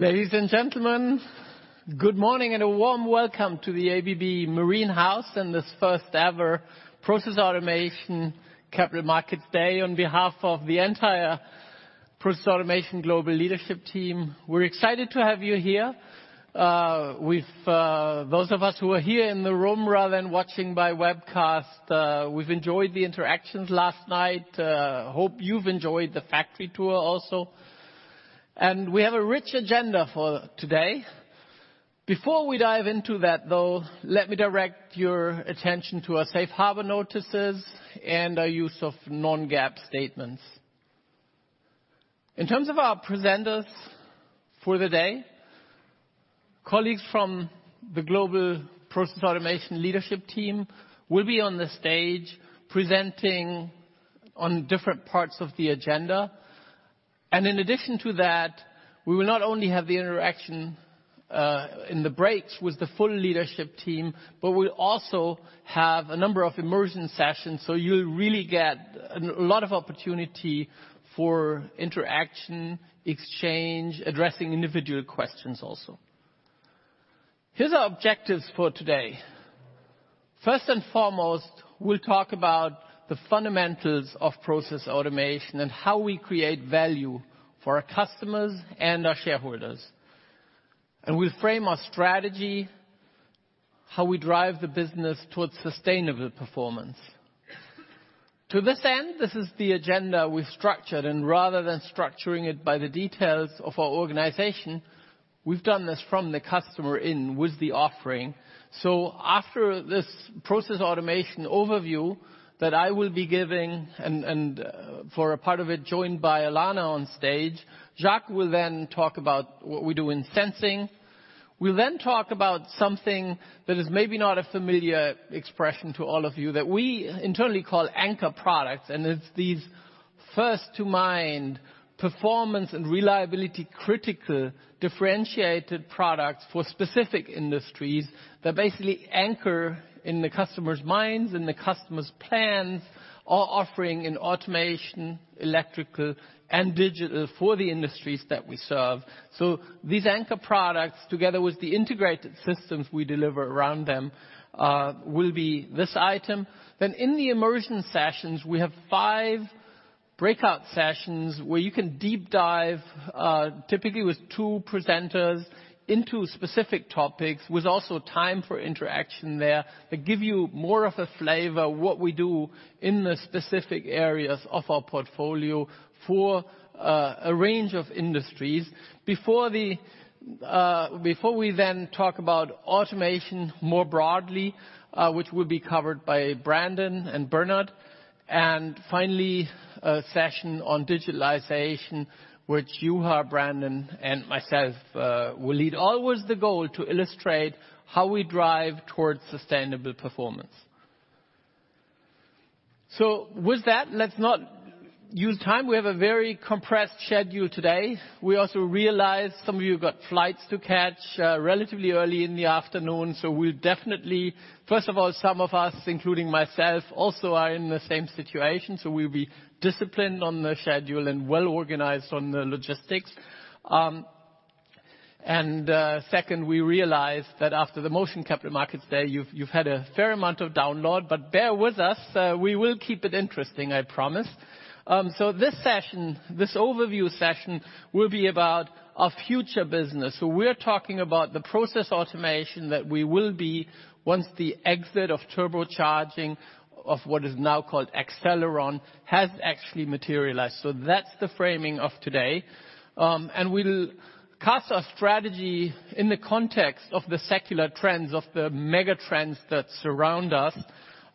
Ladies and gentlemen, good morning and a warm welcome to the ABB Marine House and this first ever Process Automation Capital Markets Day on behalf of the entire Process Automation global leadership team. We're excited to have you here. With those of us who are here in the room rather than watching by webcast, we've enjoyed the interactions last night. Hope you've enjoyed the factory tour also. We have a rich agenda for today. Before we dive into that, though, let me direct your attention to our safe harbor notices and our use of non-GAAP statements. In terms of our presenters for the day, colleagues from the global Process Automation leadership team will be on the stage presenting on different parts of the agenda. In addition to that, we will not only have the interaction in the breaks with the full leadership team, but we'll also have a number of immersion sessions, so you'll really get a lot of opportunity for interaction, exchange, addressing individual questions also. Here's our objectives for today. First and foremost, we'll talk about the fundamentals of Process Automation and how we create value for our customers and our shareholders. We'll frame our strategy, how we drive the business towards sustainable performance. To this end, this is the agenda we structured, and rather than structuring it by the details of our organization, we've done this from the customer in with the offering. After this Process Automation overview that I will be giving and for a part of it, joined by Alanna on stage, Jacques will then talk about what we do in sensing. We'll then talk about something that is maybe not a familiar expression to all of you, that we internally call anchor products, and it's these first to mind, performance and reliability critical differentiated products for specific industries that basically anchor in the customer's minds and the customer's plans, our offering in automation, electrical, and digital for the industries that we serve. These anchor products, together with the integrated systems we deliver around them, will be this item. In the immersion sessions, we have five breakout sessions where you can deep dive, typically with two presenters into specific topics, with also time for interaction there. They give you more of a flavor what we do in the specific areas of our portfolio for a range of industries. Before we then talk about automation more broadly, which will be covered by Brandon and Bernhard. Finally, a session on digitalization, which Juha, Brandon, and myself will lead, all with the goal to illustrate how we drive towards sustainable performance. With that, let's not use time. We have a very compressed schedule today. We also realize some of you have got flights to catch, relatively early in the afternoon. We'll definitely. First of all, some of us, including myself, also are in the same situation, so we'll be disciplined on the schedule and well-organized on the logistics. Second, we realize that after the Motion Capital Markets Day, you've had a fair amount of download, but bear with us. We will keep it interesting, I promise. This session, this overview session, will be about our future business. We're talking about the Process Automation that we will be once the exit of turbocharging of what is now called Accelleron has actually materialized. That's the framing of today. We'll cast our strategy in the context of the secular trends, of the mega trends that surround us.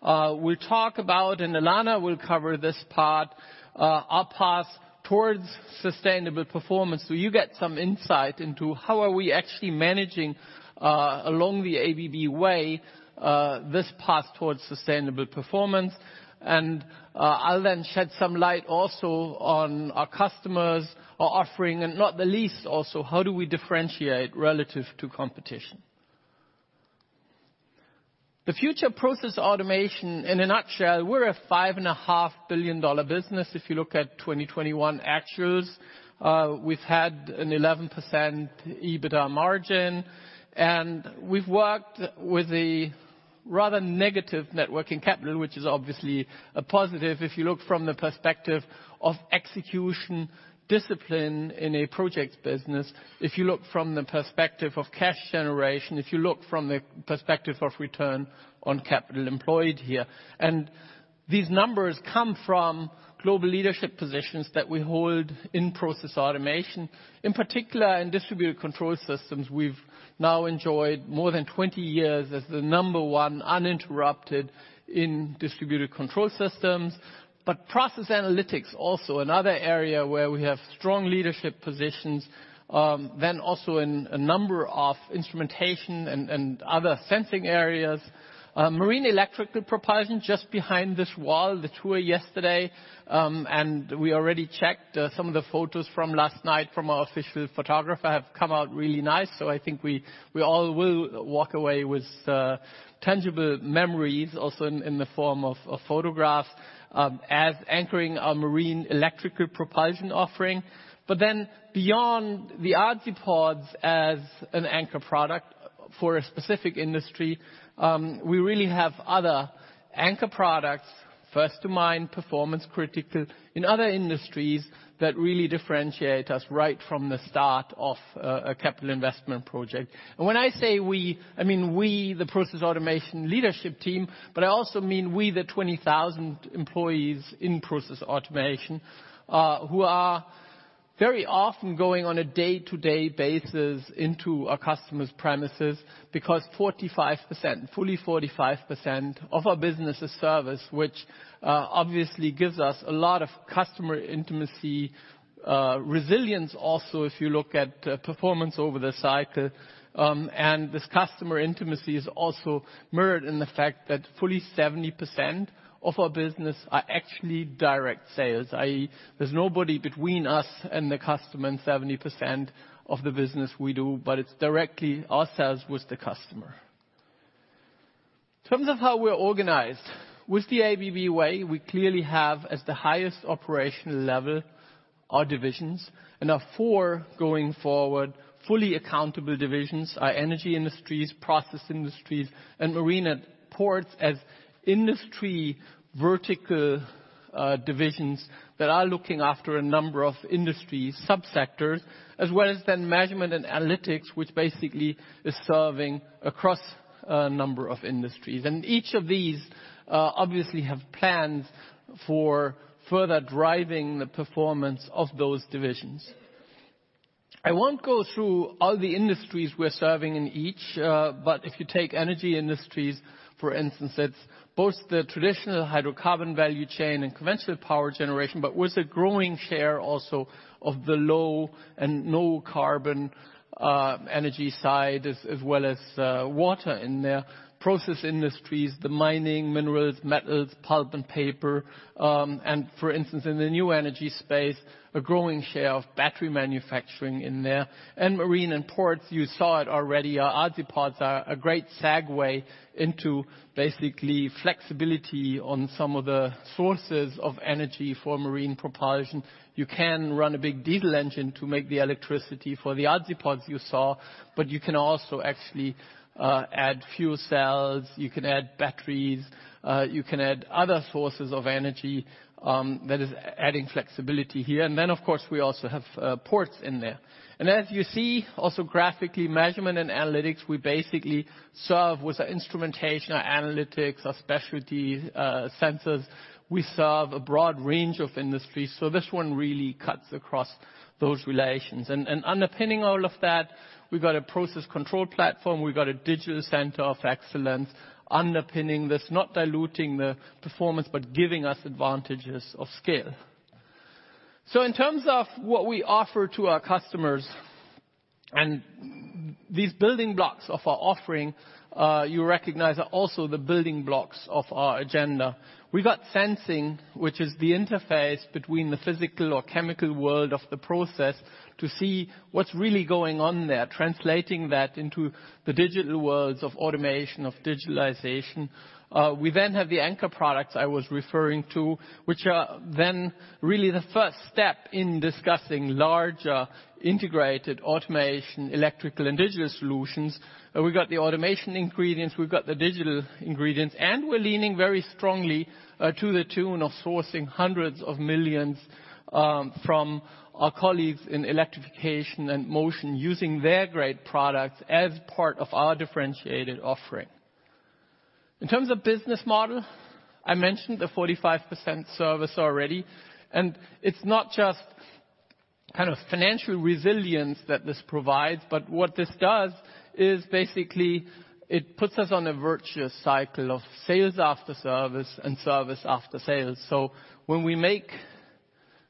We'll talk about, and Alanna will cover this part, our path towards sustainable performance, so you get some insight into how are we actually managing, along the ABB Way, this path towards sustainable performance. I'll then shed some light also on our customers, our offering, and not the least also how do we differentiate relative to competition. The future Process Automation, in a nutshell, we're a $5.5 billion business, if you look at 2021 actuals. We've had an 11% EBITA margin, and we've worked with a rather negative working capital, which is obviously a positive if you look from the perspective of execution discipline in a project business, if you look from the perspective of cash generation, if you look from the perspective of return on capital employed here. These numbers come from global leadership positions that we hold in Process Automation. In particular, in distributed control systems, we've now enjoyed more than 20 years as the number one, uninterrupted, in distributed control systems. Process analytics, also another area where we have strong leadership positions, then also in a number of instrumentation and other sensing areas. Marine electrical propulsion, just behind this wall, the tour yesterday, and we already checked some of the photos from last night from our official photographer have come out really nice. I think we all will walk away with tangible memories also in the form of photographs as anchoring our marine electrical propulsion offering. Beyond the Azipods as an anchor product for a specific industry, we really have other anchor products, first to mind, performance critical in other industries that really differentiate us right from the start of a capital investment project. When I say we, I mean we, the Process Automation leadership team, but I also mean we, the 20,000 employees in Process Automation, who are very often going on a day-to-day basis into a customer's premises because 45%, fully 45% of our business is service, which obviously gives us a lot of customer intimacy, resilience also if you look at performance over the cycle. This customer intimacy is also mirrored in the fact that fully 70% of our business are actually direct sales, i.e., there's nobody between us and the customer in 70% of the business we do, but it's directly ourselves with the customer. In terms of how we're organized, with the ABB Way, we clearly have as the highest operational level our divisions and our four going forward, fully accountable divisions, our Energy Industries, Process Industries, and Marine & Ports as industry vertical divisions that are looking after a number of industry sub-sectors, as well as then Measurement & Analytics, which basically is serving across a number of industries. Each of these obviously have plans for further driving the performance of those divisions. I won't go through all the industries we're serving in each, but if you take Energy Industries, for instance, it's both the traditional hydrocarbon value chain and conventional power generation, but with a growing share also of the low and no carbon energy side as well as water in there. Process Industries, the mining, minerals, metals, pulp and paper, and for instance, in the new energy space, a growing share of battery manufacturing in there. Marine & Ports, you saw it already. Our Azipods are a great segue into basically flexibility on some of the sources of energy for marine propulsion. You can run a big diesel engine to make the electricity for the Azipods you saw, but you can also actually add fuel cells, you can add batteries, you can add other sources of energy, that is adding flexibility here. Then, of course, we also have ports in there. As you see also graphically, Measurement & Analytics, we basically serve with our instrumentation, our analytics, our specialty sensors. We serve a broad range of industries. This one really cuts across those relations. Underpinning all of that, we've got a process control platform. We've got a digital center of excellence underpinning this, not diluting the performance, but giving us advantages of scale. In terms of what we offer to our customers and these building blocks of our offering, you recognize are also the building blocks of our agenda. We've got sensing, which is the interface between the physical or chemical world of the process to see what's really going on there, translating that into the digital worlds of automation, of digitalization. We then have the anchor products I was referring to, which are then really the first step in discussing larger integrated automation, electrical, and digital solutions. We've got the automation ingredients, we've got the digital ingredients, and we're leaning very strongly to the tune of sourcing $hundreds of millions from our colleagues in electrification and motion using their great products as part of our differentiated offering. In terms of business model, I mentioned the 45% service already. It's not just kind of financial resilience that this provides, but what this does is basically it puts us on a virtuous cycle of sales after service and service after sales. When we make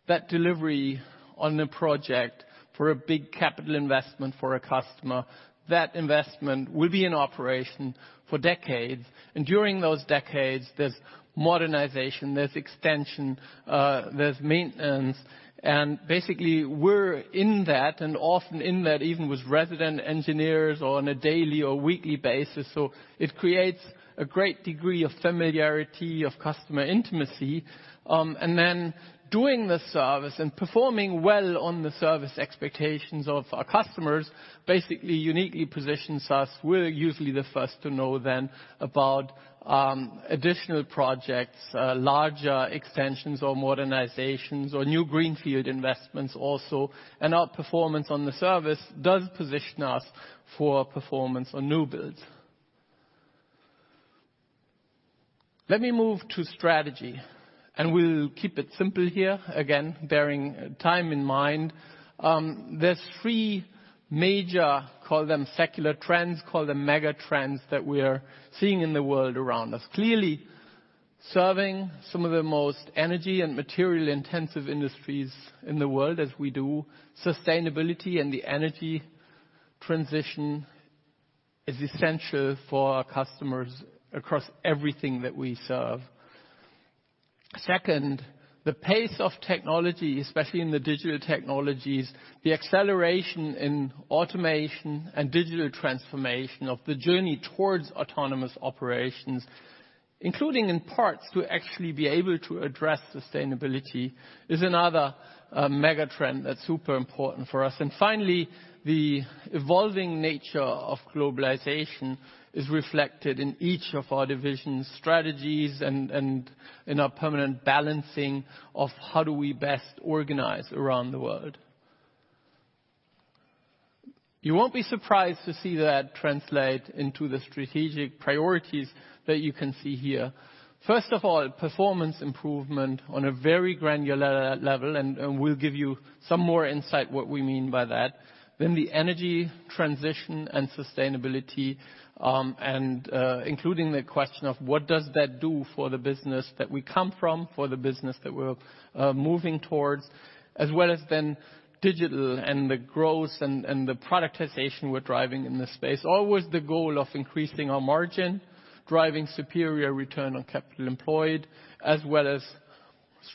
that delivery on a project for a big capital investment for a customer, that investment will be in operation for decades. During those decades, there's modernization, there's extension, there's maintenance. Basically we're in that, and often in that even with resident engineers or on a daily or weekly basis. It creates a great degree of familiarity of customer intimacy. Doing the service and performing well on the service expectations of our customers basically uniquely positions us. We're usually the first to know then about additional projects, larger extensions or modernizations or new greenfield investments also. Our performance on the service does position us for performance on new builds. Let me move to strategy, and we'll keep it simple here, again, bearing time in mind. There's three major, call them secular trends, call them mega trends, that we're seeing in the world around us. Clearly, serving some of the most energy and material-intensive industries in the world as we do, sustainability and the energy transition is essential for our customers across everything that we serve. Second, the pace of technology, especially in the digital technologies, the acceleration in automation and digital transformation of the journey towards autonomous operations, including in parts to actually be able to address sustainability is another, mega trend that's super important for us. Finally, the evolving nature of globalization is reflected in each of our division strategies and in our permanent balancing of how do we best organize around the world. You won't be surprised to see that translate into the strategic priorities that you can see here. First of all, performance improvement on a very granular level, and we'll give you some more insight what we mean by that. The energy transition and sustainability, including the question of what does that do for the business that we come from, for the business that we're moving towards, as well as digital and the growth and the productization we're driving in this space. Always the goal of increasing our margin, driving superior return on capital employed, as well as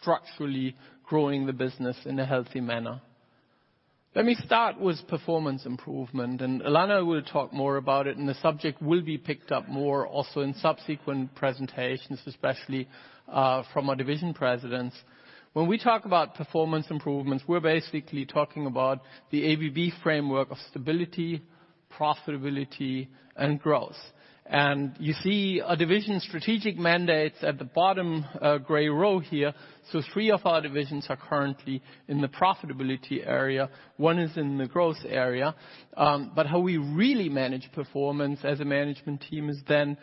structurally growing the business in a healthy manner. Let me start with performance improvement, and Alanna will talk more about it, and the subject will be picked up more also in subsequent presentations, especially from our division presidents. When we talk about performance improvements, we're basically talking about the ABB framework of stability, profitability, and growth. You see our division strategic mandates at the bottom, gray row here. Three of our divisions are currently in the profitability area, one is in the growth area, but how we really manage performance as a management team is then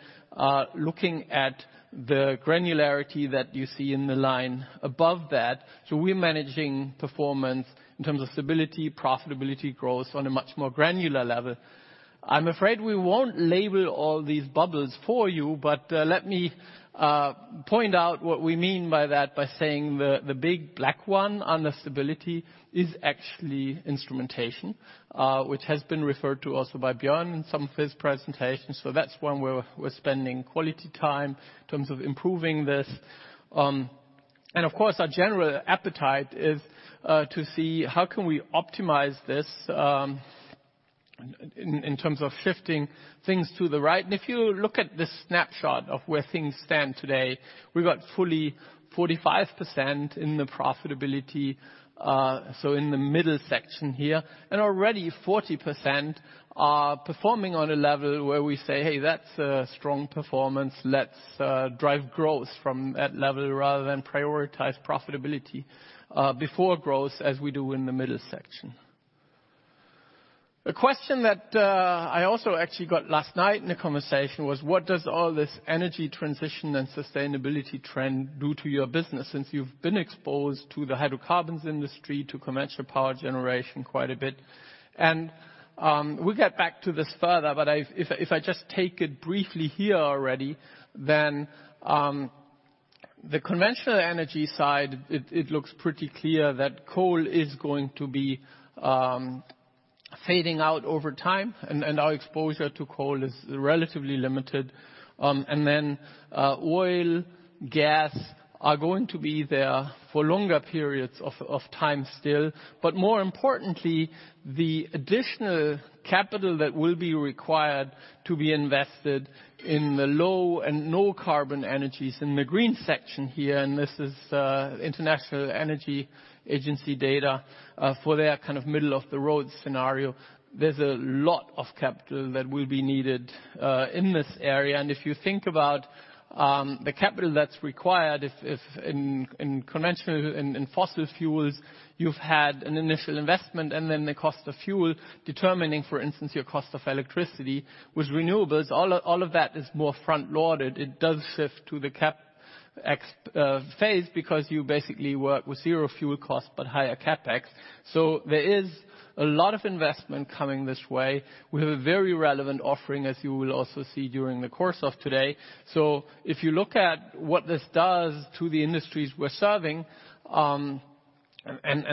looking at the granularity that you see in the line above that. We're managing performance in terms of stability, profitability, growth on a much more granular level. I'm afraid we won't label all these bubbles for you, but let me point out what we mean by that by saying the big black one under stability is actually instrumentation, which has been referred to also by Bjorn in some of his presentations. That's one where we're spending quality time in terms of improving this. And of course, our general appetite is to see how can we optimize this in terms of shifting things to the right. If you look at this snapshot of where things stand today, we've got fully 45% in the profitability, so in the middle section here, and already 40% are performing on a level where we say, "Hey, that's a strong performance. Let's drive growth from that level rather than prioritize profitability before growth as we do in the middle section." A question that I also actually got last night in a conversation was, what does all this energy transition and sustainability trend do to your business since you've been exposed to the hydrocarbons industry to commercial power generation quite a bit? We'll get back to this further, but if I just take it briefly here already, the conventional energy side, it looks pretty clear that coal is going to be fading out over time, and our exposure to coal is relatively limited. Oil, gas are going to be there for longer periods of time still. More importantly, the additional capital that will be required to be invested in the low and no carbon energies in the green section here, and this is International Energy Agency data for their kind of middle of the road scenario. There's a lot of capital that will be needed in this area. If you think about the capital that's required if in conventional fossil fuels you've had an initial investment and then the cost of fuel determining, for instance, your cost of electricity. With renewables, all of that is more front-loaded. It does shift to the CapEx phase because you basically work with zero fuel cost but higher CapEx. There is a lot of investment coming this way. We have a very relevant offering, as you will also see during the course of today. If you look at what this does to the industries we're serving, and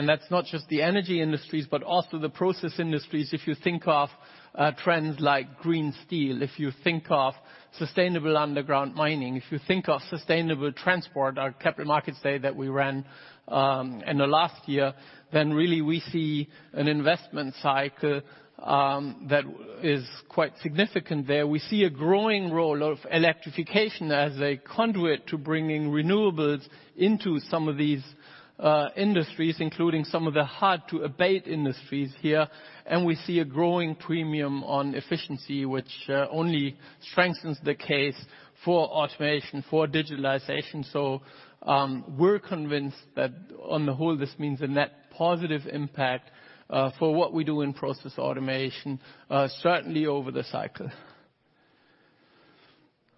that's not just the Energy Industries, but also the Process Industries, if you think of trends like green steel, if you think of sustainable underground mining, if you think of sustainable transport, our Capital Markets Day that we ran in the last year, then really we see an investment cycle that is quite significant there. We see a growing role of electrification as a conduit to bringing renewables into some of these industries, including some of the hard to abate industries here. We see a growing premium on efficiency, which only strengthens the case for automation, for digitalization. We're convinced that on the whole, this means a net positive impact for what we do in Process Automation, certainly over the cycle.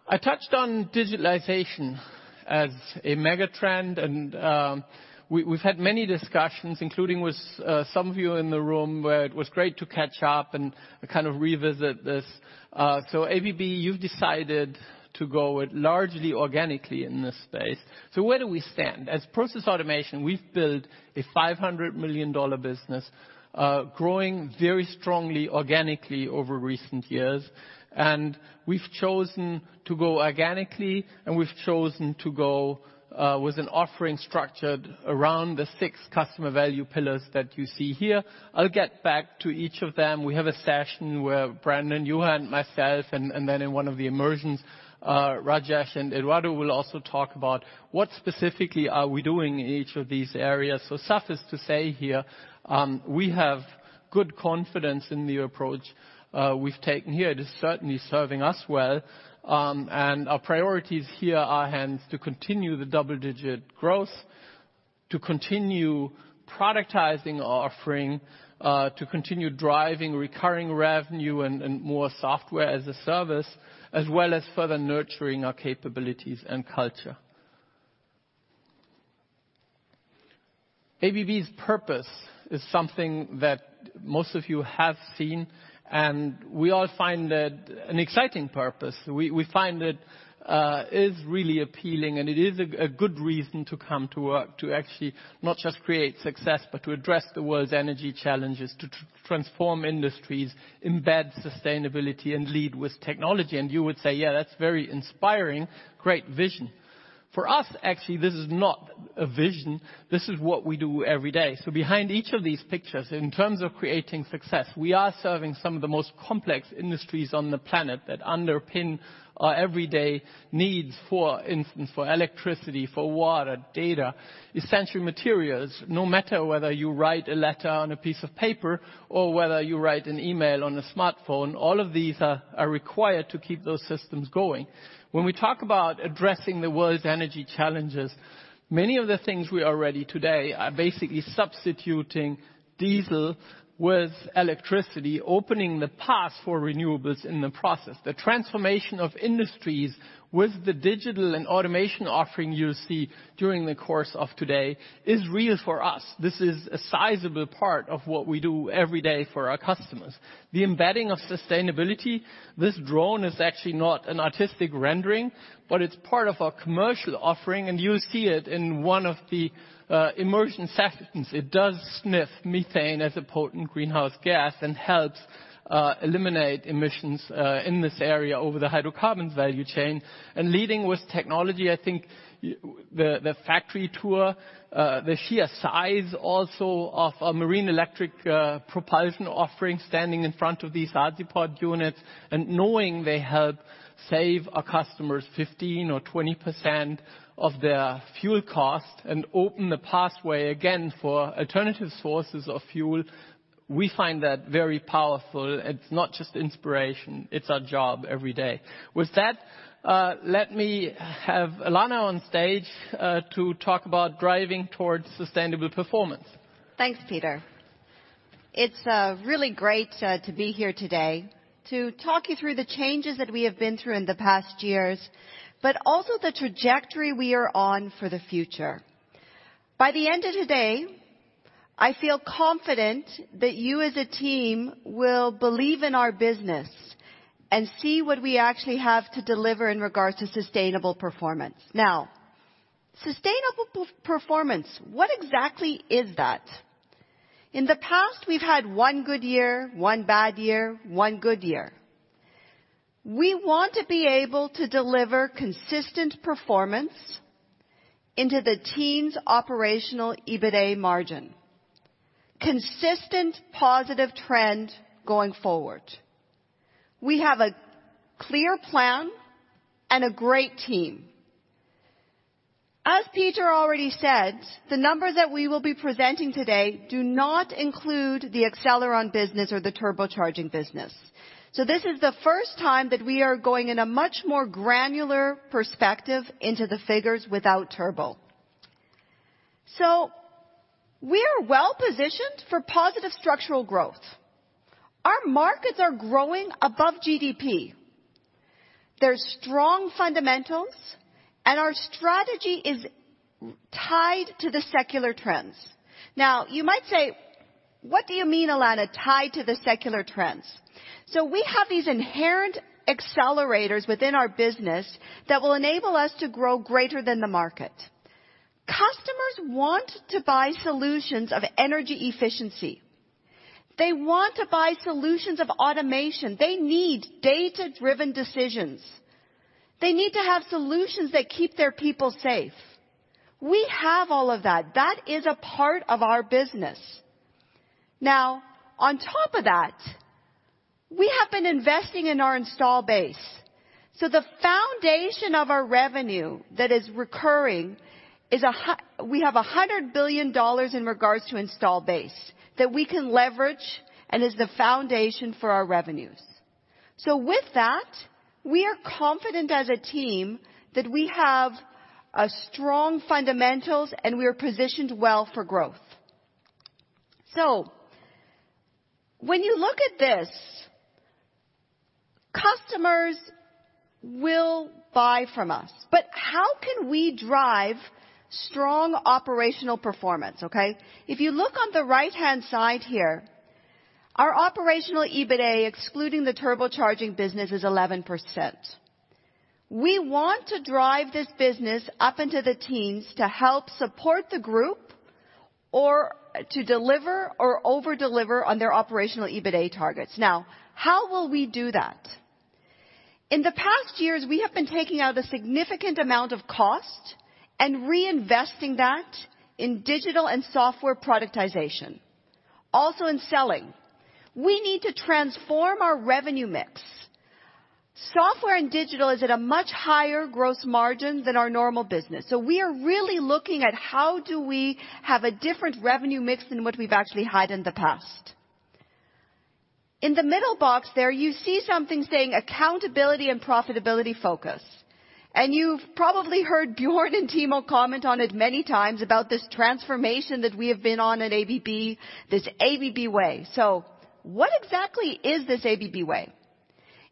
I touched on digitalization as a mega trend, and we've had many discussions, including with some of you in the room, where it was great to catch up and kind of revisit this. ABB, you've decided to go it largely organically in this space. Where do we stand? As Process Automation, we've built a $500 million business, growing very strongly organically over recent years. We've chosen to go organically, and we've chosen to go with an offering structured around the six customer value pillars that you see here. I'll get back to each of them. We have a session where Brandon, Juha, myself, and then in one of the immersions, Rajesh and Eduardo will also talk about what specifically are we doing in each of these areas. Suffice to say here, we have good confidence in the approach we've taken here. It is certainly serving us well, and our priorities here are hence to continue the double-digit growth, to continue productizing our offering, to continue driving recurring revenue and more software as a service, as well as further nurturing our capabilities and culture. ABB's purpose is something that most of you have seen, and we all find that an exciting purpose. We find it is really appealing and it is a good reason to come to work to actually not just create success, but to address the world's energy challenges, to transform industries, embed sustainability and lead with technology. You would say, "Yeah, that's very inspiring. Great vision." For us, actually, this is not a vision. This is what we do every day. Behind each of these pictures, in terms of creating success, we are serving some of the most complex industries on the planet that underpin our everyday needs, for instance, for electricity, for water, data, essential materials. No matter whether you write a letter on a piece of paper or whether you write an email on a smartphone, all of these are required to keep those systems going. When we talk about addressing the world's energy challenges, many of the things we already today are basically substituting diesel with electricity, opening the path for renewables in the process. The transformation of industries with the digital and automation offering you'll see during the course of today is real for us. This is a sizable part of what we do every day for our customers. The embedding of sustainability, this drone is actually not an artistic rendering, but it's part of our commercial offering and you'll see it in one of the immersion sessions. It does sniff methane as a potent greenhouse gas and helps eliminate emissions in this area over the hydrocarbons value chain. Leading with technology, I think the factory tour, the sheer size also of a marine electric propulsion offering, standing in front of these Azipod units and knowing they help save our customers 15% or 20% of their fuel cost and open the pathway again for alternative sources of fuel, we find that very powerful. It's not just inspiration, it's our job every day. With that, let me have Alanna on stage to talk about driving towards sustainable performance. Thanks, Peter. It's really great to be here today to talk you through the changes that we have been through in the past years, but also the trajectory we are on for the future. By the end of today, I feel confident that you as a team will believe in our business and see what we actually have to deliver in regards to sustainable performance. Now, sustainable performance, what exactly is that? In the past, we've had one good year, one bad year, one good year. We want to be able to deliver consistent performance in the teens operational EBITA margin. Consistent positive trend going forward. We have a clear plan and a great team. As Peter already said, the numbers that we will be presenting today do not include the Accelleron business or the turbocharging business. This is the first time that we are going in a much more granular perspective into the figures without turbo. We are well-positioned for positive structural growth. Our markets are growing above GDP. There's strong fundamentals, and our strategy is tied to the secular trends. Now, you might say, "What do you mean, Alanna, tied to the secular trends?" We have these inherent accelerators within our business that will enable us to grow greater than the market. Customers want to buy solutions of energy efficiency. They want to buy solutions of automation. They need data-driven decisions. They need to have solutions that keep their people safe. We have all of that. That is a part of our business. Now, on top of that, we have been investing in our install base. The foundation of our revenue that is recurring is we have $100 billion in regards to install base that we can leverage and is the foundation for our revenues. With that, we are confident as a team that we have a strong fundamentals and we are positioned well for growth. When you look at this, customers will buy from us. How can we drive strong operational performance, okay? If you look on the right-hand side here, our Operational EBITA excluding the turbocharging business is 11%. We want to drive this business up into the teens to help support the group or to deliver or over-deliver on their operational EBITA targets. Now, how will we do that? In the past years, we have been taking out a significant amount of cost and reinvesting that in digital and software productization. Also in selling. We need to transform our revenue mix. Software and digital is at a much higher gross margin than our normal business. We are really looking at how do we have a different revenue mix than what we've actually had in the past. In the middle box there, you see something saying accountability and profitability focus. You've probably heard Bjorn and Timo comment on it many times about this transformation that we have been on at ABB, this ABB Way. What exactly is this ABB Way?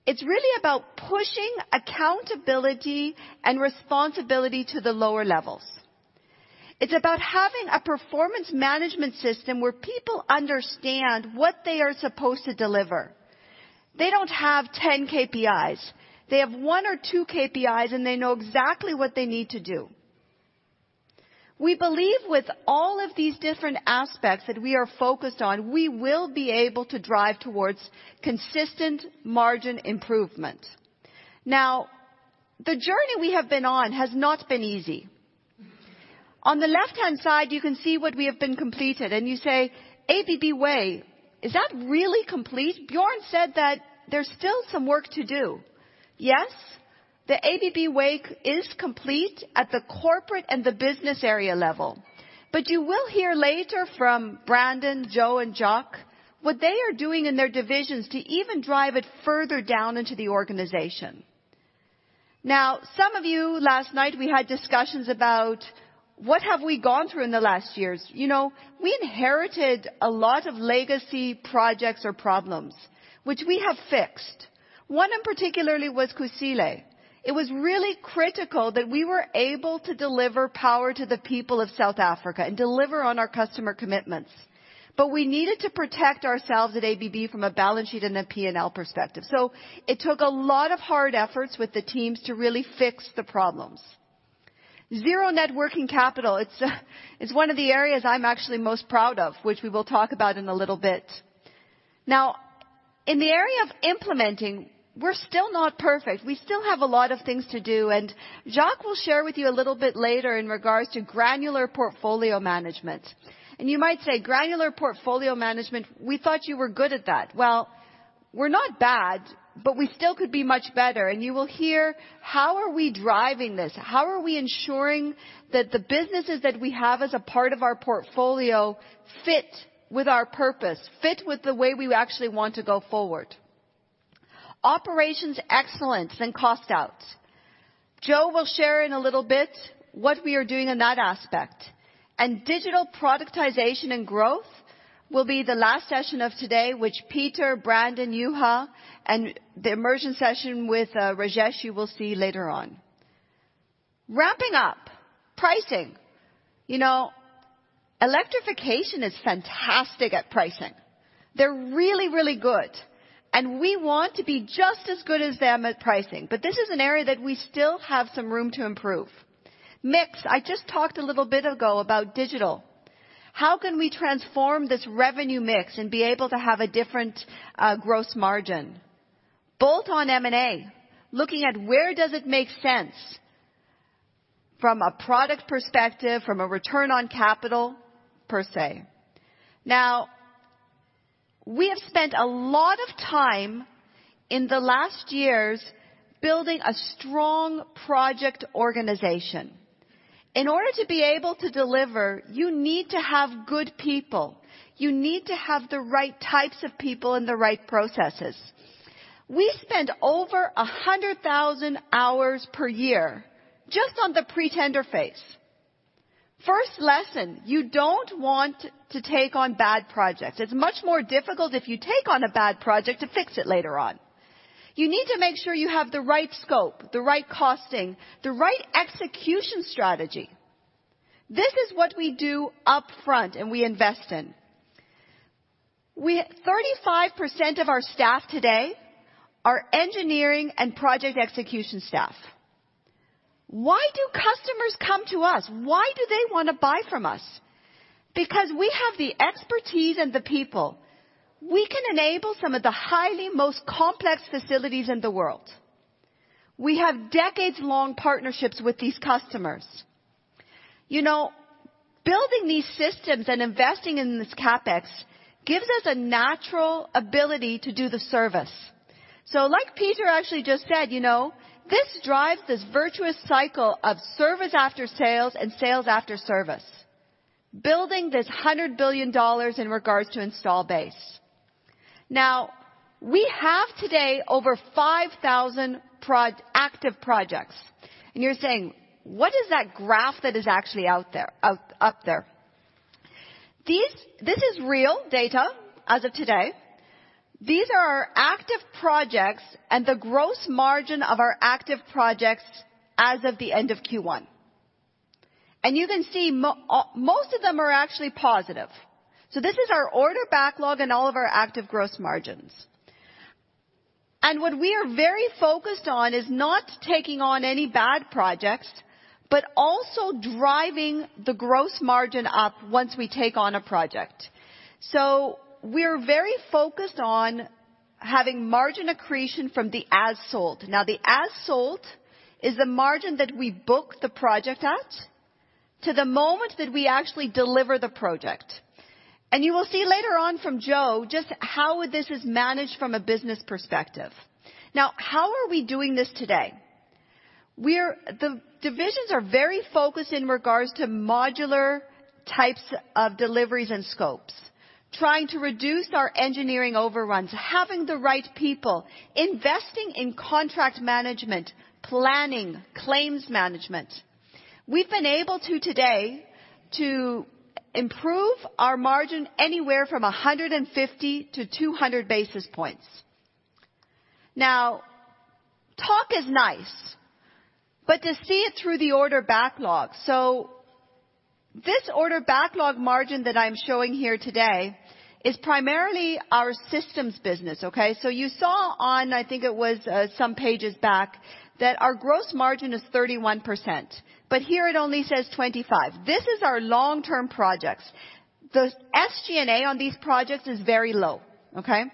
It's really about pushing accountability and responsibility to the lower levels. It's about having a performance management system where people understand what they are supposed to deliver. They don't have ten KPIs. They have one or two KPIs, and they know exactly what they need to do. We believe with all of these different aspects that we are focused on, we will be able to drive towards consistent margin improvement. Now, the journey we have been on has not been easy. On the left-hand side, you can see what we have completed and you say, "ABB Way, is that really complete? Bjorn said that there's still some work to do." Yes, the ABB Way is complete at the corporate and the business area level. But you will hear later from Brandon, Joa, and Jac what they are doing in their divisions to even drive it further down into the organization. Now, some of you last night we had discussions about what have we gone through in the last years. You know, we inherited a lot of legacy projects or problems which we have fixed. One in particular was Kusile. It was really critical that we were able to deliver power to the people of South Africa and deliver on our customer commitments. We needed to protect ourselves at ABB from a balance sheet and a P&L perspective. It took a lot of hard efforts with the teams to really fix the problems. Zero net working capital. It's one of the areas I'm actually most proud of, which we will talk about in a little bit. Now, in the area of implementing, we're still not perfect. We still have a lot of things to do, and Jacques will share with you a little bit later in regards to granular portfolio management. You might say, "Granular portfolio management, we thought you were good at that." Well, we're not bad, but we still could be much better. You will hear how are we driving this, how are we ensuring that the businesses that we have as a part of our portfolio fit with our purpose, fit with the way we actually want to go forward. Operations excellence and cost outs. Joa will share in a little bit what we are doing in that aspect. Digital productization and growth will be the last session of today, which Peter, Brandon, Juha, and the immersion session with Rajesh, you will see later on. Ramping up. Pricing. You know, electrification is fantastic at pricing. They're really, really good, and we want to be just as good as them at pricing. But this is an area that we still have some room to improve. Mix. I just talked a little bit ago about digital. How can we transform this revenue mix and be able to have a different gross margin? Bolt-on M&A, looking at where does it make sense from a product perspective, from a return on capital, per se. Now, we have spent a lot of time in the last years building a strong project organization. In order to be able to deliver, you need to have good people. You need to have the right types of people and the right processes. We spend over 100,000 hours per year just on the pre-tender phase. First lesson, you don't want to take on bad projects. It's much more difficult if you take on a bad project to fix it later on. You need to make sure you have the right scope, the right costing, the right execution strategy. This is what we do up front and we invest in. 35% of our staff today are engineering and project execution staff. Why do customers come to us? Why do they wanna buy from us? Because we have the expertise and the people. We can enable some of the highly most complex facilities in the world. We have decades long partnerships with these customers. You know, building these systems and investing in this CapEx gives us a natural ability to do the service. So like Peter actually just said, you know, this drives this virtuous cycle of service after sales and sales after service, building this $100 billion in regards to install base. Now, we have today over 5,000 active projects. You're saying, "What is that graph that is actually up there?" This is real data as of today. These are our active projects and the gross margin of our active projects as of the end of Q1. You can see most of them are actually positive. This is our order backlog and all of our active gross margins. What we are very focused on is not taking on any bad projects, but also driving the gross margin up once we take on a project. We're very focused on having margin accretion from the as sold. Now, the as sold is the margin that we book the project at to the moment that we actually deliver the project. You will see later on from Joachim Braun just how this is managed from a business perspective. Now, how are we doing this today? The divisions are very focused in regards to modular types of deliveries and scopes, trying to reduce our engineering overruns, having the right people, investing in contract management, planning, claims management. We've been able to today to improve our margin anywhere from 150-200 basis points. Now, talk is nice, but to see it through the order backlog. This order backlog margin that I'm showing here today is primarily our systems business, okay? You saw on, I think it was, some pages back, that our gross margin is 31%, but here it only says 25. This is our long-term projects. The SG&A on these projects is very low, okay?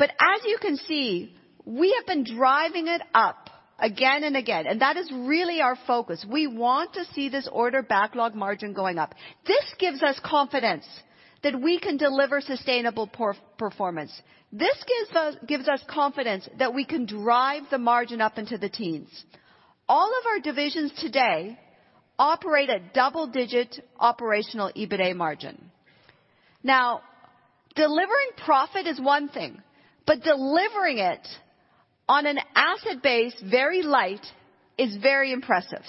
As you can see, we have been driving it up again and again, and that is really our focus. We want to see this order backlog margin going up. This gives us confidence that we can deliver sustainable performance. This gives us confidence that we can drive the margin up into the teens. All of our divisions today operate at double-digit operational EBITA margin. Now, delivering profit is one thing, but delivering it on an asset base very light is very impressive.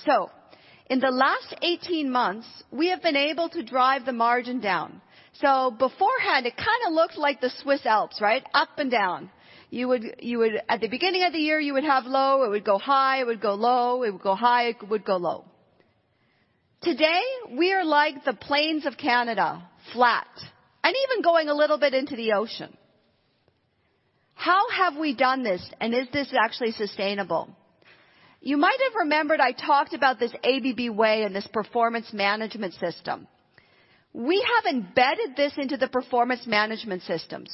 In the last 18 months, we have been able to drive the margin down. Beforehand, it kinda looked like the Swiss Alps, right? Up and down. You would at the beginning of the year have low, it would go high, it would go low, it would go high, it would go low. Today, we are like the plains of Canada, flat, and even going a little bit into the ocean. How have we done this, and is this actually sustainable? You might have remembered I talked about this ABB Way and this performance management system. We have embedded this into the performance management system.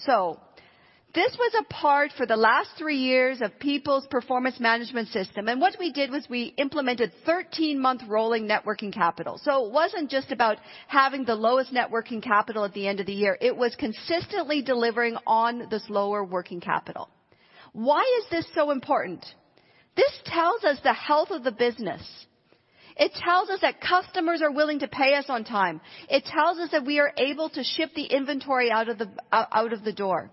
This was a part for the last three years of people's performance management system. What we did was we implemented 13-month rolling net working capital. It wasn't just about having the lowest net working capital at the end of the year, it was consistently delivering on this lower working capital. Why is this so important? This tells us the health of the business. It tells us that customers are willing to pay us on time. It tells us that we are able to ship the inventory out of the door.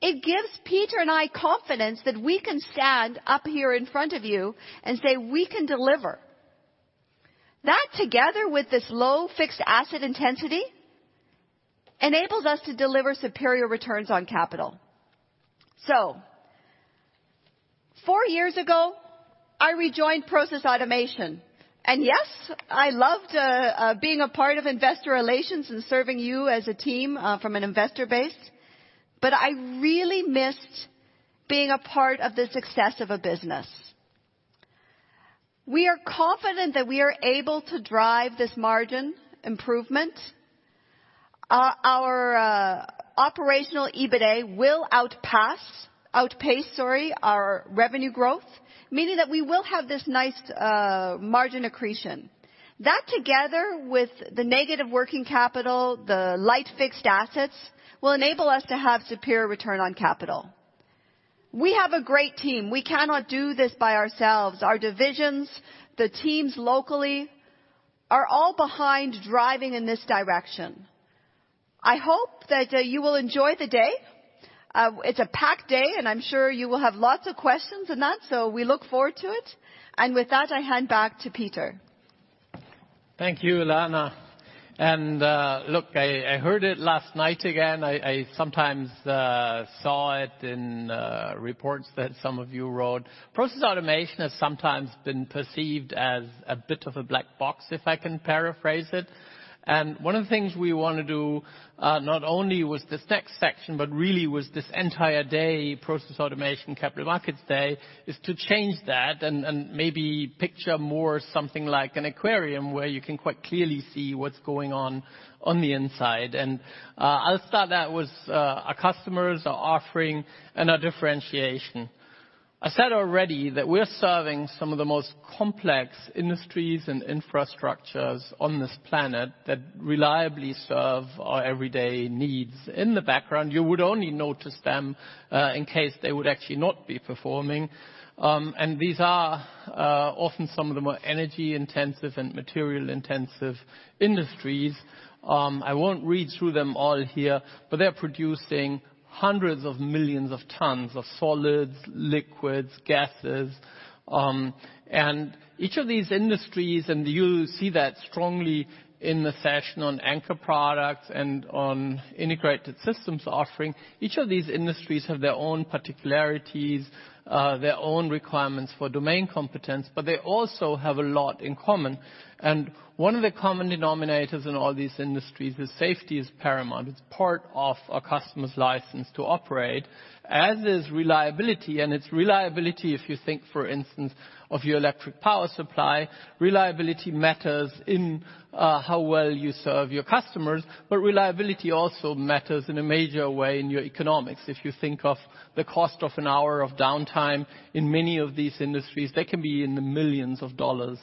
It gives Peter and I confidence that we can stand up here in front of you and say, "We can deliver." That, together with this low fixed asset intensity, enables us to deliver superior returns on capital. Four years ago, I rejoined Process Automation. Yes, I loved being a part of investor relations and serving you as a team from an investor base, but I really missed being a part of the success of a business. We are confident that we are able to drive this margin improvement. Our operational EBITA will outpace our revenue growth, meaning that we will have this nice margin accretion. That, together with the negative working capital, the low fixed assets, will enable us to have superior return on capital. We have a great team. We cannot do this by ourselves. Our divisions, the teams locally are all behind driving in this direction. I hope that you will enjoy the day. It's a packed day, and I'm sure you will have lots of questions and that, so we look forward to it. With that, I hand back to Peter. Thank you, Alanna. Look, I heard it last night again. I sometimes saw it in reports that some of you wrote. Process Automation has sometimes been perceived as a bit of a black box, if I can paraphrase it. One of the things we wanna do, not only with this next section, but really with this entire day, Process Automation Capital Markets Day, is to change that and maybe picture more something like an aquarium where you can quite clearly see what's going on on the inside. I'll start that with our customers, our offering, and our differentiation. I said already that we're serving some of the most complex industries and infrastructures on this planet that reliably serve our everyday needs. In the background, you would only notice them in case they would actually not be performing. These are often some of the more energy-intensive and material-intensive industries. I won't read through them all here, but they're producing hundreds of millions of tons of solids, liquids, gases, and each of these industries, and you'll see that strongly in the session on anchor products and on integrated systems offering. Each of these industries have their own particularities, their own requirements for domain competence, but they also have a lot in common. One of the common denominators in all these industries is safety is paramount. It's part of a customer's license to operate, as is reliability. It's reliability, if you think, for instance, of your electric power supply, reliability matters in how well you serve your customers, but reliability also matters in a major way in your economics. If you think of the cost of an hour of downtime in many of these industries, they can be in the millions of dollars.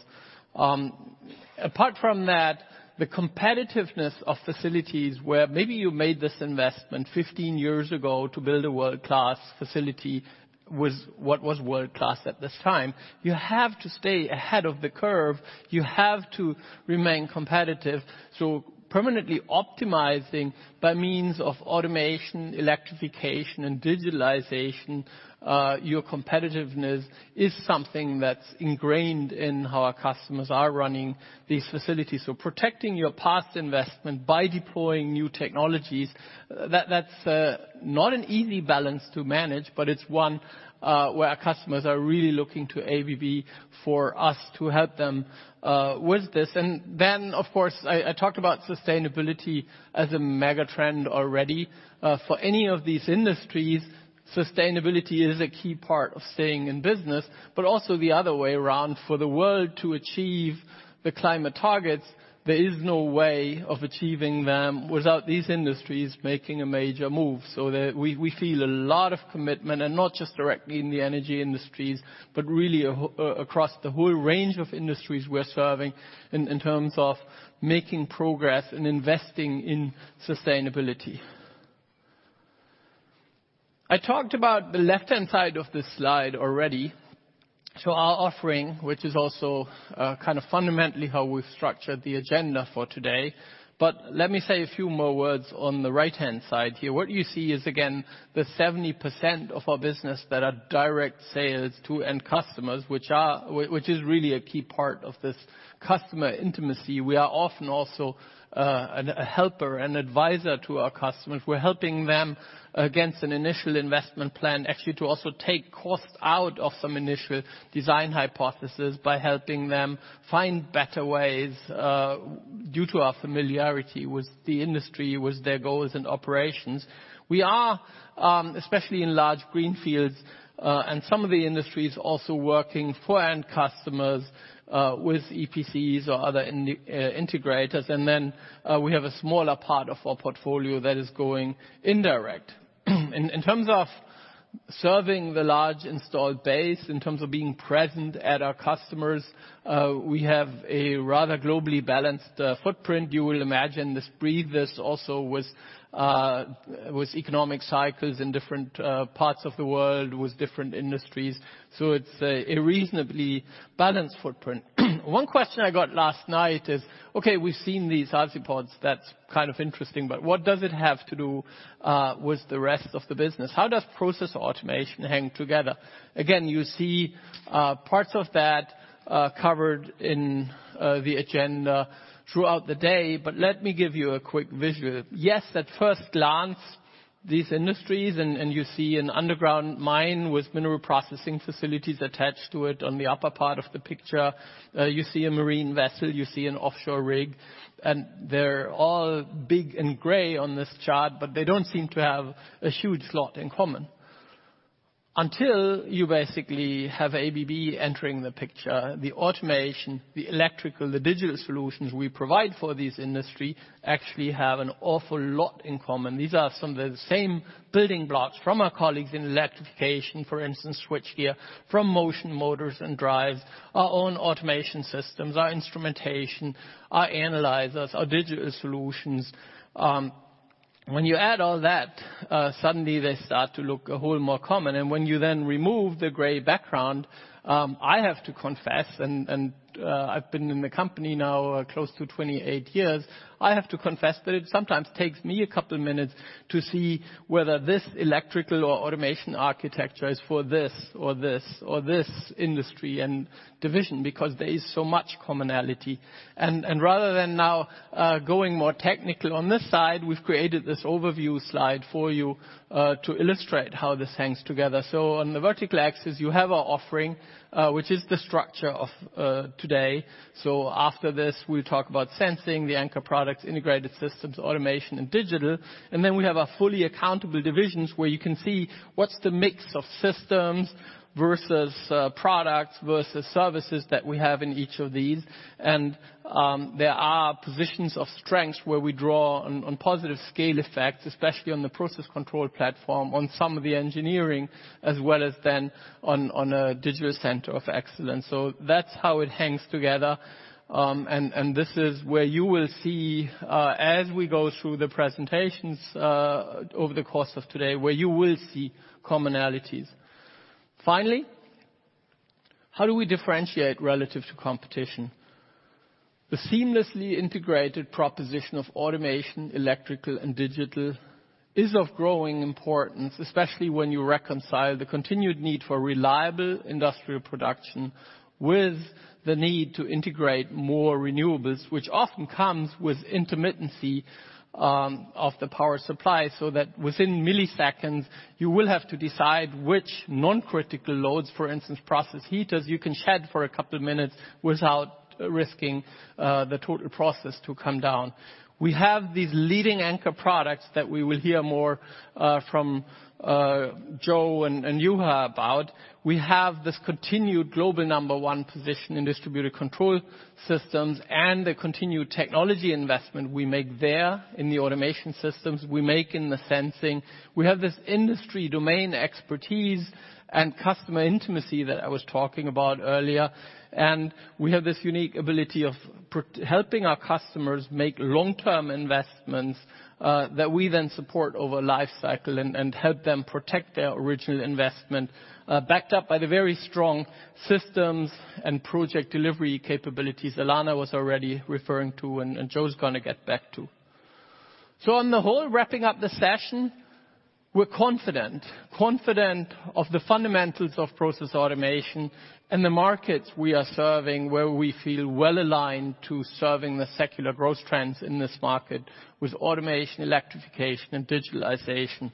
Apart from that, the competitiveness of facilities where maybe you made this investment 15 years ago to build a world-class facility with what was world-class at this time. You have to stay ahead of the curve, you have to remain competitive. Permanently optimizing by means of automation, electrification, and digitalization, your competitiveness is something that's ingrained in how our customers are running these facilities. Protecting your past investment by deploying new technologies, that's not an easy balance to manage, but it's one where our customers are really looking to ABB for us to help them with this. Of course, I talked about sustainability as a mega trend already. For any of these industries, sustainability is a key part of staying in business. Also the other way around, for the world to achieve the climate targets, there is no way of achieving them without these industries making a major move. We feel a lot of commitment, and not just directly in the Energy Industries, but really across the whole range of industries we're serving in terms of making progress and investing in sustainability. I talked about the left-hand side of this slide already to our offering, which is also, kind of fundamentally how we've structured the agenda for today. Let me say a few more words on the right-hand side here. What you see is, again, the 70% of our business that are direct sales to end customers, which are... Which is really a key part of this customer intimacy. We are often also a helper and advisor to our customers. We're helping them assess an initial investment plan, actually, to also take costs out of some initial design hypothesis by helping them find better ways due to our familiarity with the industry, with their goals and operations. We are especially in large greenfields and some of the industries also working for end customers with EPCs or other integrators. We have a smaller part of our portfolio that is going indirect. In terms of serving the large installed base, in terms of being present at our customers, we have a rather globally balanced footprint. You can imagine this exposes us also to economic cycles in different parts of the world, with different industries. It's a reasonably balanced footprint. One question I got last night is, "Okay, we've seen these Azipods, that's kind of interesting, but what does it have to do with the rest of the business? How does Process Automation hang together?" Again, you see parts of that covered in the agenda throughout the day, but let me give you a quick visual. Yes, at first glance, these industries, and you see an underground mine with mineral processing facilities attached to it on the upper part of the picture. You see a marine vessel, you see an offshore rig, and they're all big and gray on this chart, but they don't seem to have a huge lot in common until you basically have ABB entering the picture. The automation, the electrical, the digital solutions we provide for this industry actually have an awful lot in common. These are some of the same building blocks from our colleagues in electrification. For instance, switchgear from motion motors and drives, our own automation systems, our instrumentation, our analyzers, our digital solutions. When you add all that, suddenly they start to look a whole more common. When you then remove the gray background, I have to confess, I've been in the company now close to 28 years. I have to confess that it sometimes takes me a couple minutes to see whether this electrical or automation architecture is for this or this or this industry and division, because there is so much commonality. Rather than now going more technical on this side, we've created this overview slide for you to illustrate how this hangs together. On the vertical axis, you have our offering, which is the structure of today. After this, we'll talk about sensing, the anchor products, integrated systems, automation and digital. Then we have our fully accountable divisions where you can see what's the mix of systems versus products versus services that we have in each of these. There are positions of strength where we draw on positive scale effects, especially on the process control platform, on some of the engineering as well as then on a digital center of excellence. That's how it hangs together. This is where you will see, as we go through the presentations, over the course of today, where you will see commonalities. Finally. How do we differentiate relative to competition? The seamlessly integrated proposition of automation, electrical, and digital is of growing importance, especially when you reconcile the continued need for reliable industrial production with the need to integrate more renewables, which often comes with intermittency, of the power supply, so that within milliseconds, you will have to decide which non-critical loads, for instance, process heaters, you can shed for a couple minutes without risking the total process to come down. We have these leading anchor products that we will hear more from Joa and Juha about. We have this continued global number one position in distributed control systems and the continued technology investment we make there in the automation systems, we make in the sensing. We have this industry domain expertise and customer intimacy that I was talking about earlier, and we have this unique ability of helping our customers make long-term investments, that we then support over lifecycle and help them protect their original investment, backed up by the very strong systems and project delivery capabilities Alanna was already referring to and Joachim's gonna get back to. On the whole, wrapping up the session, we're confident of the fundamentals of Process Automation and the markets we are serving, where we feel well-aligned to serving the secular growth trends in this market with automation, electrification, and digitalization.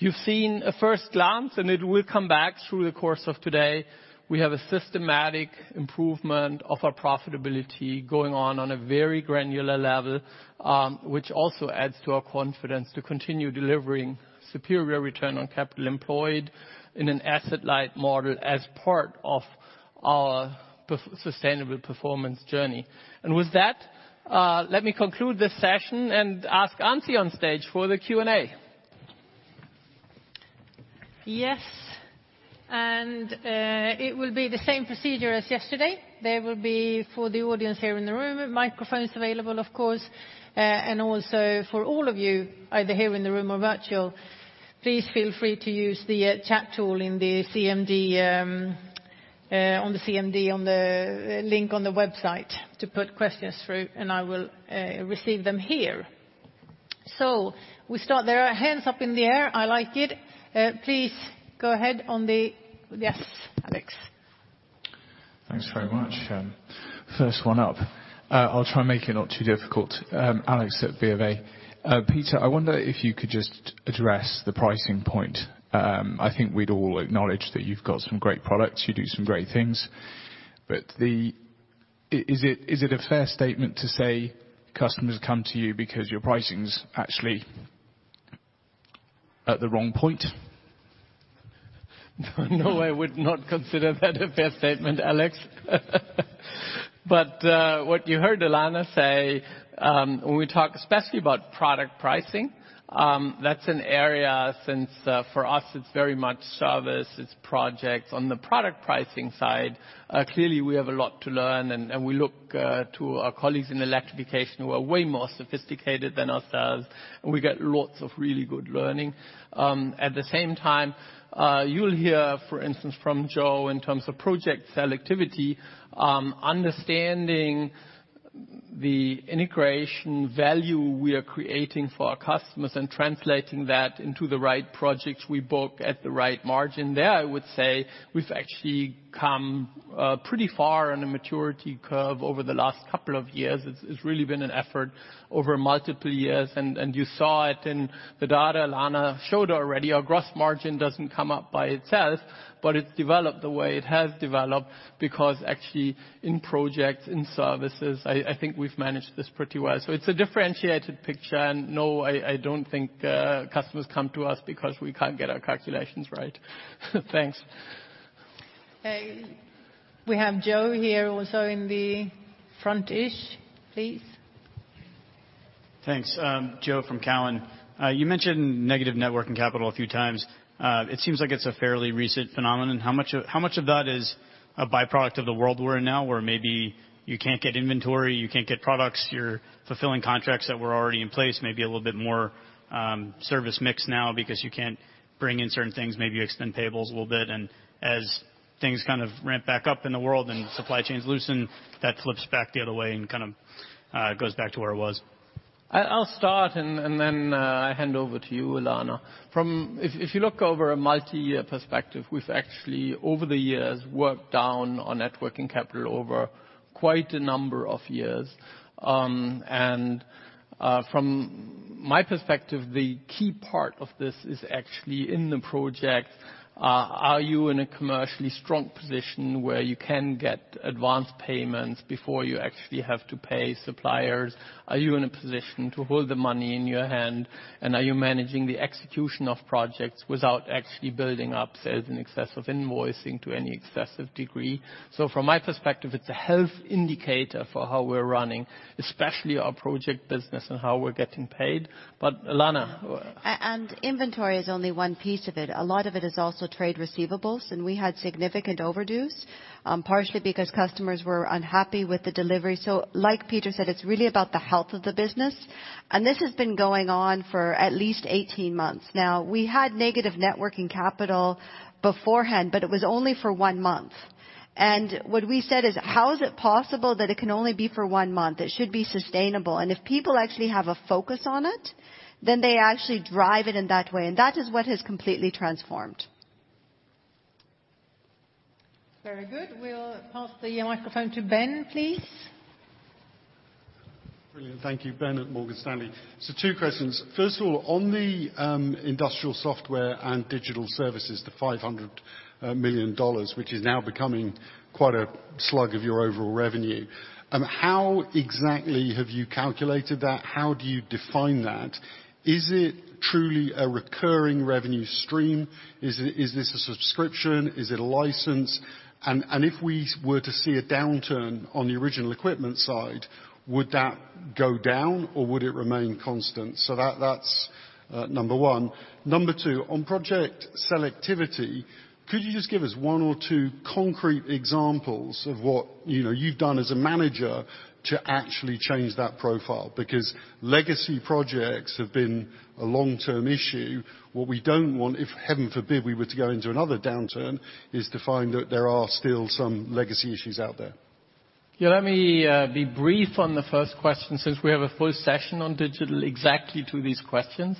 You've seen a first glance, and it will come back through the course of today. We have a systematic improvement of our profitability going on on a very granular level, which also adds to our confidence to continue delivering superior return on capital employed in an asset-light model as part of our sustainable performance journey. With that, let me conclude this session and ask Anssi on stage for the Q&A. Yes. It will be the same procedure as yesterday. There will be, for the audience here in the room, microphones available, of course. For all of you, either here in the room or virtual, please feel free to use the chat tool in the CMD, on the CMD on the link on the website to put questions through, and I will receive them here. We start. There are hands up in the air. I like it. Please go ahead. Yes, Alex. Thanks very much. First one up. I'll try and make it not too difficult. Alex at BofA. Peter, I wonder if you could just address the pricing point. I think we'd all acknowledge that you've got some great products. You do some great things. Is it a fair statement to say customers come to you because your pricing's actually at the wrong point. No, I would not consider that a fair statement, Alex. What you heard Alanna say, when we talk especially about product pricing, that's an area since for us, it's very much service, it's projects. On the product pricing side, clearly we have a lot to learn and we look to our colleagues in electrification who are way more sophisticated than ourselves, and we get lots of really good learning. At the same time, you'll hear, for instance, from Joa in terms of project selectivity, understanding the integration value we are creating for our customers and translating that into the right projects we book at the right margin. There, I would say we've actually come pretty far on a maturity curve over the last couple of years. It's really been an effort over multiple years, and you saw it in the data Alanna showed already. Our gross margin doesn't come up by itself, but it's developed the way it has developed because actually in projects, in services, I think we've managed this pretty well. It's a differentiated picture, and no, I don't think customers come to us because we can't get our calculations right. Thanks. We have Joa here also in the front-ish. Please. Thanks. Joe from Cowen. You mentioned negative working capital a few times. It seems like it's a fairly recent phenomenon. How much of that is a byproduct of the world we're in now, where maybe you can't get inventory, you can't get products, you're fulfilling contracts that were already in place, maybe a little bit more service mix now because you can't bring in certain things, maybe extend payables a little bit, and as things kind of ramp back up in the world and supply chains loosen, that flips back the other way and kind of goes back to where it was? I'll start and then I hand over to you, Alanna. If you look over a multi-year perspective, we've actually, over the years, worked down on net working capital over quite a number of years. From my perspective, the key part of this is actually in the project. Are you in a commercially strong position where you can get advanced payments before you actually have to pay suppliers? Are you in a position to hold the money in your hand? And are you managing the execution of projects without actually building up sales in excess of invoicing to any excessive degree? From my perspective, it's a health indicator for how we're running, especially our project business and how we're getting paid. Alanna- Inventory is only one piece of it. A lot of it is also trade receivables, and we had significant overdues, partially because customers were unhappy with the delivery. Like Peter said, it's really about the health of the business, and this has been going on for at least 18 months now. We had negative working capital beforehand, but it was only for one month. What we said is, "How is it possible that it can only be for one month? It should be sustainable." If people actually have a focus on it, then they actually drive it in that way, and that is what has completely transformed. Very good. We'll pass the microphone to Ben, please. Brilliant. Thank you. Ben at Morgan Stanley. Two questions. First of all, on the industrial software and digital services, the $500 million, which is now becoming quite a slug of your overall revenue, how exactly have you calculated that? How do you define that? Is it truly a recurring revenue stream? Is this a subscription? Is it a license? And if we were to see a downturn on the original equipment side, would that go down or would it remain constant? That's number one. Number two, on project selectivity, could you just give us one or two concrete examples of what you know you've done as a manager to actually change that profile? Because legacy projects have been a long-term issue. What we don't want, if, heaven forbid, we were to go into another downturn, is to find that there are still some legacy issues out there. Yeah, let me be brief on the first question since we have a full session on digital exactly to these questions.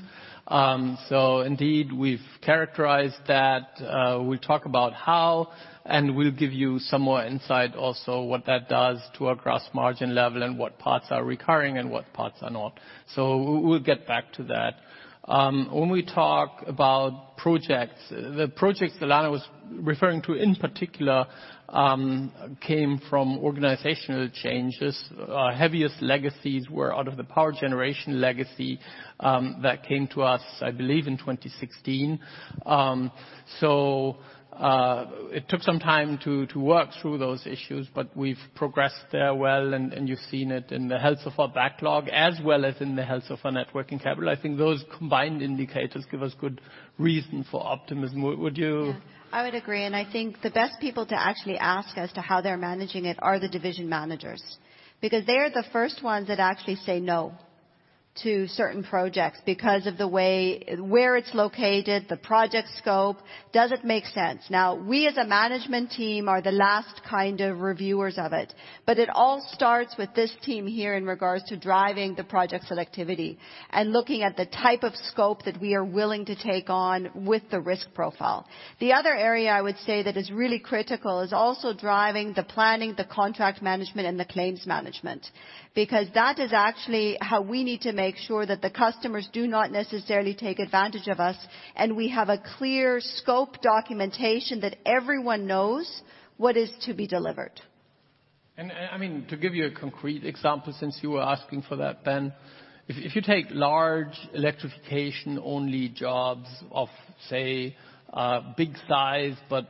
Indeed, we've characterized that we talk about how, and we'll give you some more insight also what that does to our gross margin level and what parts are recurring and what parts are not. We'll get back to that. When we talk about projects, the projects that Alanna was referring to in particular came from organizational changes. Our heaviest legacies were out of the power generation legacy that came to us, I believe, in 2016. It took some time to work through those issues, but we've progressed well, and you've seen it in the health of our backlog as well as in the health of our net working capital. I think those combined indicators give us good reason for optimism. Would you- Yeah. I would agree, and I think the best people to actually ask as to how they're managing it are the division managers because they are the first ones that actually say no to certain projects because of the way where it's located, the project scope. Does it make sense? Now, we as a management team are the last kind of reviewers of it, but it all starts with this team here in regards to driving the project selectivity and looking at the type of scope that we are willing to take on with the risk profile. The other area I would say that is really critical is also driving the planning, the contract management, and the claims management. Because that is actually how we need to make sure that the customers do not necessarily take advantage of us, and we have a clear scope documentation that everyone knows what is to be delivered. I mean, to give you a concrete example, since you were asking for that, Ben, if you take large electrification-only jobs of, say, a big size but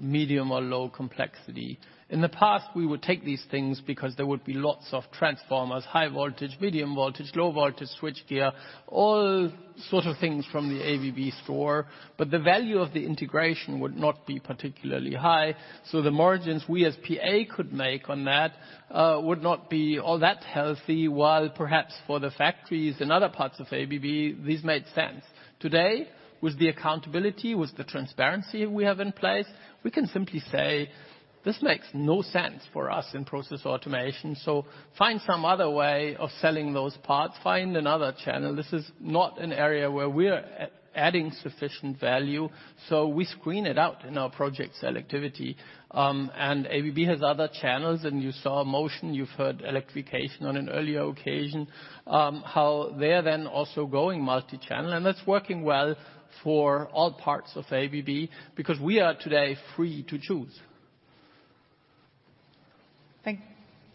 medium or low complexity. In the past, we would take these things because there would be lots of transformers, high voltage, medium voltage, low voltage, switchgear, all sorts of things from the ABB store, but the value of the integration would not be particularly high. The margins we as PA could make on that would not be all that healthy while perhaps for the factories in other parts of ABB this made sense. Today, with the accountability, with the transparency we have in place, we can simply say, "This makes no sense for us in Process Automation, so find some other way of selling those parts. Find another channel. This is not an area where we're adding sufficient value." We screen it out in our project selectivity, and ABB has other channels, and you saw Motion, you've heard Electrification on an earlier occasion, how they're then also going multi-channel, and that's working well for all parts of ABB because we are today free to choose.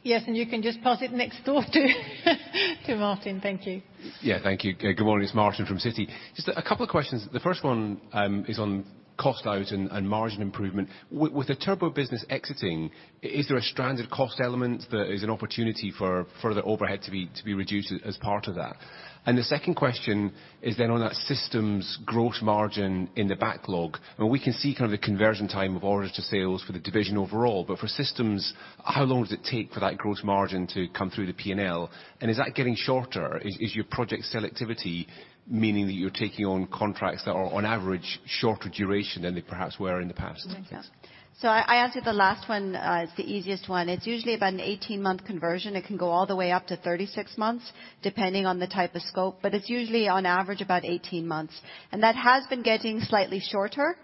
Yes, you can just pass it next door to Martin. Thank you. Yeah. Thank you. Good morning. It's Martin from Citi. Just a couple of questions. The first one is on cost out and margin improvement. With the turbo business exiting, is there a stranded cost element that is an opportunity for further overhead to be reduced as part of that? The second question is then on that systems gross margin in the backlog. We can see kind of the conversion time of orders to sales for the division overall, but for systems, how long does it take for that gross margin to come through the P&L? And is that getting shorter? Is your project selectivity meaning that you're taking on contracts that are on average shorter duration than they perhaps were in the past? I answer the last one, it's the easiest one. It's usually about an 18-month conversion. It can go all the way up to 36 months, depending on the type of scope, but it's usually on average about 18 months. That has been getting slightly shorter,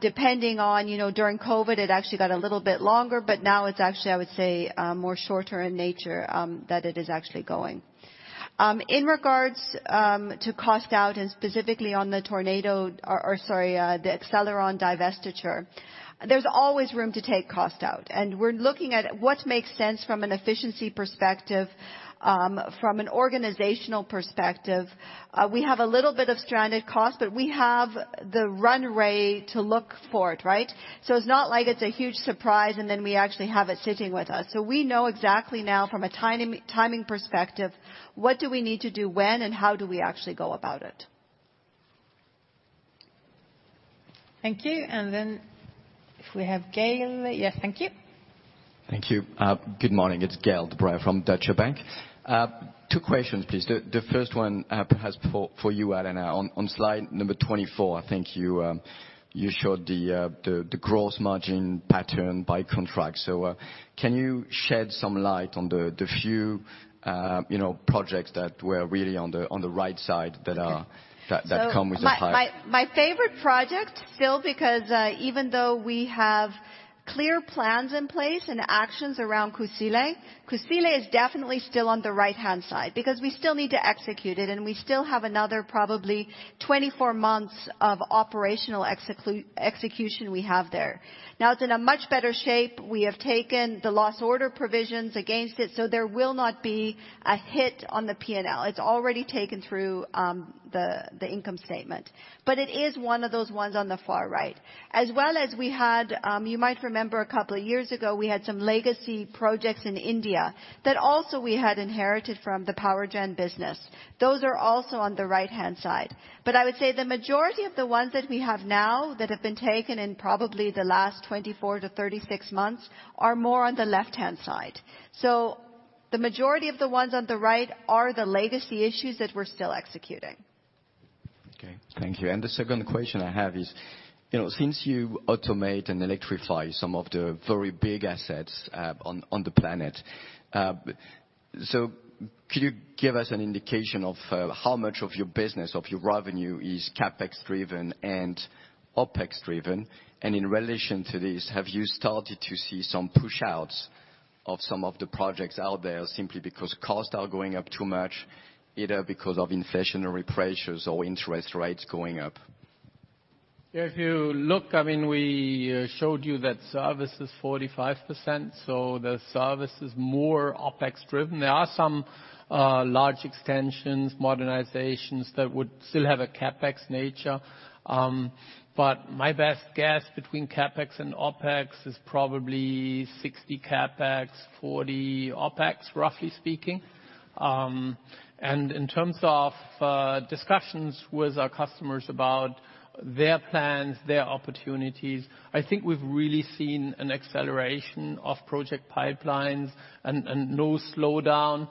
depending on, during COVID, it actually got a little bit longer, but now it's actually, I would say, more shorter in nature, that it is actually going. In regards to cost out and specifically on the Accelleron divestiture, there's always room to take cost out, and we're looking at what makes sense from an efficiency perspective, from an organizational perspective. We have a little bit of stranded cost, but we have the runway to look for it, right? It's not like it's a huge surprise and then we actually have it sitting with us. We know exactly now from a timing perspective, what do we need to do when, and how do we actually go about it. Thank you. If we have Gael De-Bray. Yes. Thank you. Thank you. Good morning. It's Gael De-Bray from Deutsche Bank. Two questions, please. The first one, perhaps for you, Alanna. On slide number 24, I think you showed the gross margin pattern by contract. Can you shed some light on the few, you know, projects that were really on the right side that are- Okay. that come with the pipe? My favorite project still because even though we have clear plans in place and actions around Kusile is definitely still on the right-hand side because we still need to execute it and we still have another probably 24 months of operational execution we have there. Now it's in a much better shape. We have taken the loss order provisions against it, so there will not be a hit on the P&L. It's already taken through the income statement. It is one of those ones on the far right. As well as we had, you might remember a couple years ago we had some legacy projects in India that also we had inherited from the Power Gen business. Those are also on the right-hand side. I would say the majority of the ones that we have now that have been taken in probably the last 24-36 months are more on the left-hand side. The majority of the ones on the right are the legacy issues that we're still executing. Okay, thank you. The second question I have is, you know, since you automate and electrify some of the very big assets on the planet, so could you give us an indication of how much of your business, of your revenue is CapEx driven and OpEx driven? In relation to this, have you started to see some push-outs of some of the projects out there simply because costs are going up too much, either because of inflationary pressures or interest rates going up? If you look, I mean, we showed you that service is 45%, so the service is more OpEx driven. There are some large extensions, modernizations that would still have a CapEx nature. My best guess between CapEx and OpEx is probably 60% CapEx, 40% OpEx, roughly speaking. In terms of discussions with our customers about their plans, their opportunities, I think we've really seen an acceleration of project pipelines and no slowdown,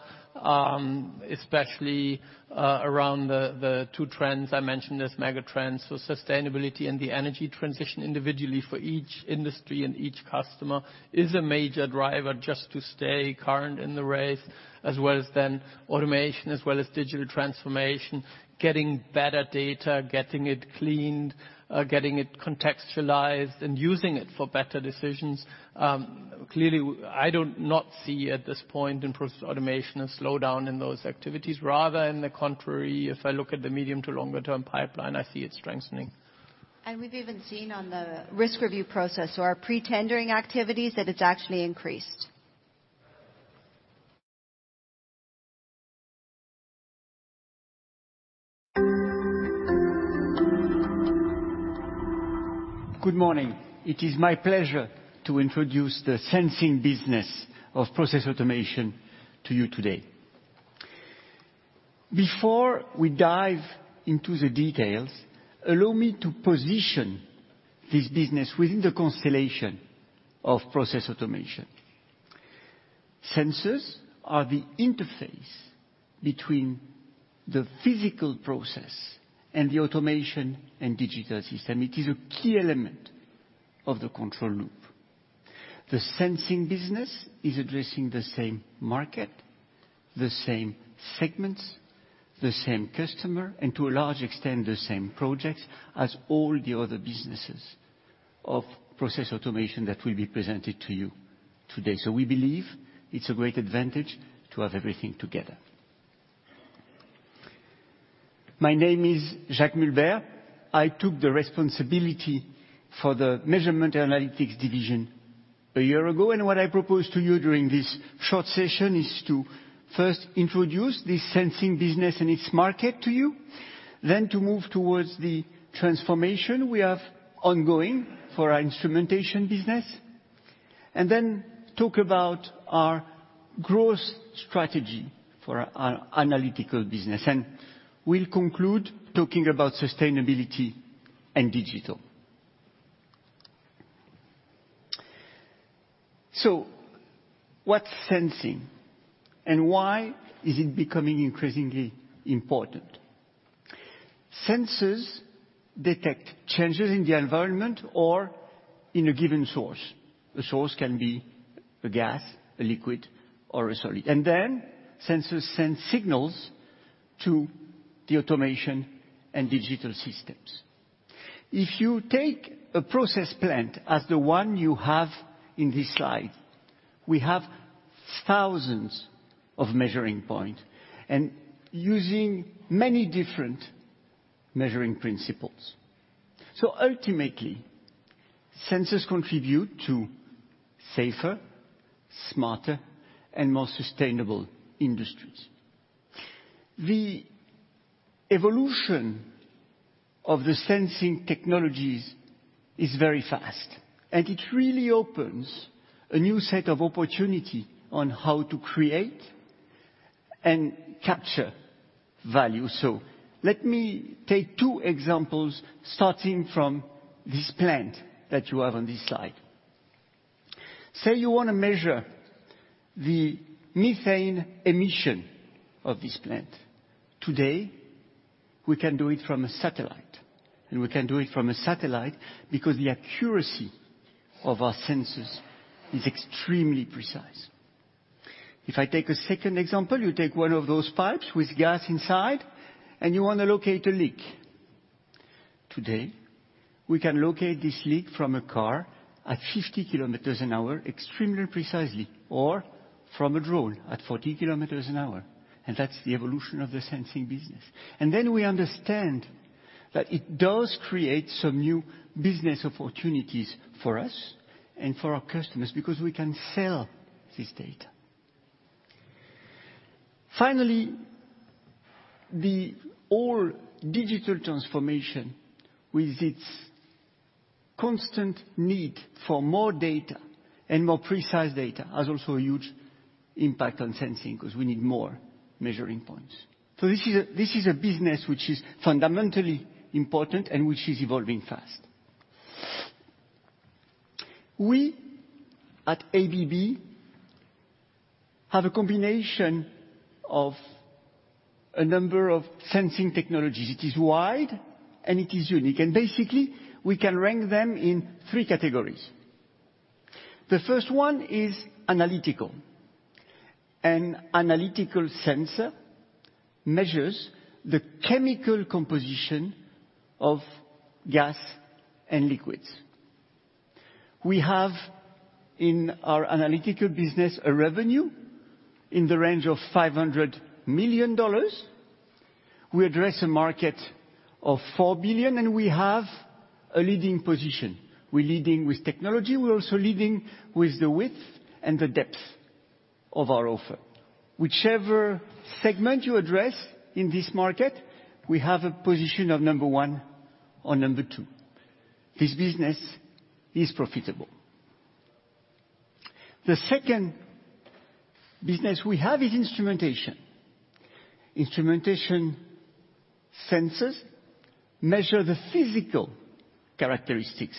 especially around the two trends I mentioned as mega trends. Sustainability and the energy transition individually for each industry and each customer is a major driver just to stay current in the race, as well as then automation, as well as digital transformation, getting better data, getting it cleaned, getting it contextualized and using it for better decisions. Clearly, I don't not see at this point in Process Automation a slowdown in those activities. Rather, on the contrary, if I look at the medium to longer term pipeline, I see it strengthening. We've even seen on the risk review process or our pre-tendering activities that it's actually increased. Good morning. It is my pleasure to introduce the sensing business of Process Automation to you today. Before we dive into the details, allow me to position this business within the constellation of Process Automation. Sensors are the interface between the physical process and the automation and digital system. It is a key element of the control loop. The sensing business is addressing the same market, the same segments, the same customer, and to a large extent, the same projects as all the other businesses of Process Automation that will be presented to you today. We believe it's a great advantage to have everything together. My name is Jacques Mulbert. I took the responsibility for the Measurement & Analytics division a year ago, and what I propose to you during this short session is to first introduce the sensing business and its market to you, then to move towards the transformation we have ongoing for our instrumentation business, and then talk about our growth strategy for our analytical business. We'll conclude talking about sustainability and digital. What's sensing and why is it becoming increasingly important? Sensors detect changes in the environment or in a given source. The source can be a gas, a liquid, or a solid. Sensors send signals to the automation and digital systems. If you take a process plant as the one you have in this slide, we have thousands of measuring point and using many different measuring principles. Ultimately, sensors contribute to safer, smarter, and more sustainable industries. The evolution of the sensing technologies is very fast, and it really opens a new set of opportunity on how to create and capture value. Let me take two examples starting from this plant that you have on this slide. Say you wanna measure the methane emission of this plant. Today, we can do it from a satellite, and we can do it from a satellite because the accuracy of our sensors is extremely precise. If I take a second example, you take one of those pipes with gas inside and you wanna locate a leak. Today, we can locate this leak from a car at 50 km an hour extremely precisely, or from a drone at 40 km an hour, and that's the evolution of the sensing business. We understand that it does create some new business opportunities for us and for our customers, because we can sell this data. Finally, the all-digital transformation with its constant need for more data and more precise data has also a huge impact on sensing, 'cause we need more measuring points. This is a business which is fundamentally important and which is evolving fast. We at ABB have a combination of a number of sensing technologies. It is wide and it is unique, and basically, we can rank them in three categories. The first one is analytical. An analytical sensor measures the chemical composition of gas and liquids. We have in our analytical business a revenue in the range of $500 million. We address a market of $4 billion and we have a leading position. We're leading with technology. We're also leading with the width and the depth of our offer. Whichever segment you address in this market, we have a position of number one or number two. This business is profitable. The second business we have is instrumentation. Instrumentation sensors measure the physical characteristics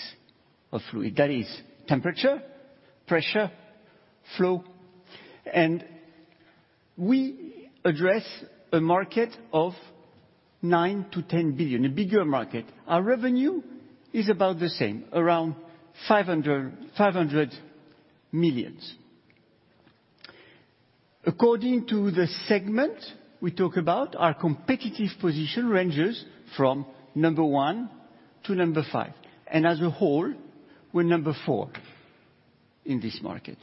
of fluid. That is temperature, pressure, flow. We address a market of $9 billion-$10 billion, a bigger market. Our revenue is about the same, around $500 million. According to the segment we talk about, our competitive position ranges from number one to number five, and as a whole, we're number four in this market.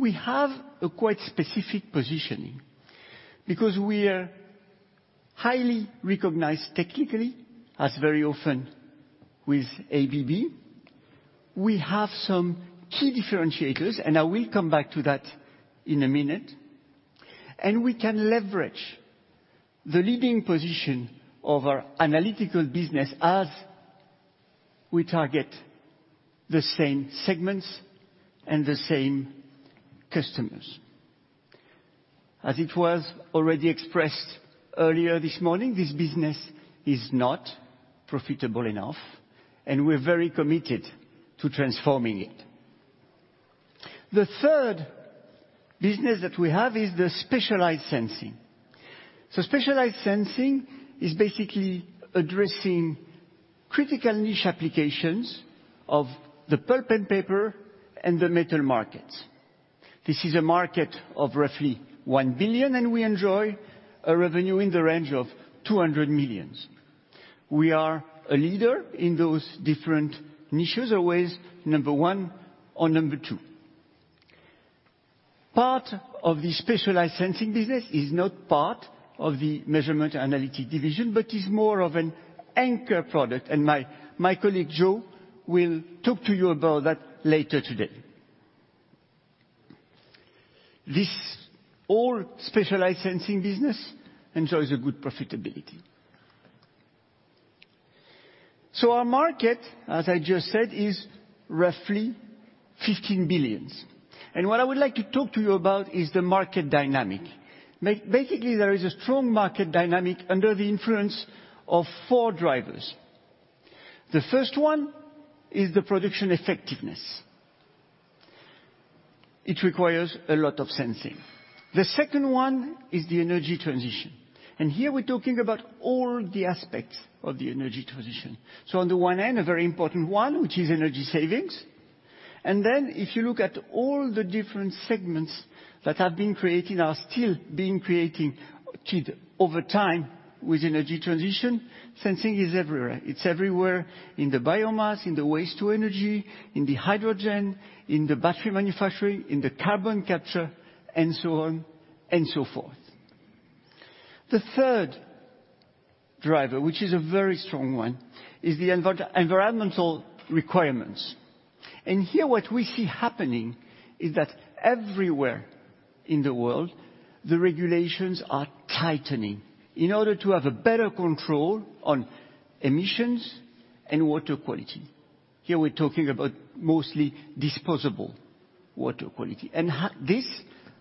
We have a quite specific positioning, because we are highly recognized technically, as very often with ABB. We have some key differentiators, and I will come back to that in a minute. We can leverage the leading position of our analytics business as we target the same segments and the same customers. As it was already expressed earlier this morning, this business is not profitable enough, and we're very committed to transforming it. The third business that we have is the specialized sensing. Specialized sensing is basically addressing critical niche applications of the pulp and paper and the metal markets. This is a market of roughly $1 billion, and we enjoy a revenue in the range of $200 million. We are a leader in those different niches, always number one or number two. Part of the specialized sensing business is not part of the Measurement & Analytics division, but is more of an anchor product. My colleague, Joa, will talk to you about that later today. This all specialized sensing business enjoys a good profitability. Our market, as I just said, is roughly $15 billion. What I would like to talk to you about is the market dynamic. Basically, there is a strong market dynamic under the influence of four drivers. The first one is the production effectiveness. It requires a lot of sensing. The second one is the energy transition, and here we're talking about all the aspects of the energy transition. On the one end, a very important one, which is energy savings. Then if you look at all the different segments that have been created, are still being created over time with energy transition, sensing is everywhere. It's everywhere in the biomass, in the waste to energy, in the hydrogen, in the battery manufacturing, in the carbon capture, and so on and so forth. The third driver, which is a very strong one, is the environmental requirements. Here, what we see happening is that everywhere in the world, the regulations are tightening in order to have a better control on emissions and water quality. Here we're talking about mostly potable water quality. This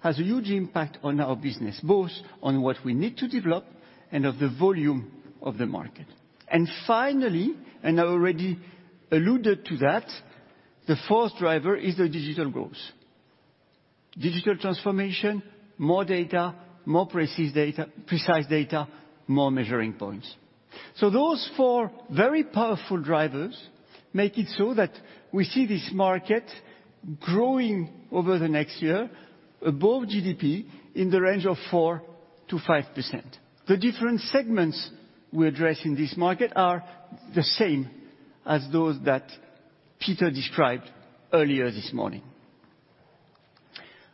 has a huge impact on our business, both on what we need to develop and of the volume of the market. Finally, and I already alluded to that, the fourth driver is the digital growth. Digital transformation, more data, more precise data, more measuring points. Those four very powerful drivers make it so that we see this market growing over the next year above GDP in the range of 4%-5%. The different segments we address in this market are the same as those that Peter described earlier this morning.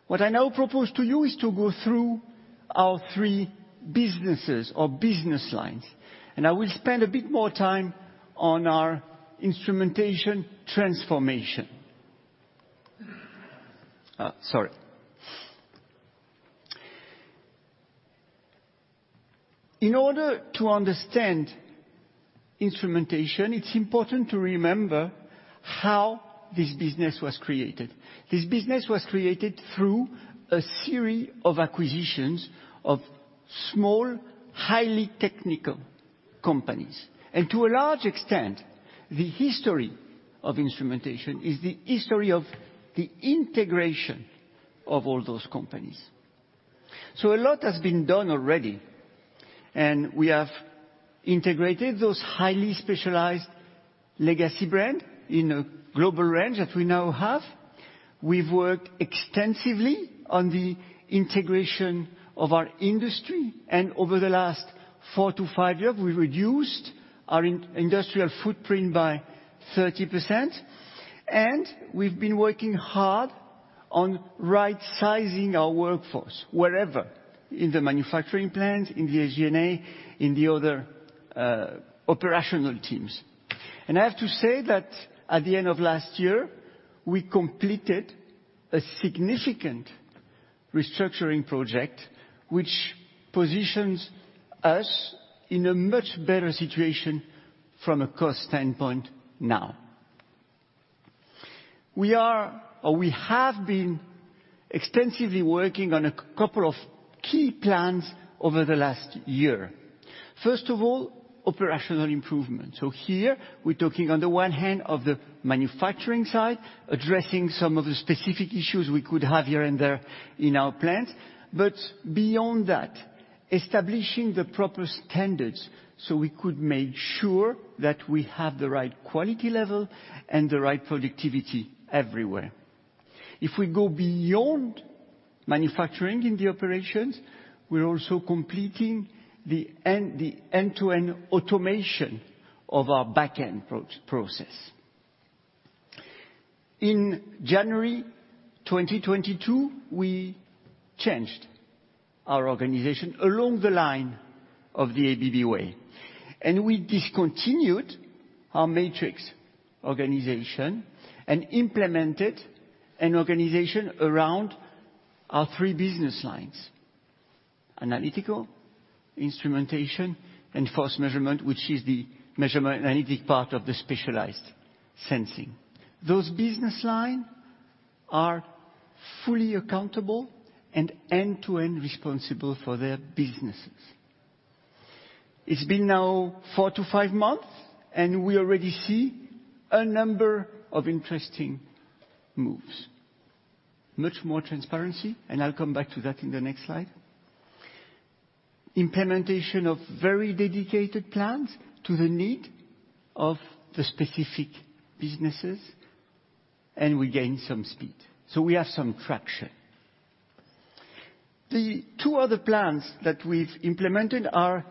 What I now propose to you is to go through our three businesses or business lines, and I will spend a bit more time on our instrumentation transformation. In order to understand instrumentation, it's important to remember how this business was created. This business was created through a series of acquisitions of small, highly technical companies. To a large extent, the history of instrumentation is the history of the integration of all those companies. A lot has been done already, and we have integrated those highly specialized legacy brand in a global range that we now have. We've worked extensively on the integration of our industry, and over the last four to five years, we've reduced our industrial footprint by 30%. We've been working hard on right-sizing our workforce wherever in the manufacturing plant, in the SG&A, in the other operational teams. I have to say that at the end of last year, we completed a significant restructuring project, which positions us in a much better situation from a cost standpoint now. We have been extensively working on a couple of key plans over the last year. First of all, operational improvement. Here we're talking on the one hand of the manufacturing side, addressing some of the specific issues we could have here and there in our plants. Beyond that, establishing the proper standards so we could make sure that we have the right quality level and the right productivity everywhere. If we go beyond manufacturing in the operations, we're also completing the end-to-end automation of our back-end processes. In January 2022, we changed our organization along the line of the ABB Way, and we discontinued our matrix organization and implemented an organization around our three business lines: Analytics, Instrumentation, and Force Measurement, which is the Measurement & Analytics part of the specialized sensing. Those business lines are fully accountable and end-to-end responsible for their businesses. It's been now 4-5 months, and we already see a number of interesting moves. Much more transparency, and I'll come back to that in the next slide. Implementation of very dedicated plans to the need of the specific businesses, and we gain some speed. We have some traction. The two other plans that we've implemented are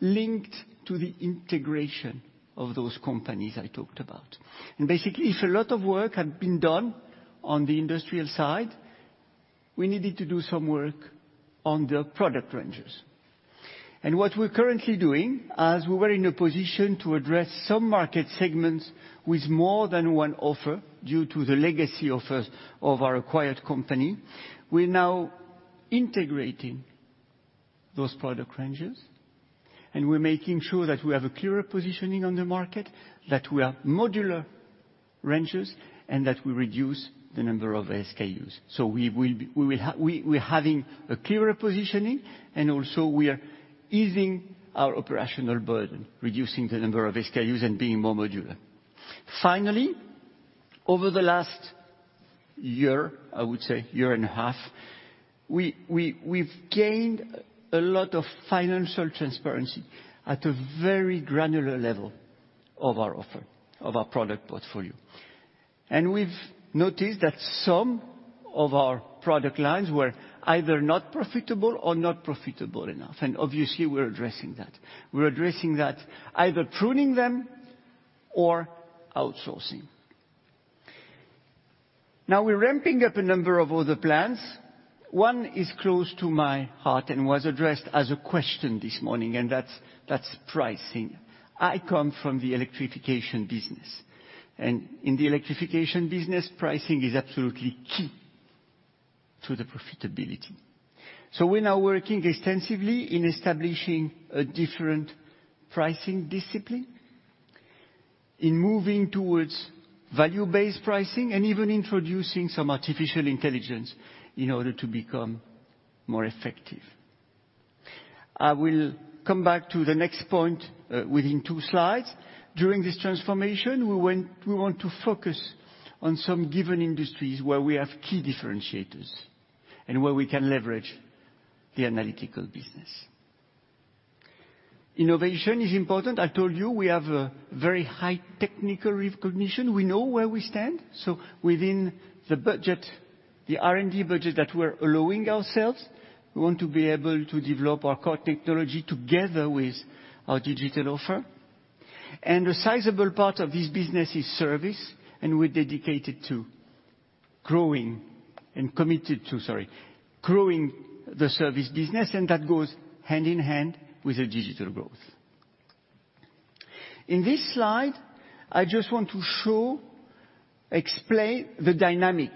linked to the integration of those companies I talked about. Basically, if a lot of work had been done on the industrial side, we needed to do some work on the product ranges. What we're currently doing, as we were in a position to address some market segments with more than one offer due to the legacy offers of our acquired company, we're now integrating those product ranges, and we're making sure that we have a clearer positioning on the market, that we have modular ranges, and that we reduce the number of SKUs. We will be, we're having a clearer positioning, and also we are easing our operational burden, reducing the number of SKUs and being more modular. Finally, over the last year, I would say year and a half, we've gained a lot of financial transparency at a very granular level of our offer, of our product portfolio. We've noticed that some of our product lines were either not profitable or not profitable enough. Obviously, we're addressing that. We're addressing that either pruning them or outsourcing. Now we're ramping up a number of other plans. One is close to my heart and was addressed as a question this morning, and that's pricing. I come from the electrification business. In the electrification business, pricing is absolutely key to the profitability. We're now working extensively in establishing a different pricing discipline in moving towards value-based pricing and even introducing some artificial intelligence in order to become more effective. I will come back to the next point within two slides. During this transformation, we want to focus on some given industries where we have key differentiators and where we can leverage the analytical business. Innovation is important. I told you we have a very high technical recognition. We know where we stand, so within the budget, the R&D budget that we're allowing ourselves, we want to be able to develop our core technology together with our digital offer. A sizable part of this business is service, and we're dedicated to growing the service business, and that goes hand-in-hand with the digital growth. In this slide, I just want to show, explain the dynamic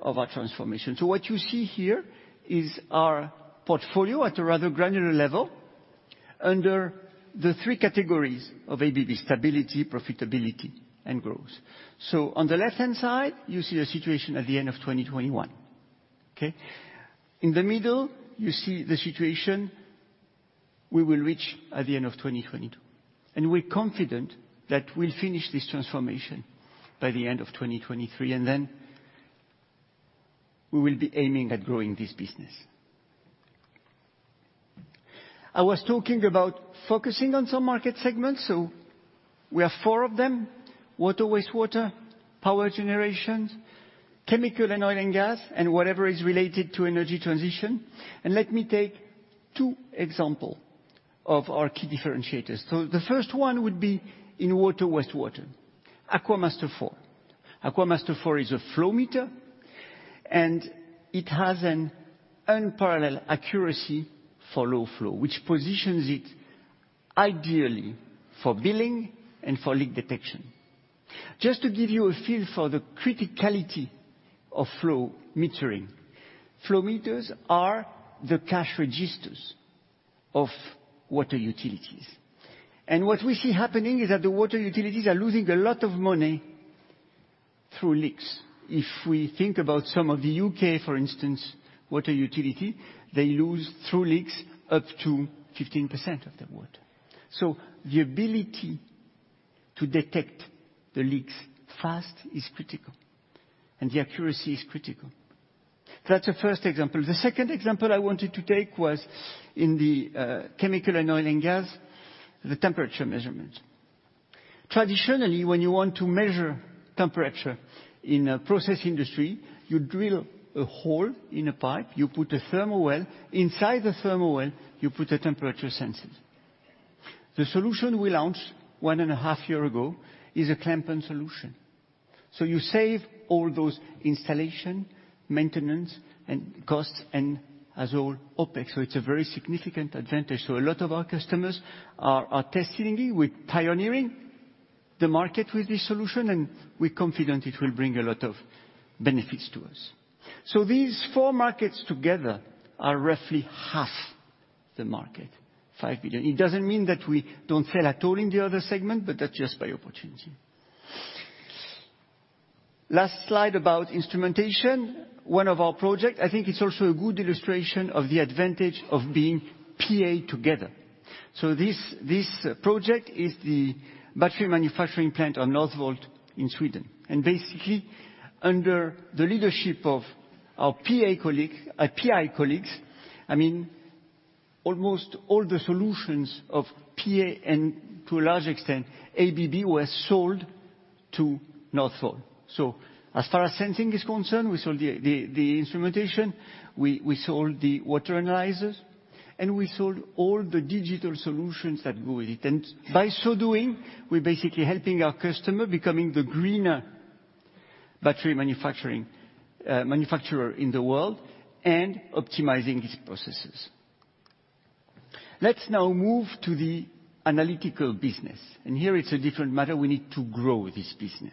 of our transformation. What you see here is our portfolio at a rather granular level under the three categories of ABB Ability, profitability, and growth. On the left-hand side, you see a situation at the end of 2021. Okay. In the middle, you see the situation we will reach at the end of 2022, and we're confident that we'll finish this transformation by the end of 2023, and then we will be aiming at growing this business. I was talking about focusing on some market segments, so we have four of them: water, wastewater, power generations, chemical and oil and gas, and whatever is related to energy transition. Let me take two example of our key differentiators. The first one would be in water, wastewater. AquaMaster4. AquaMaster4 is a flow meter, and it has an unparalleled accuracy for low flow, which positions it ideally for billing and for leak detection. Just to give you a feel for the criticality of flow metering. Flow meters are the cash registers of water utilities. What we see happening is that the water utilities are losing a lot of money through leaks. If we think about some of the UK, for instance, water utility, they lose through leaks up to 15% of their water. The ability to detect the leaks fast is critical, and the accuracy is critical. That's the first example. The second example I wanted to take was in the chemical and oil and gas, the temperature measurements. Traditionally, when you want to measure temperature in a process industry, you drill a hole in a pipe, you put a thermowell. Inside the thermowell, you put a temperature sensor. The solution we launched one and a half years ago is a clamping solution. You save all those installation, maintenance and costs and that's all OpEx. It's a very significant advantage. A lot of our customers are testing it. We're pioneering the market with this solution, and we're confident it will bring a lot of benefits to us. These four markets together are roughly half the market, $5 billion. It doesn't mean that we don't sell at all in the other segment, but that's just by opportunity. Last slide about instrumentation, one of our project, I think it's also a good illustration of the advantage of being PA together. This project is the battery manufacturing plant on Northvolt in Sweden. Basically, under the leadership of our PA colleague, our PI colleagues, I mean, almost all the solutions of PA and to a large extent ABB were sold to Northvolt. As far as sensing is concerned, we sold the instrumentation, we sold the water analyzers, and we sold all the digital solutions that go with it. By so doing, we're basically helping our customer becoming the greener battery manufacturer in the world and optimizing its processes. Let's now move to the analytical business, and here it's a different matter. We need to grow this business.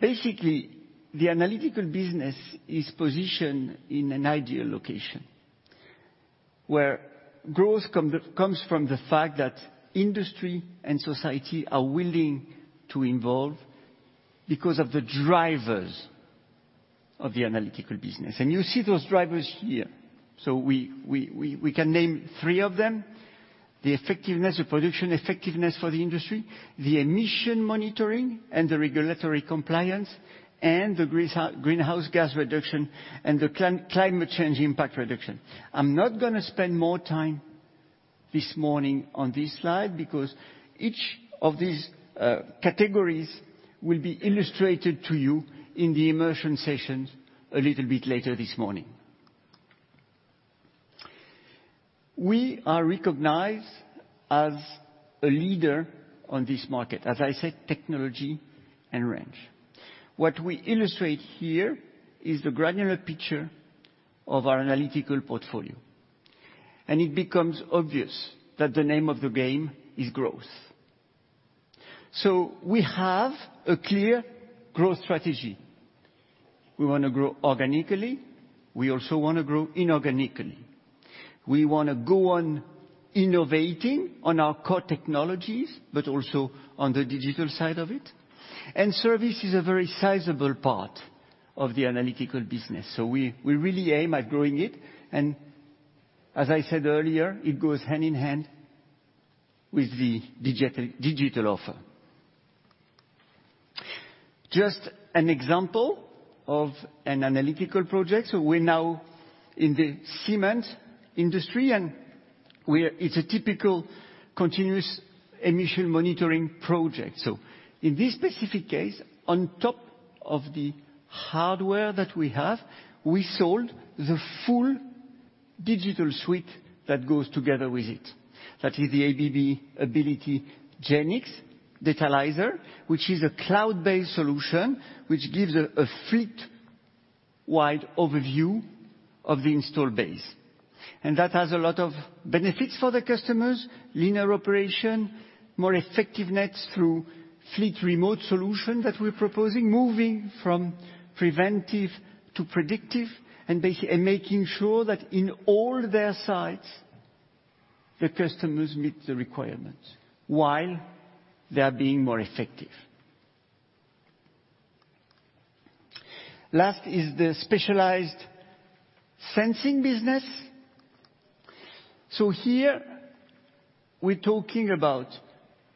Basically, the analytical business is positioned in an ideal location where growth comes from the fact that industry and society are willing to evolve because of the drivers of the analytical business. You see those drivers here. We can name three of them. The effectiveness, the production effectiveness for the industry, the emission monitoring and the regulatory compliance, and the greenhouse gas reduction and the climate change impact reduction. I'm not gonna spend more time this morning on this slide because each of these categories will be illustrated to you in the immersion sessions a little bit later this morning. We are recognized as a leader on this market, as I said, technology and range. What we illustrate here is the granular picture of our analytical portfolio, and it becomes obvious that the name of the game is growth. We have a clear growth strategy. We wanna grow organically. We also wanna grow inorganically. We wanna go on innovating on our core technologies, but also on the digital side of it. Service is a very sizable part of the analytical business, so we really aim at growing it. As I said earlier, it goes hand-in-hand with the digital offer. Just an example of an analytical project. We're now in the cement industry, and we're... It's a typical continuous emission monitoring project. In this specific case, on top of the hardware that we have, we sold the full digital suite that goes together with it. That is the ABB Ability Genix Datalyzer, which is a cloud-based solution which gives a fleet-wide overview of the installed base. That has a lot of benefits for the customers, leaner operation, more effectiveness through fleet remote solution that we're proposing, moving from preventive to predictive and making sure that in all their sites, the customers meet the requirements while they are being more effective. Last is the specialized sensing business. Here, we're talking about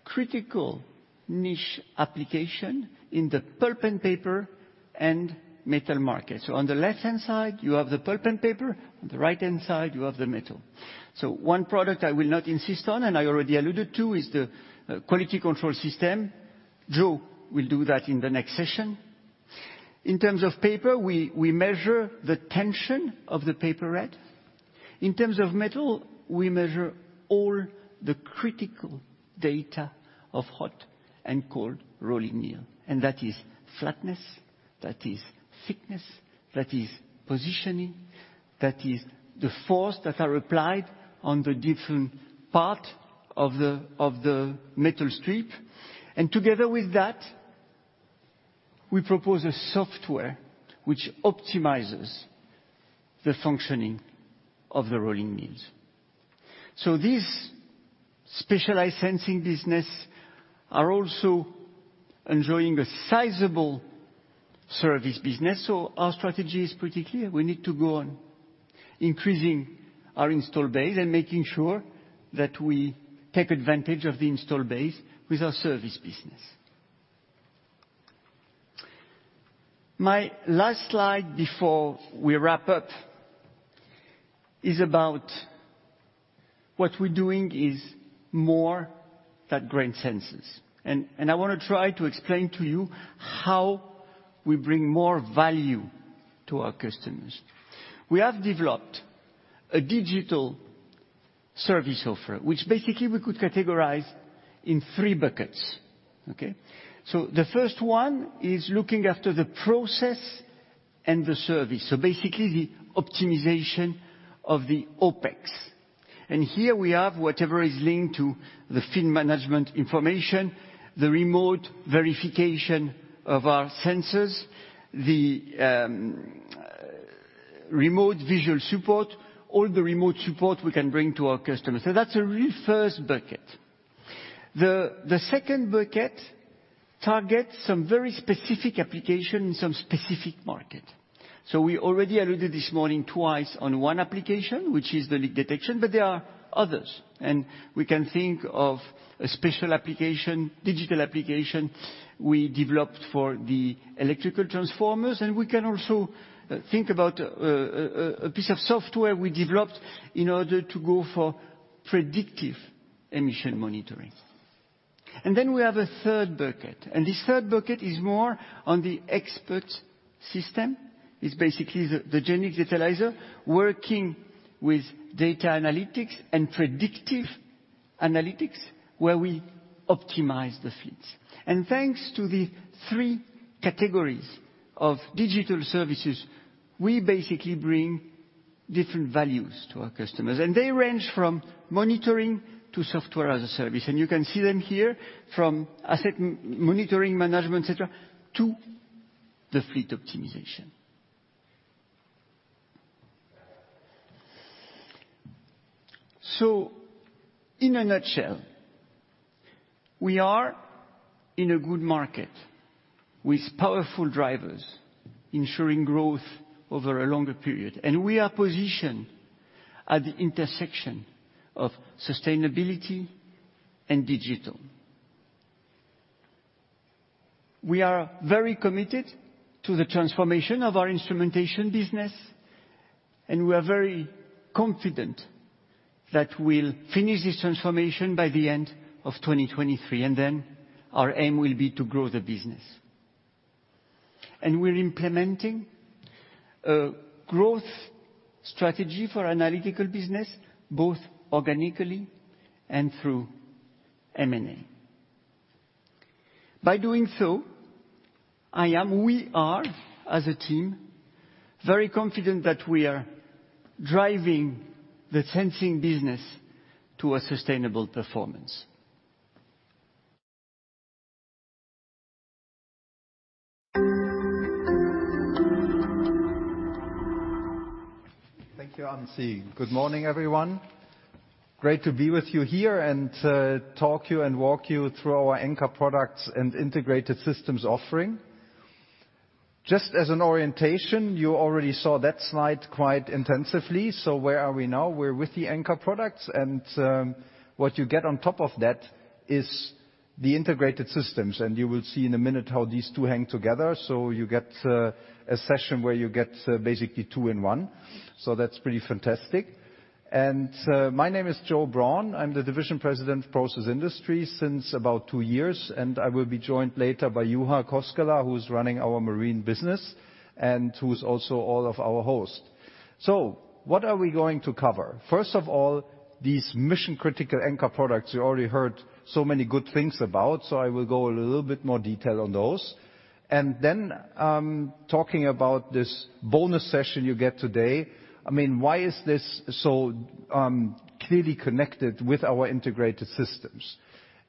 critical niche application in the pulp and paper and metals market. On the left-hand side, you have the pulp and paper, on the right-hand side, you have the metals. One product I will not insist on, and I already alluded to, is the Quality Control System. Joa will do that in the next session. In terms of paper, we measure the tension of the paper reeled. In terms of metal, we measure all the critical data of hot and cold rolling mill. That is flatness, that is thickness, that is positioning, that is the force that are applied on the different part of the metal strip. Together with that, we propose a software which optimizes the functioning of the rolling mills. These specialized sensing business are also enjoying a sizable service business. Our strategy is pretty clear. We need to go on increasing our install base and making sure that we take advantage of the install base with our service business. My last slide before we wrap up is about what we're doing is more than Grane sensors. I wanna try to explain to you how we bring more value to our customers. We have developed a digital service offer, which basically we could categorize in three buckets. Okay? The first one is looking after the process and the service, so basically the optimization of the OpEx. Here, we have whatever is linked to the field management information, the remote verification of our sensors, the remote visual support, all the remote support we can bring to our customers. That's a real first bucket. The second bucket targets some very specific application in some specific market. We already alluded this morning twice on one application, which is the leak detection, but there are others. We can think of a special application, digital application we developed for the electrical transformers, and we can also think about a piece of software we developed in order to go for predictive emission monitoring. Then we have a third bucket, and this third bucket is more on the expert system. It's basically the Genix Datalyzer working with data analytics and predictive analytics where we optimize the fleets. Thanks to the three categories of digital services, we basically bring different values to our customers, and they range from monitoring to software-as-a-service. You can see them here from asset monitoring management, et cetera, to the fleet optimization. In a nutshell, we are in a good market with powerful drivers ensuring growth over a longer period, and we are positioned at the intersection of sustainability and digital. We are very committed to the transformation of our instrumentation business, and we are very confident that we'll finish this transformation by the end of 2023, and then our aim will be to grow the business. We're implementing a growth strategy for analytical business, both organically and through M&A. By doing so, I am, we are, as a team, very confident that we are driving the sensing business to a sustainable performance. Thank you, Anssi. Good morning, everyone. Great to be with you here and talk to you and walk you through our anchor products and integrated systems offering. Just as an orientation, you already saw that slide quite intensively. Where are we now? We're with the anchor products, and what you get on top of that is the integrated systems. You will see in a minute how these two hang together. You get a session where you get basically two in one. That's pretty fantastic. My name is Joachim Braun. I'm the division president of Process Industries since about two years, and I will be joined later by Juha Koskela, who's running our Marine business and who's also our host. What are we going to cover? First of all, these mission-critical anchor products, you already heard so many good things about, so I will go into a little bit more detail on those. Talking about this bonus session you get today. I mean, why is this so clearly connected with our integrated systems?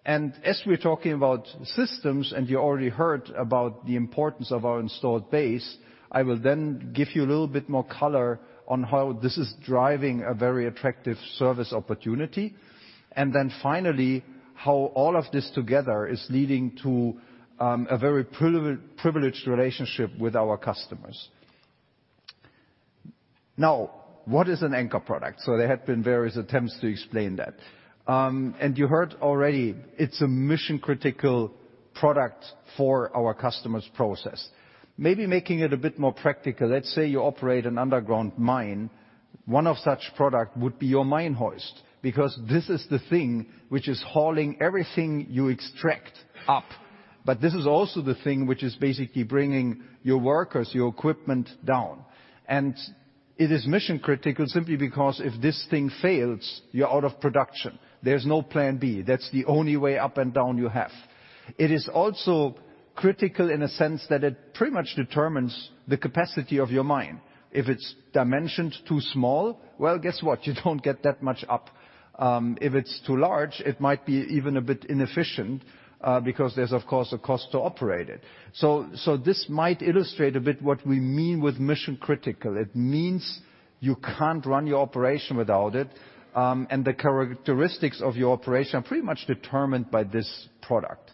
As we're talking about systems, and you already heard about the importance of our installed base, I will then give you a little bit more color on how this is driving a very attractive service opportunity. Finally, how all of this together is leading to a very privileged relationship with our customers. Now, what is an anchor product? So there have been various attempts to explain that. You heard already it's a mission-critical product for our customers' process. Maybe making it a bit more practical, let's say you operate an underground mine. One of such product would be your Mine Hoist, because this is the thing which is hauling everything you extract up. This is also the thing which is basically bringing your workers, your equipment down. It is mission-critical simply because if this thing fails, you're out of production. There's no plan B. That's the only way up and down you have. It is also critical in a sense that it pretty much determines the capacity of your mine. If it's dimensioned too small, well, guess what? You don't get that much up. If it's too large, it might be even a bit inefficient, because there's, of course, a cost to operate it. So this might illustrate a bit what we mean with mission-critical. It means you can't run your operation without it, and the characteristics of your operation are pretty much determined by this product.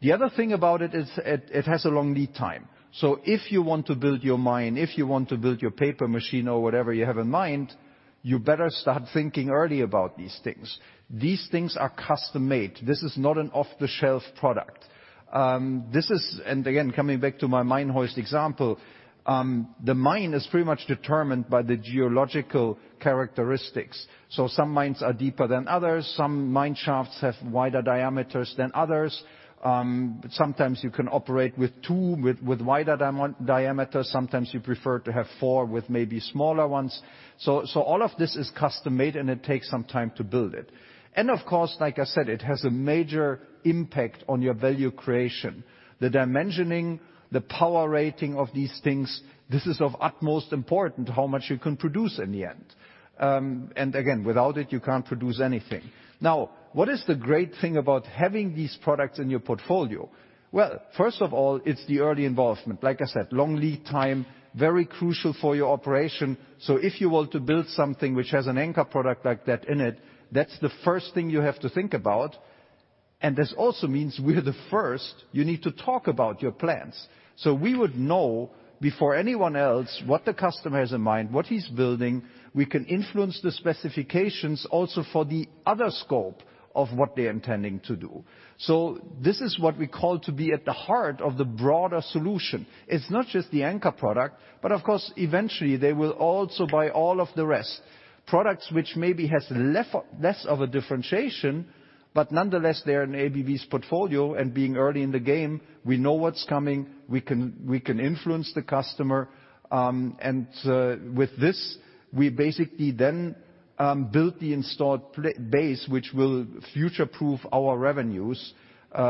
The other thing about it is it has a long lead time. If you want to build your mine, if you want to build your paper machine or whatever you have in mind, you better start thinking early about these things. These things are custom-made. This is not an off-the-shelf product. This is. Coming back to my mine hoist example, the mine is pretty much determined by the geological characteristics. Some mines are deeper than others. Some mine shafts have wider diameters than others. Sometimes you can operate with two with wider diameters. Sometimes you prefer to have four with maybe smaller ones. All of this is custom-made, and it takes some time to build it. Of course, like I said, it has a major impact on your value creation. The dimensioning, the power rating of these things, this is of utmost important, how much you can produce in the end. Again, without it, you can't produce anything. Now, what is the great thing about having these products in your portfolio? Well, first of all, it's the early involvement. Like I said, long lead time, very crucial for your operation. If you want to build something which has an anchor product like that in it, that's the first thing you have to think about. This also means we're the first you need to talk about your plans. We would know before anyone else what the customer has in mind, what he's building. We can influence the specifications also for the other scope of what they're intending to do. This is what we call to be at the heart of the broader solution. It's not just the anchor product, but of course, eventually, they will also buy all of the rest. Products which maybe has less of a differentiation, but nonetheless, they're in ABB's portfolio. Being early in the game, we know what's coming. We can influence the customer. With this, we basically then build the installed base, which will future-proof our revenues,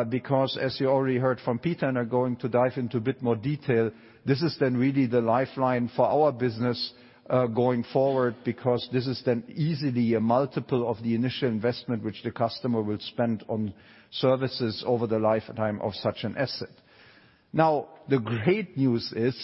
because as you already heard from Peter and are going to dive into a bit more detail, this is then really the lifeline for our business, going forward, because this is then easily a multiple of the initial investment which the customer will spend on services over the lifetime of such an asset. The great news is,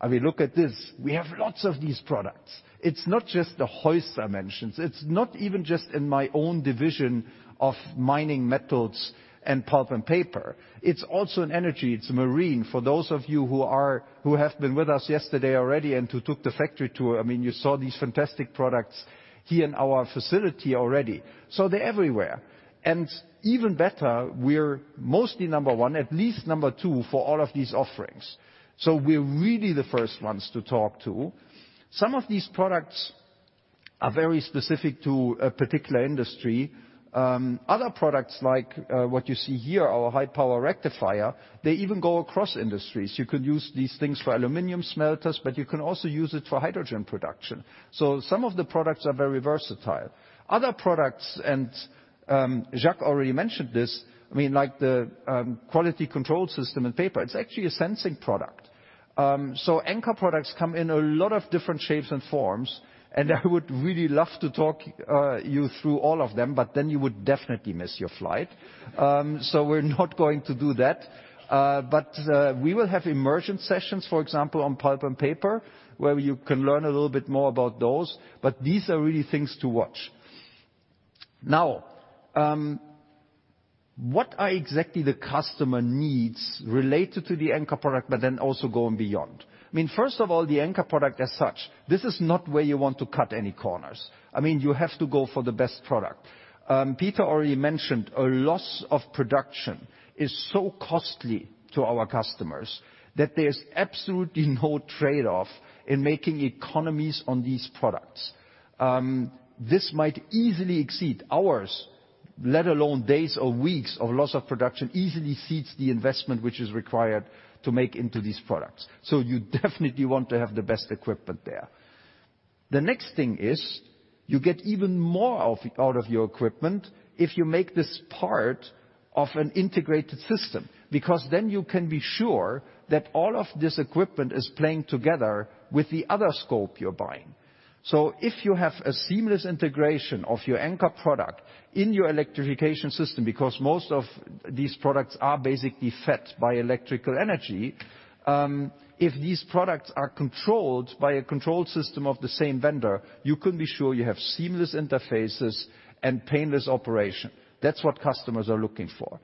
I mean, look at this. We have lots of these products. It's not just the hoist I mentioned. It's not even just in my own division of mining metals and pulp and paper. It's also in energy, it's in marine. For those of you who have been with us yesterday already and who took the factory tour, I mean, you saw these fantastic products here in our facility already. They're everywhere. Even better, we're mostly number one, at least number two for all of these offerings. We're really the first ones to talk to. Some of these products are very specific to a particular industry. Other products, like what you see here, our high-power rectifier, they even go across industries. You could use these things for aluminum smelters, but you can also use it for hydrogen production. Some of the products are very versatile. Other products and Jacques already mentioned this, I mean, like the Quality Control System in paper, it's actually a sensing product. Anchor products come in a lot of different shapes and forms, and I would really love to talk you through all of them, but then you would definitely miss your flight. We're not going to do that. We will have immersion sessions, for example, on pulp and paper, where you can learn a little bit more about those. These are really things to watch. Now, what are exactly the customer needs related to the anchor product, but then also going beyond? I mean, first of all, the anchor product as such, this is not where you want to cut any corners. I mean, you have to go for the best product. Peter already mentioned a loss of production is so costly to our customers that there's absolutely no trade-off in making economies on these products. This might easily exceed hours, let alone days or weeks of loss of production, easily exceeds the investment which is required to make into these products. You definitely want to have the best equipment there. The next thing is, you get even more of, out of your equipment if you make this part of an integrated system, because then you can be sure that all of this equipment is playing together with the other scope you're buying. If you have a seamless integration of your anchor product in your electrification system, because most of these products are basically fed by electrical energy, if these products are controlled by a control system of the same vendor, you can be sure you have seamless interfaces and painless operation. That's what customers are looking for.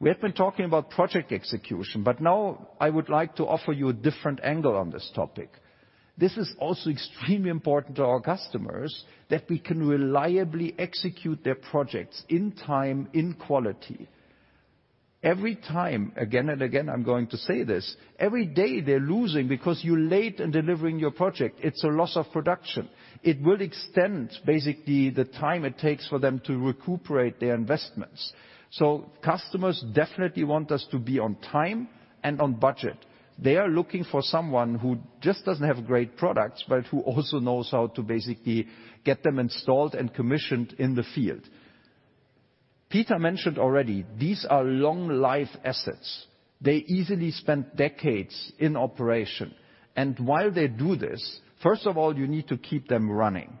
We have been talking about project execution, but now I would like to offer you a different angle on this topic. This is also extremely important to our customers, that we can reliably execute their projects in time, in quality. Every time, again and again, I'm going to say this, every day they're losing because you're late in delivering your project. It's a loss of production. It will extend basically the time it takes for them to recuperate their investments. Customers definitely want us to be on time and on budget. They are looking for someone who just doesn't have great products, but who also knows how to basically get them installed and commissioned in the field. Peter mentioned already, these are long-life assets. They easily spend decades in operation. While they do this, first of all, you need to keep them running.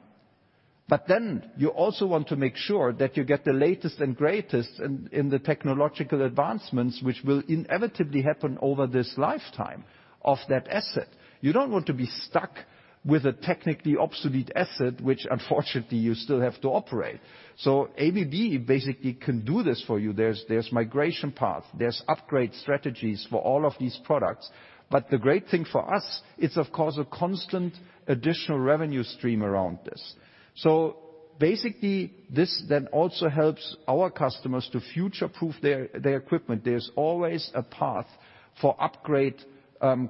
You also want to make sure that you get the latest and greatest in the technological advancements, which will inevitably happen over this lifetime of that asset. You don't want to be stuck with a technically obsolete asset, which unfortunately you still have to operate. ABB basically can do this for you. There's migration paths, there's upgrade strategies for all of these products. The great thing for us, it's of course a constant additional revenue stream around this. Basically this then also helps our customers to future-proof their equipment. There's always a path for upgrade,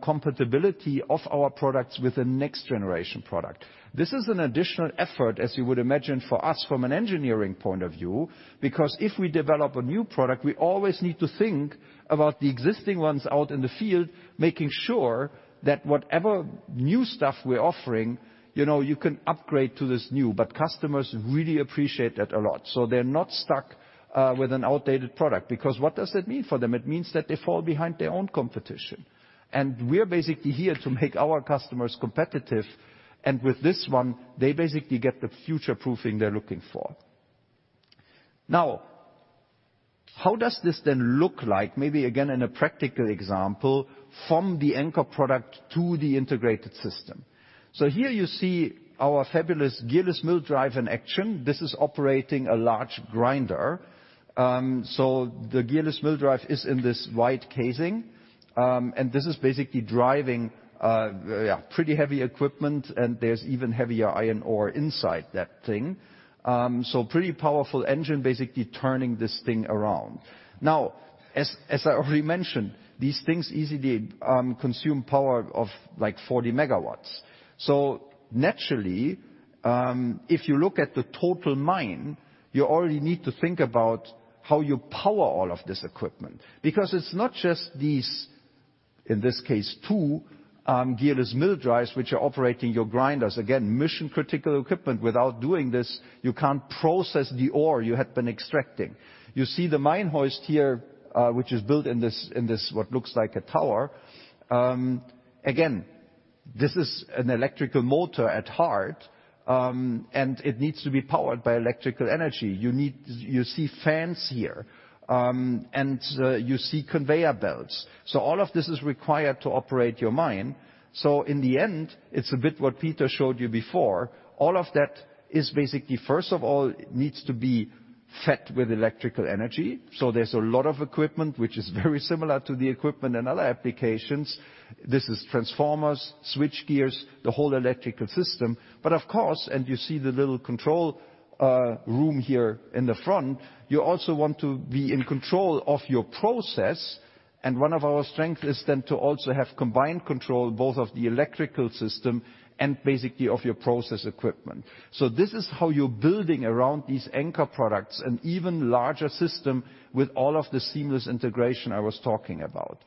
compatibility of our products with the next generation product. This is an additional effort, as you would imagine, for us from an engineering point of view, because if we develop a new product, we always need to think about the existing ones out in the field, making sure that whatever new stuff we're offering, you know, you can upgrade to this new. Customers really appreciate that a lot. They're not stuck with an outdated product, because what does that mean for them? It means that they fall behind their own competition. We're basically here to make our customers competitive. With this one, they basically get the future-proofing they're looking for. Now, how does this then look like? Maybe again, in a practical example, from the anchor product to the integrated system. Here you see our fabulous Gearless Mill Drive in action. This is operating a large grinder. The Gearless Mill Drive is in this white casing. This is basically driving pretty heavy equipment, and there's even heavier iron ore inside that thing. Pretty powerful engine basically turning this thing around. Now, as I already mentioned, these things easily consume power of, like 40 MW. Naturally, if you look at the total mine, you already need to think about how you power all of this equipment, because it's not just these, in this case, two Gearless Mill Drives, which are operating your grinders. Again, mission-critical equipment. Without doing this, you can't process the ore you had been extracting. You see the Mine Hoist here, which is built in this what looks like a tower. Again, this is an electrical motor at heart, and it needs to be powered by electrical energy. You see fans here, and you see conveyor belts. All of this is required to operate your mine. In the end, it's a bit what Peter showed you before. All of that is basically, first of all, it needs to be fed with electrical energy. There's a lot of equipment which is very similar to the equipment in other applications. This is transformers, switchgear, the whole electrical system. Of course, you see the little control room here in the front, you also want to be in control of your process. One of our strength is then to also have combined control, both of the electrical system and basically of your process equipment. This is how you're building around these anchor products, an even larger system with all of the seamless integration I was talking about.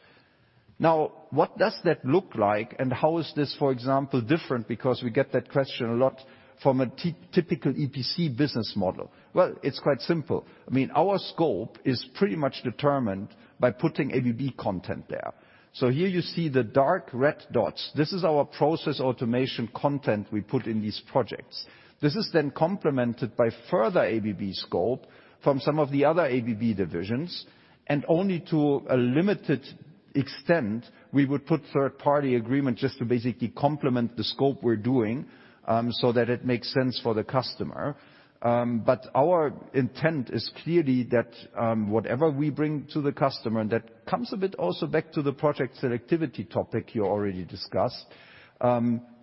Now, what does that look like and how is this, for example, different? Because we get that question a lot from a typical EPC business model. Well, it's quite simple. I mean, our scope is pretty much determined by putting ABB content there. So here you see the dark red dots. This is our Process Automation content we put in these projects. This is then complemented by further ABB scope from some of the other ABB divisions. Only to a limited extent, we would put third-party equipment just to basically complement the scope we're doing, so that it makes sense for the customer. Our intent is clearly that whatever we bring to the customer, and that comes a bit also back to the project selectivity topic you already discussed,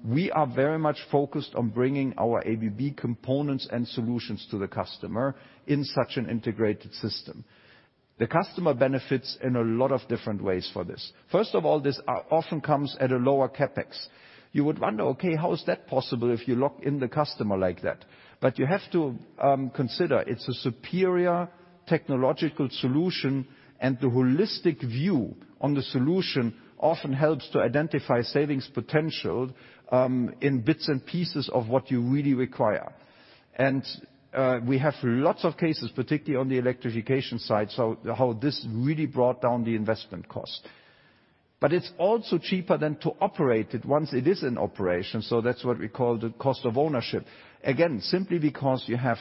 we are very much focused on bringing our ABB components and solutions to the customer in such an integrated system. The customer benefits in a lot of different ways for this. First of all, this often comes at a lower CapEx. You would wonder, okay, how is that possible if you lock in the customer like that? You have to consider it's a superior technological solution, and the holistic view on the solution often helps to identify savings potential in bits and pieces of what you really require. We have lots of cases, particularly on the electrification side, so how this really brought down the investment cost. It's also cheaper to operate it once it is in operation, so that's what we call the cost of ownership. Again, simply because you have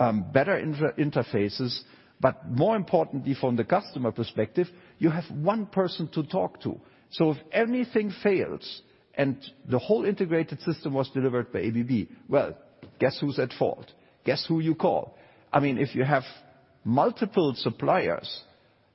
better interfaces, but more importantly, from the customer perspective, you have one person to talk to. If anything fails and the whole integrated system was delivered by ABB, well, guess who's at fault? Guess who you call? I mean, if you have multiple suppliers,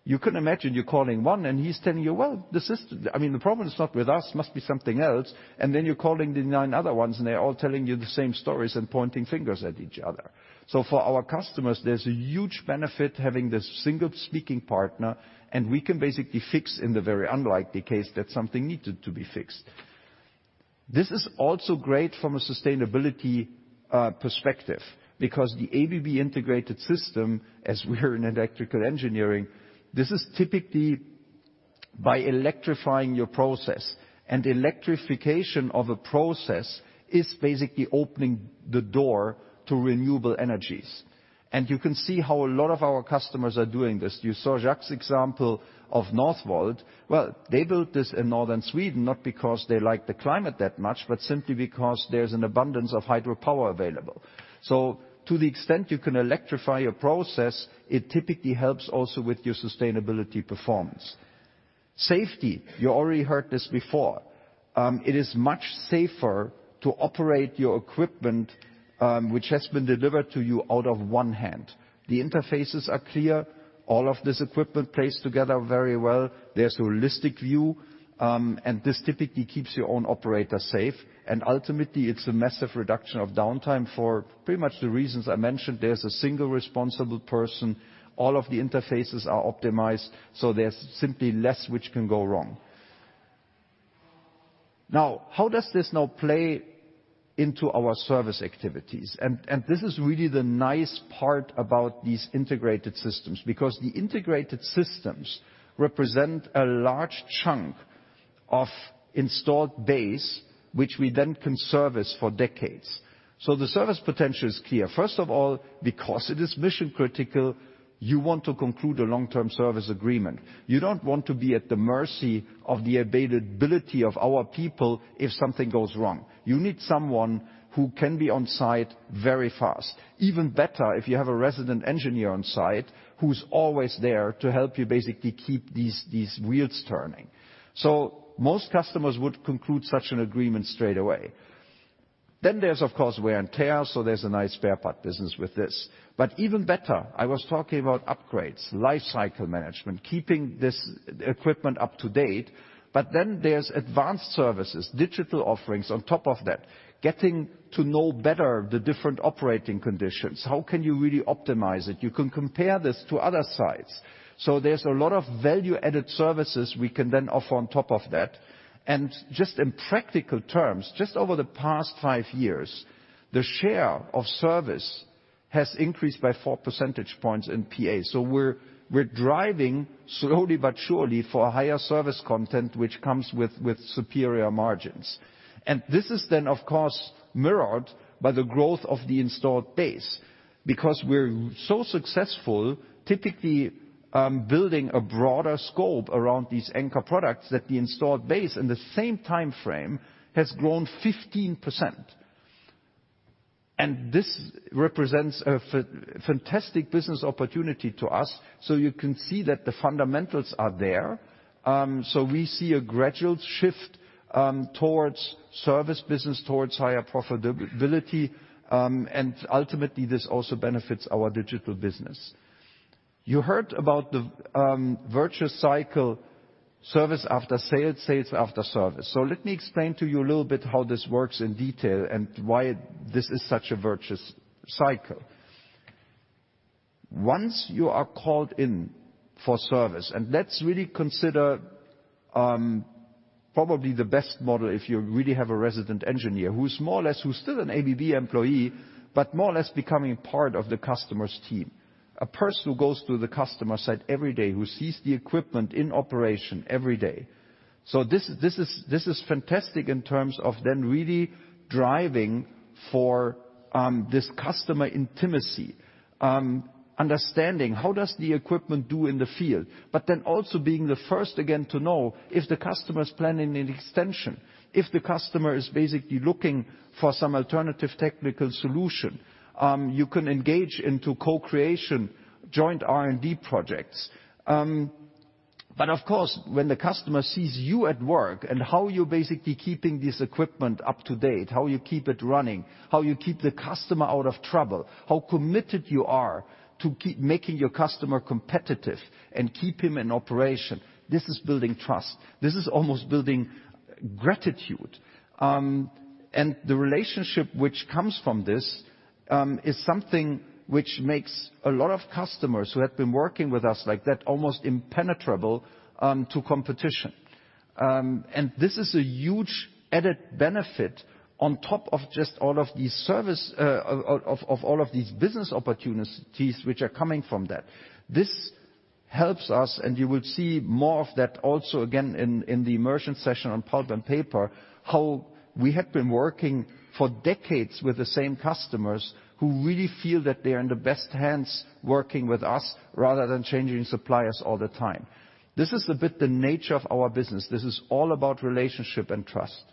you can imagine you're calling one and he's telling you, "Well, the problem is not with us, must be something else." Then you're calling the nine other ones, and they're all telling you the same stories and pointing fingers at each other. For our customers, there's a huge benefit having this single speaking partner, and we can basically fix in the very unlikely case that something needed to be fixed. This is also great from a sustainability perspective, because the ABB integrated system, as we're in electrical engineering, this is typically by electrifying your process, and electrification of a process is basically opening the door to renewable energies. You can see how a lot of our customers are doing this. You saw Jac's example of Northvolt. Well, they built this in northern Sweden, not because they like the climate that much, but simply because there's an abundance of hydropower available. To the extent you can electrify your process, it typically helps also with your sustainability performance. Safety, you already heard this before. It is much safer to operate your equipment, which has been delivered to you out of one hand. The interfaces are clear. All of this equipment plays together very well. There's holistic view, and this typically keeps your own operator safe. Ultimately, it's a massive reduction of downtime for pretty much the reasons I mentioned. There's a single responsible person. All of the interfaces are optimized, so there's simply less which can go wrong. Now, how does this now play into our service activities? This is really the nice part about these integrated systems, because the integrated systems represent a large chunk of installed base, which we then can service for decades. The service potential is clear. First of all, because it is mission-critical, you want to conclude a long-term service agreement. You don't want to be at the mercy of the availability of our people if something goes wrong. You need someone who can be on-site very fast. Even better, if you have a resident engineer on-site who's always there to help you basically keep these wheels turning. Most customers would conclude such an agreement straight away. There's, of course, wear and tear, so there's a nice spare part business with this. But even better, I was talking about upgrades, life cycle management, keeping this equipment up to date. There's advanced services, digital offerings on top of that, getting to know better the different operating conditions. How can you really optimize it? You can compare this to other sites. There's a lot of value-added services we can then offer on top of that. Just in practical terms, just over the past five years, the share of service has increased by four percentage points in PA. We're driving slowly but surely for higher service content, which comes with superior margins. This is then, of course, mirrored by the growth of the installed base. Because we're so successful, typically, building a broader scope around these anchor products that the installed base in the same time frame has grown 15%. This represents a fantastic business opportunity to us, so you can see that the fundamentals are there. We see a gradual shift towards service business, towards higher profitability, and ultimately, this also benefits our digital business. You heard about the virtuous cycle service after sale, sales after service. Let me explain to you a little bit how this works in detail and why this is such a virtuous cycle. Once you are called in for service, and let's really consider, probably the best model if you really have a resident engineer who's more or less, who's still an ABB employee, but more or less becoming part of the customer's team. A person who goes to the customer site every day, who sees the equipment in operation every day. This is fantastic in terms of then really driving for this customer intimacy, understanding how does the equipment do in the field. Also being the first, again, to know if the customer is planning an extension, if the customer is basically looking for some alternative technical solution. You can engage into co-creation, joint R&D projects. Of course, when the customer sees you at work and how you're basically keeping this equipment up to date, how you keep it running, how you keep the customer out of trouble, how committed you are to keep making your customer competitive and keep him in operation, this is building trust. This is almost building gratitude. The relationship which comes from this is something which makes a lot of customers who have been working with us like that almost impenetrable to competition. This is a huge added benefit on top of just all of these service of all of these business opportunities which are coming from that. This helps us, and you will see more of that also again in the immersion session on Pulp and Paper, how we have been working for decades with the same customers who really feel that they're in the best hands working with us rather than changing suppliers all the time. This is a bit the nature of our business. This is all about relationship and trust.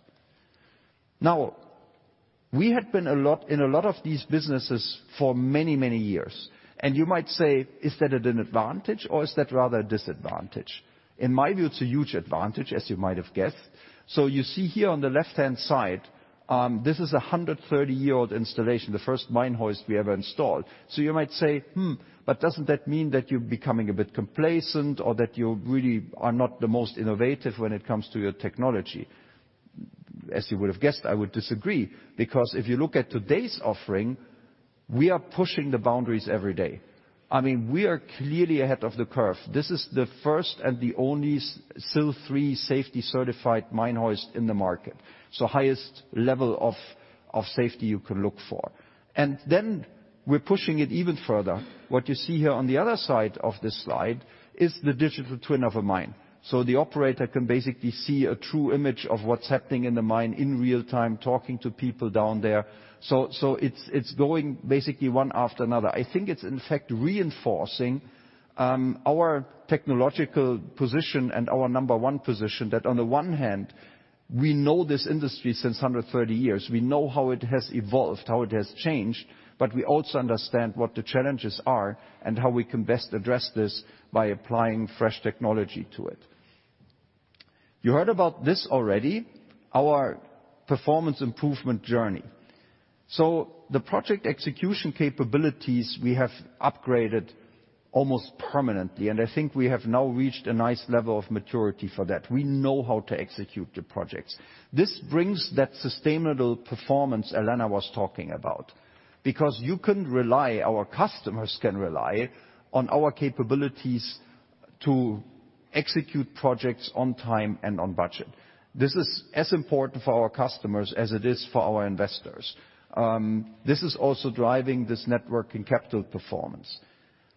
We have been a lot in a lot of these businesses for many, many years, and you might say, "Is that an advantage or is that rather a disadvantage?" In my view, it's a huge advantage as you might have guessed. You see here on the left-hand side, this is a 130-year-old installation, the first mine hoist we ever installed. You might say, "Hmm, but doesn't that mean that you're becoming a bit complacent or that you really are not the most innovative when it comes to your technology?" As you would have guessed, I would disagree because if you look at today's offering, we are pushing the boundaries every day. I mean, we are clearly ahead of the curve. This is the first and the only SIL3 safety certified mine hoist in the market, so highest level of safety you can look for. Then we're pushing it even further. What you see here on the other side of this slide is the digital twin of a mine. So the operator can basically see a true image of what's happening in the mine in real-time, talking to people down there. So it's going basically one after another. I think it's in fact reinforcing our technological position and our number one position that on the one hand, we know this industry since 130 years. We know how it has evolved, how it has changed, but we also understand what the challenges are and how we can best address this by applying fresh technology to it. You heard about this already, our performance improvement journey. The project execution capabilities we have upgraded almost permanently, and I think we have now reached a nice level of maturity for that. We know how to execute the projects. This brings that sustainable performance Alanna was talking about because you can rely, our customers can rely on our capabilities to execute projects on time and on budget. This is as important for our customers as it is for our investors. This is also driving this net working capital performance.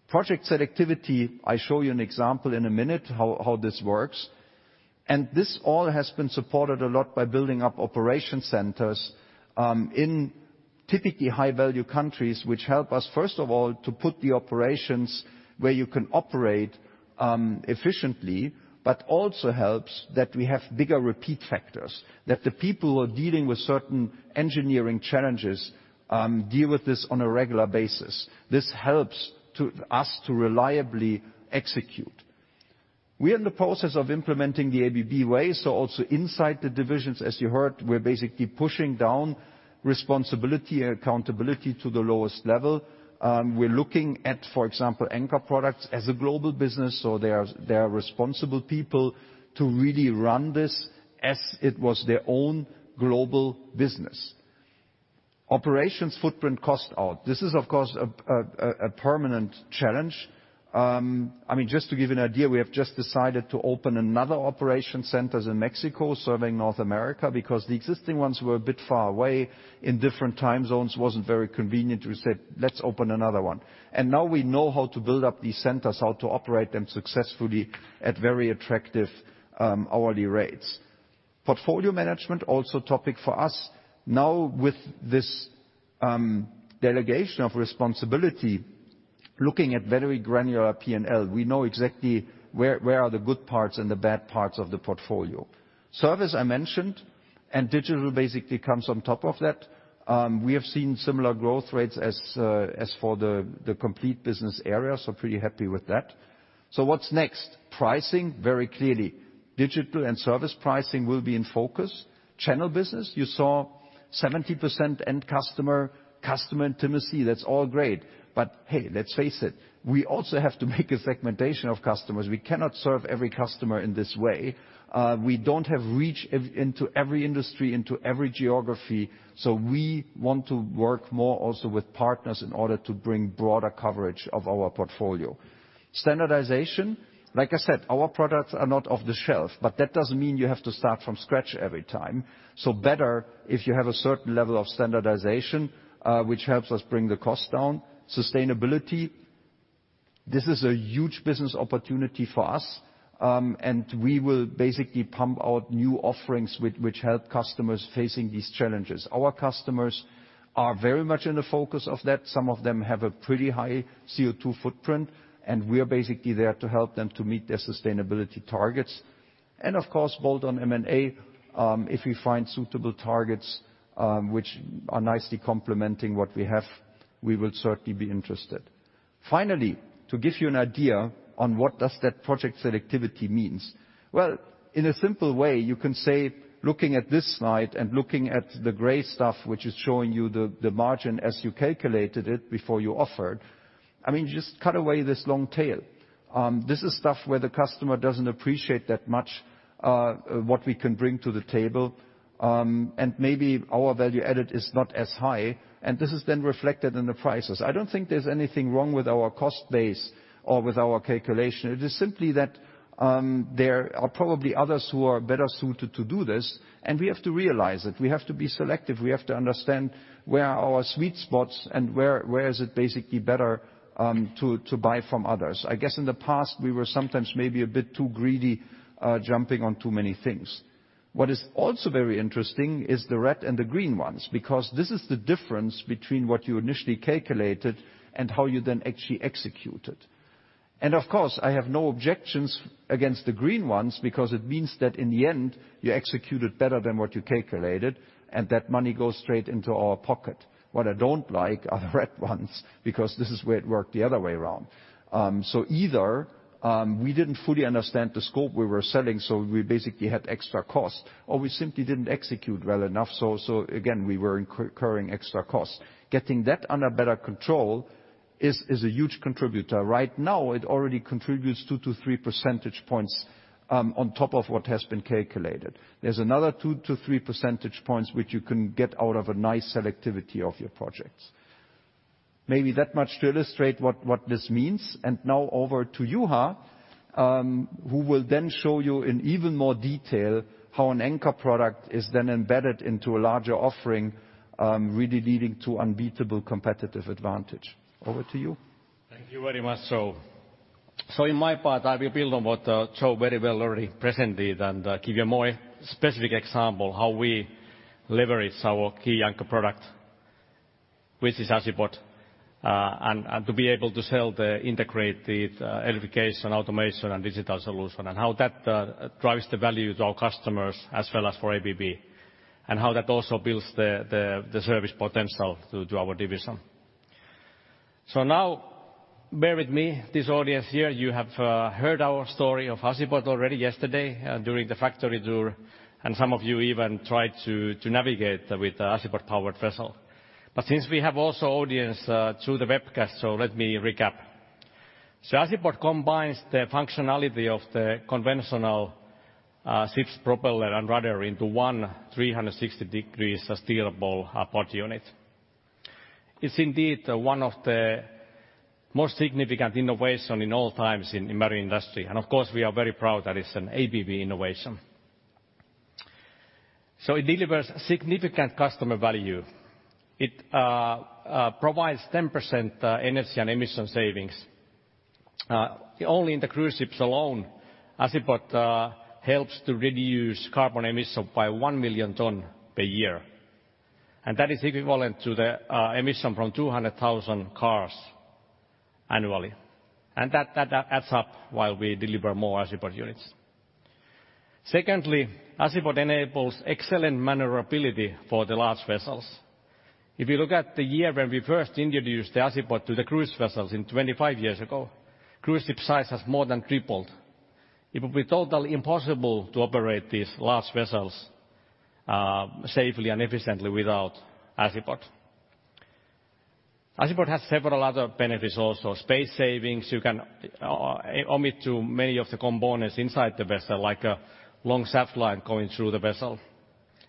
Project selectivity, I'll show you an example in a minute how this works. This all has been supported a lot by building up operations centers in typically high-value countries which help us, first of all, to put the operations where you can operate efficiently, but also helps that we have bigger repeat factors. That the people who are dealing with certain engineering challenges, deal with this on a regular basis. This helps to us to reliably execute. We are in the process of implementing the ABB Way, so also inside the divisions, as you heard, we're basically pushing down responsibility and accountability to the lowest level. We're looking at, for example, anchor products as a global business, so there are responsible people to really run this as it was their own global business. Operations footprint cost out. This is of course a permanent challenge. I mean, just to give you an idea, we have just decided to open another operations centers in Mexico serving North America because the existing ones were a bit far away in different time zones. Wasn't very convenient. We said, "Let's open another one." Now we know how to build up these centers, how to operate them successfully at very attractive hourly rates. Portfolio management, also topic for us. Now with this delegation of responsibility, looking at very granular P&L, we know exactly where are the good parts and the bad parts of the portfolio. Service, I mentioned, and digital basically comes on top of that. We have seen similar growth rates as for the complete business area, so pretty happy with that. What's next? Pricing, very clearly. Digital and service pricing will be in focus. Channel business, you saw 70% end customer intimacy. That's all great, but hey, let's face it, we also have to make a segmentation of customers. We cannot serve every customer in this way. We don't have reach into every industry, into every geography, so we want to work more also with partners in order to bring broader coverage of our portfolio. Standardization, like I said, our products are not off-the-shelf, but that doesn't mean you have to start from scratch every time. Better if you have a certain level of standardization, which helps us bring the cost down. Sustainability, this is a huge business opportunity for us, and we will basically pump out new offerings which help customers facing these challenges. Our customers are very much in the focus of that. Some of them have a pretty high CO2 footprint, and we are basically there to help them to meet their sustainability targets. Of course, bolt on M&A, if we find suitable targets, which are nicely complementing what we have, we will certainly be interested. Finally, to give you an idea on what does that project selectivity means. Well, in a simple way, you can say, looking at this slide and looking at the gray stuff, which is showing you the margin as you calculated it before you offered, I mean, just cut away this long tail. This is stuff where the customer doesn't appreciate that much what we can bring to the table, and maybe our value added is not as high, and this is then reflected in the prices. I don't think there's anything wrong with our cost base or with our calculation. It is simply that there are probably others who are better suited to do this, and we have to realize it. We have to be selective. We have to understand where are our sweet spots and where is it basically better to buy from others. I guess in the past, we were sometimes maybe a bit too greedy, jumping on too many things. What is also very interesting is the red and the green ones, because this is the difference between what you initially calculated and how you then actually executed. Of course, I have no objections against the green ones because it means that in the end, you executed better than what you calculated, and that money goes straight into our pocket. What I don't like are the red ones because this is where it worked the other way around. So either, we didn't fully understand the scope we were selling, so we basically had extra costs, or we simply didn't execute well enough, so again, we were incurring extra costs. Getting that under better control is a huge contributor. Right now, it already contributes two to three percentage points on top of what has been calculated. There's another two to three percentage points which you can get out of a nice selectivity of your projects. Maybe that much to illustrate what this means. Now over to Juha, who will then show you in even more detail how an anchor product is then embedded into a larger offering, really leading to unbeatable competitive advantage. Over to you. Thank you very much. In my part, I will build on what Joa very well already presented and give you a more specific example how we leverage our key anchor product, which is Azipod, and to be able to sell the integrated electrification, automation, and digital solution, and how that drives the value to our customers as well as for ABB, and how that also builds the service potential to our division. Now bear with me, this audience here, you have heard our story of Azipod already yesterday during the factory tour, and some of you even tried to navigate with the Azipod powered vessel. Since we have also audience through the webcast, let me recap. Azipod combines the functionality of the conventional ship's propeller and rudder into one 360 degree steerable pod unit. It's indeed one of the most significant innovation in all times in marine industry, and of course, we are very proud that it's an ABB innovation. It delivers significant customer value. It provides 10% energy and emission savings. Only in the cruise ships alone, Azipod helps to reduce carbon emission by 1 million ton per year, and that is equivalent to the emission from 200,000 cars annually. That adds up while we deliver more Azipod units. Secondly, Azipod enables excellent maneuverability for the large vessels. If you look at the year when we first introduced the Azipod to the cruise vessels 25 years ago, cruise ship size has more than tripled. It would be totally impossible to operate these large vessels safely and efficiently without Azipod. Azipod has several other benefits also. Space savings, you can omit too many of the components inside the vessel, like a long shaft line going through the vessel.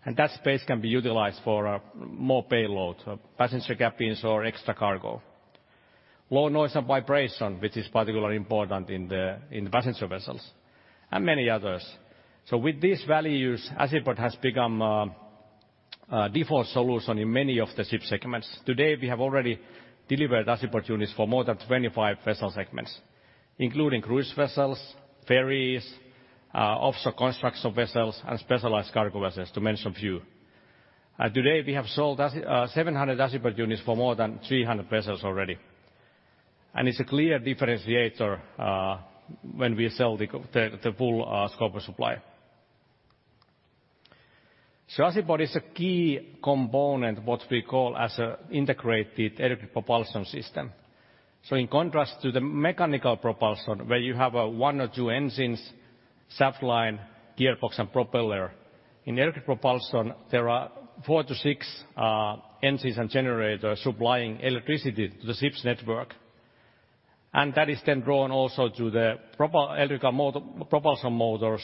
That space can be utilized for more payload, so passenger cabins or extra cargo. Low noise and vibration, which is particularly important in the passenger vessels, and many others. With these values, Azipod has become a default solution in many of the ship segments. Today, we have already delivered Azipod units for more than 25 vessel segments, including cruise vessels, ferries, offshore construction vessels, and specialized cargo vessels, to mention a few. Today, we have sold 700 Azipod units for more than 300 vessels already. It's a clear differentiator, when we sell the full scope of supply. Azipod is a key component, what we call as an integrated electric propulsion system. In contrast to the mechanical propulsion, where you have one or two engines, shaft line, gearbox, and propeller, in electric propulsion, there are four to six engines and generators supplying electricity to the ship's network. That is then drawn also to the electrical motor, propulsion motors.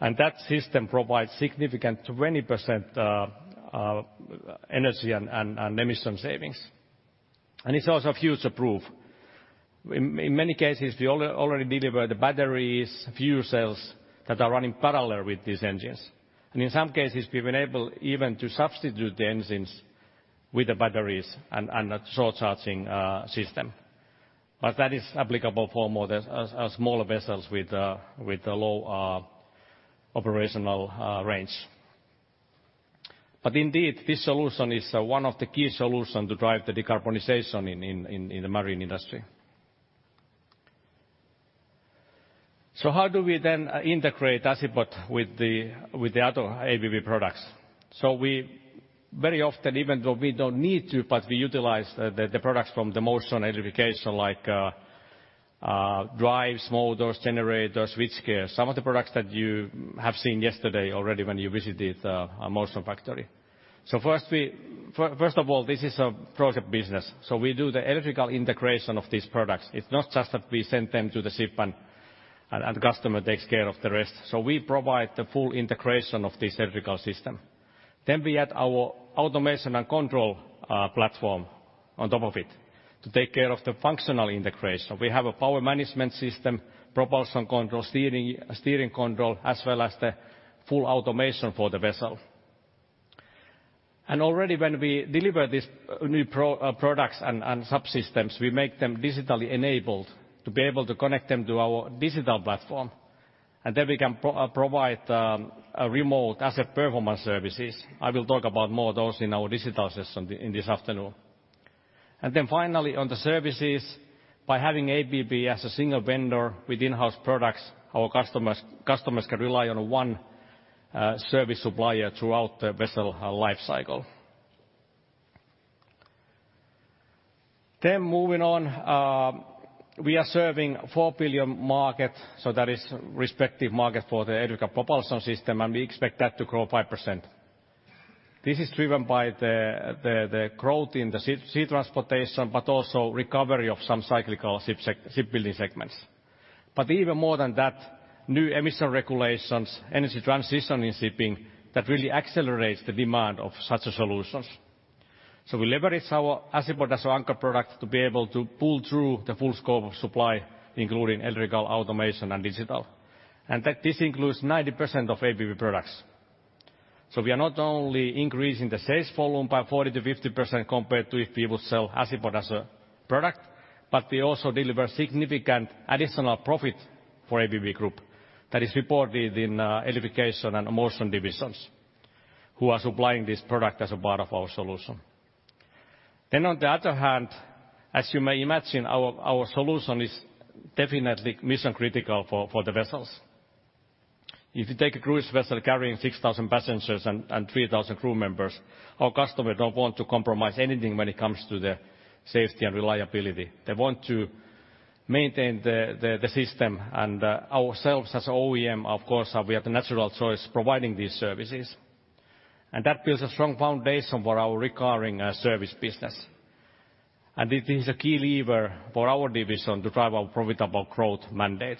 That system provides significant 20% energy and emission savings. It's also future-proof. In many cases, we already deliver the batteries, fuel cells, that are running parallel with these engines. In some cases, we've been able even to substitute the engines with the batteries and a shore charging system. That is applicable for more the smaller vessels with a low operational range. Indeed, this solution is one of the key solution to drive the decarbonization in the marine industry. How do we then integrate Azipod with the other ABB products? We very often, even though we don't need to, but we utilize the products from the motion electrification like drives, motors, generators, switchgear. Some of the products that you have seen yesterday already when you visited our motion factory. First of all, this is a project business, so we do the electrical integration of these products. It's not just that we send them to the ship and customer takes care of the rest. We provide the full integration of this electrical system. We add our automation and control platform on top of it to take care of the functional integration. We have a power management system, propulsion control, steering control, as well as the full automation for the vessel. Already when we deliver this new products and subsystems, we make them digitally enabled to be able to connect them to our digital platform, and then we can provide a remote asset performance services. I will talk about more of those in our digital session this afternoon. Finally, on the services, by having ABB as a single vendor with in-house products, our customers can rely on one service supplier throughout their vessel life cycle. Moving on, we are serving $4 billion market, that is respective market for the electrical propulsion system, and we expect that to grow 5%. This is driven by the growth in the sea transportation, but also recovery of some cyclical shipbuilding segments. Even more than that, new emission regulations, energy transition in shipping, that really accelerates the demand of such solutions. We leverage our Azipod as anchor product to be able to pull through the full scope of supply, including electrical automation and digital. That this includes 90% of ABB products. We are not only increasing the sales volume by 40%-50% compared to if we will sell Azipod as a product, but we also deliver significant additional profit for ABB Group that is reported in electrification and motion divisions, who are supplying this product as a part of our solution. On the other hand, as you may imagine, our solution is definitely mission-critical for the vessels. If you take a cruise vessel carrying 6,000 passengers and 3,000 crew members, our customer don't want to compromise anything when it comes to the safety and reliability. They want to maintain the system, and ourselves as OEM, of course, we are the natural choice providing these services, and that builds a strong foundation for our recurring service business. It is a key lever for our division to drive our profitable growth mandate.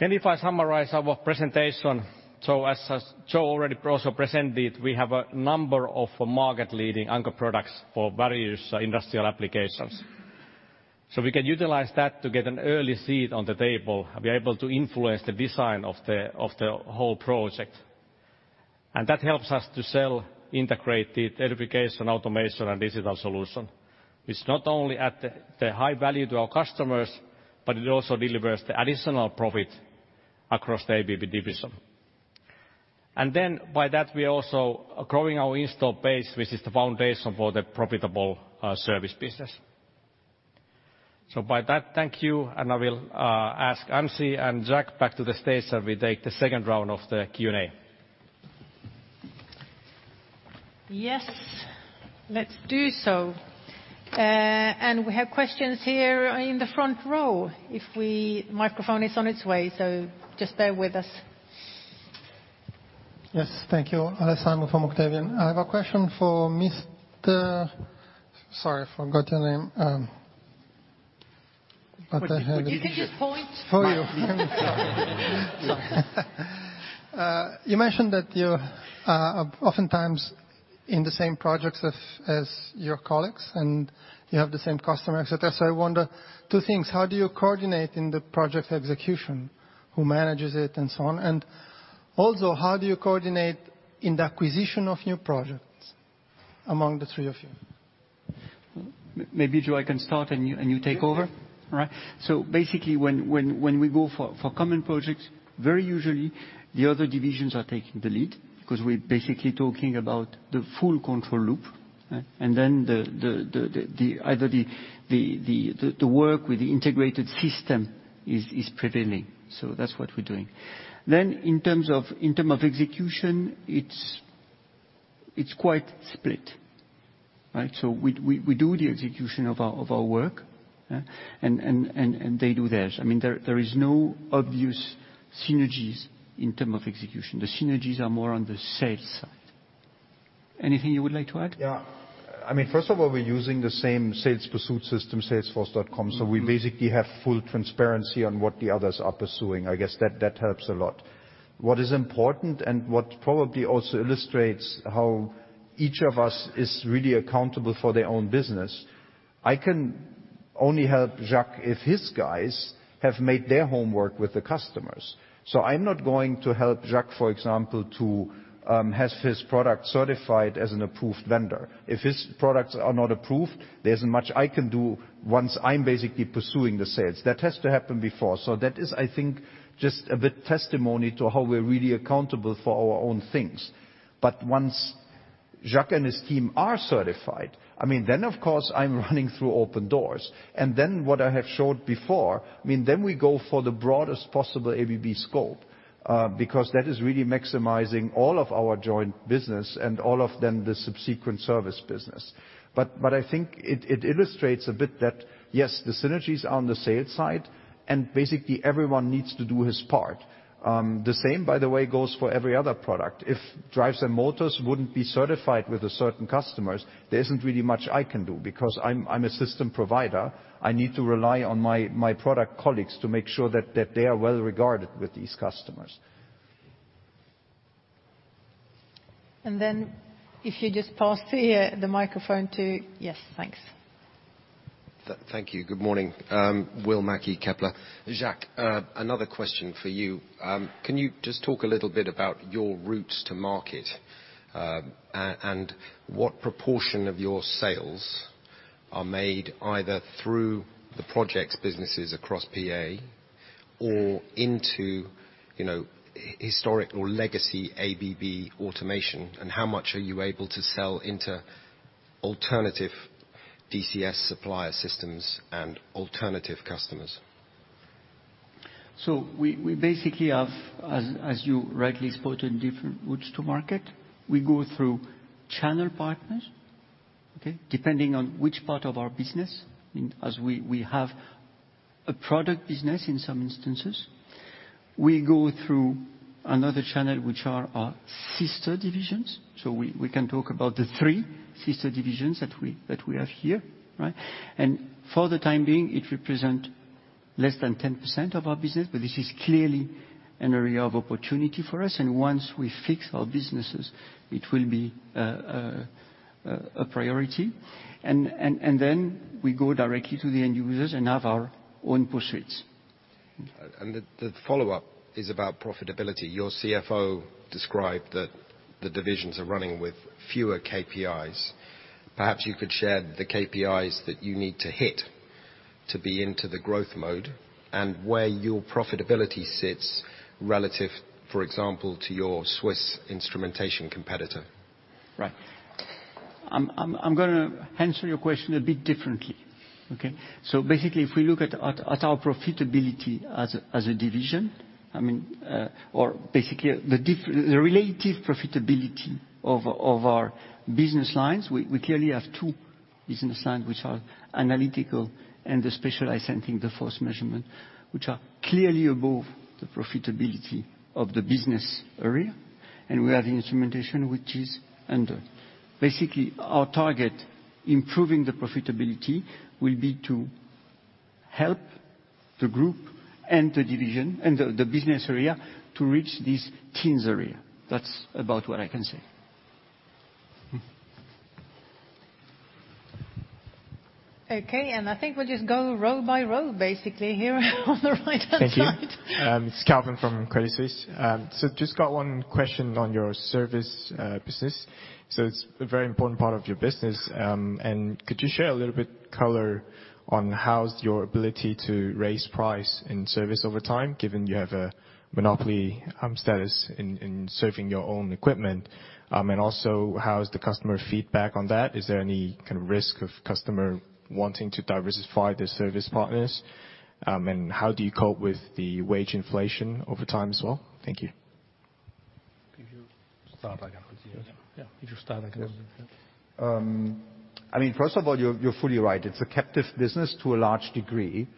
If I summarize our presentation, so as Joa already also presented, we have a number of market-leading anchor products for various industrial applications. We can utilize that to get an early seat on the table and be able to influence the design of the whole project. That helps us to sell integrated electrification, automation, and digital solution, which not only add the high value to our customers, but it also delivers the additional profit across the ABB division. By that, we're also growing our install base, which is the foundation for the profitable service business. By that, thank you, and I will ask Anssi and Jac back to the stage, and we take the second round of the Q&A. Yes. Let's do so. We have questions here in the front row. Microphone is on its way, so just bear with us. Yes. Thank you. Alessandro from Octavian. I have a question for Mister. Sorry, I forgot your name at the head. You can just point. For you. Sorry, you mentioned that you're oftentimes in the same projects as your colleagues, and you have the same customer, et cetera. I wonder two things. How do you coordinate in the project execution, who manages it, and so on? And also, how do you coordinate in the acquisition of new projects among the three of you? Maybe, Joa, I can start, and you take over. Sure. Yeah. All right. Basically, when we go for common projects, very usually the other divisions are taking the lead because we're basically talking about the full control loop, and then either the work with the integrated system is prevailing. That's what we're doing. In terms of execution, it's quite split. Right? We do the execution of our work, and they do theirs. I mean, there is no obvious synergies in terms of execution. The synergies are more on the sales side. Anything you would like to add? Yeah. I mean, first of all, we're using the same sales pursuit system, Salesforce. Mm-hmm. We basically have full transparency on what the others are pursuing. I guess that helps a lot. What is important and what probably also illustrates how each of us is really accountable for their own business, I can only help Jacques if his guys have made their homework with the customers. I'm not going to help Jacques, for example, to have his product certified as an approved vendor. If his products are not approved, there isn't much I can do once I'm basically pursuing the sales. That has to happen before. That is, I think, just a bit testament to how we're really accountable for our own things. Jacques and his team are certified. I mean, then, of course, I'm running through open doors. What I have showed before, I mean, then we go for the broadest possible ABB scope, because that is really maximizing all of our joint business and all of the subsequent service business. I think it illustrates a bit that, yes, the synergies on the sales side, and basically everyone needs to do his part. The same, by the way, goes for every other product. If drives and motors wouldn't be certified with certain customers, there isn't really much I can do because I'm a system provider. I need to rely on my product colleagues to make sure that they are well-regarded with these customers. If you just pass here the microphone to. Yes, thanks. Thank you. Good morning. Will Mackie, Kepler Cheuvreux. Jacques Mulbert, another question for you. Can you just talk a little bit about your routes to market, and what proportion of your sales are made either through the projects businesses across PA or into, you know, historic or legacy ABB automation, and how much are you able to sell into alternative DCS supplier systems and alternative customers? We basically have, as you rightly spotted, different routes to market. We go through channel partners, okay? Depending on which part of our business, I mean, as we have a product business in some instances. We go through another channel, which are our sister divisions. We can talk about the three sister divisions that we have here, right? For the time being, it represent less than 10% of our business, but this is clearly an area of opportunity for us. Once we fix our businesses, it will be a priority. Then we go directly to the end users and have our own pursuits. The follow-up is about profitability. Your CFO described that the divisions are running with fewer KPIs. Perhaps you could share the KPIs that you need to hit to be into the growth mode and where your profitability sits relative, for example, to your Swiss instrumentation competitor. Right. I'm gonna answer your question a bit differently, okay? Basically, if we look at our profitability as a division, the relative profitability of our business lines, we clearly have two business lines which are Analytics and the Specialized, I think, Force Measurement, which are clearly above the profitability of the business area. We have the Instrumentation, which is under. Basically, our target, improving the profitability, will be to help the group and the division and the business area to reach this target area. That's about what I can say. Okay, I think we'll just go row by row basically here on the right-hand side. Thank you. It's Calvin from Credit Suisse. Just got one question on your service business. It's a very important part of your business. Could you share a little bit color on how's your ability to raise price in service over time, given you have a monopoly status in serving your own equipment? Also, how is the customer feedback on that? Is there any kind of risk of customer wanting to diversify their service partners? How do you cope with the wage inflation over time as well? Thank you. Could you start? I can continue. Yeah. If you start, I can continue. I mean, first of all, you're fully right. It's a captive business to a large degree,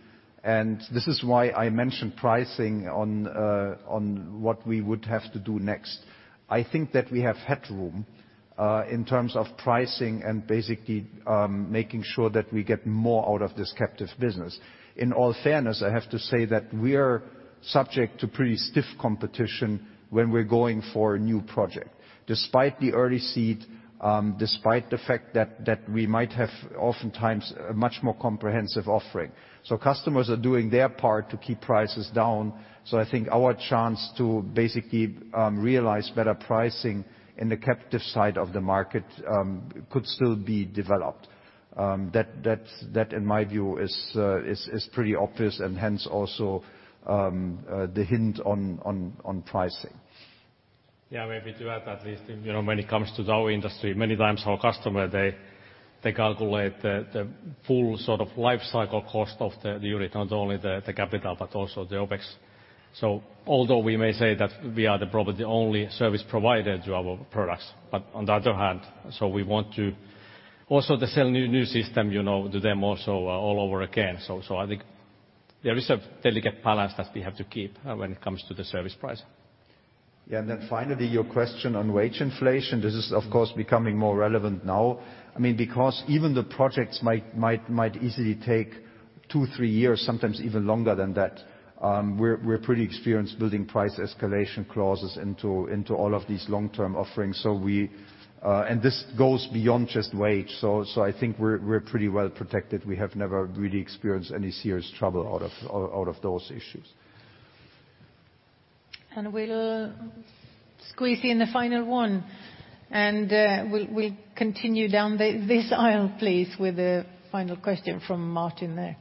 and this is why I mentioned pricing on what we would have to do next. I think that we have headroom in terms of pricing and basically making sure that we get more out of this captive business. In all fairness, I have to say that we're subject to pretty stiff competition when we're going for a new project, despite the early seed, despite the fact that we might have oftentimes a much more comprehensive offering. Customers are doing their part to keep prices down. I think our chance to basically realize better pricing in the captive side of the market could still be developed. That in my view is pretty obvious and hence also the hint on pricing. Yeah, maybe to add at least, you know, when it comes to our industry, many times our customer they calculate the full sort of life cycle cost of the unit, not only the capital, but also the OpEx. Although we may say that we are probably the only service provider to our products, but on the other hand, we want to also to sell new system, you know, to them also all over again. I think there is a delicate balance that we have to keep when it comes to the service price. Yeah. Finally, your question on wage inflation. This is, of course, becoming more relevant now. I mean, because even the projects might easily take 2, 3 years, sometimes even longer than that. We're pretty experienced building price escalation clauses into all of these long-term offerings. This goes beyond just wage. I think we're pretty well protected. We have never really experienced any serious trouble out of those issues. We'll squeeze in the final one. We'll continue down this aisle, please, with a final question from Martin there.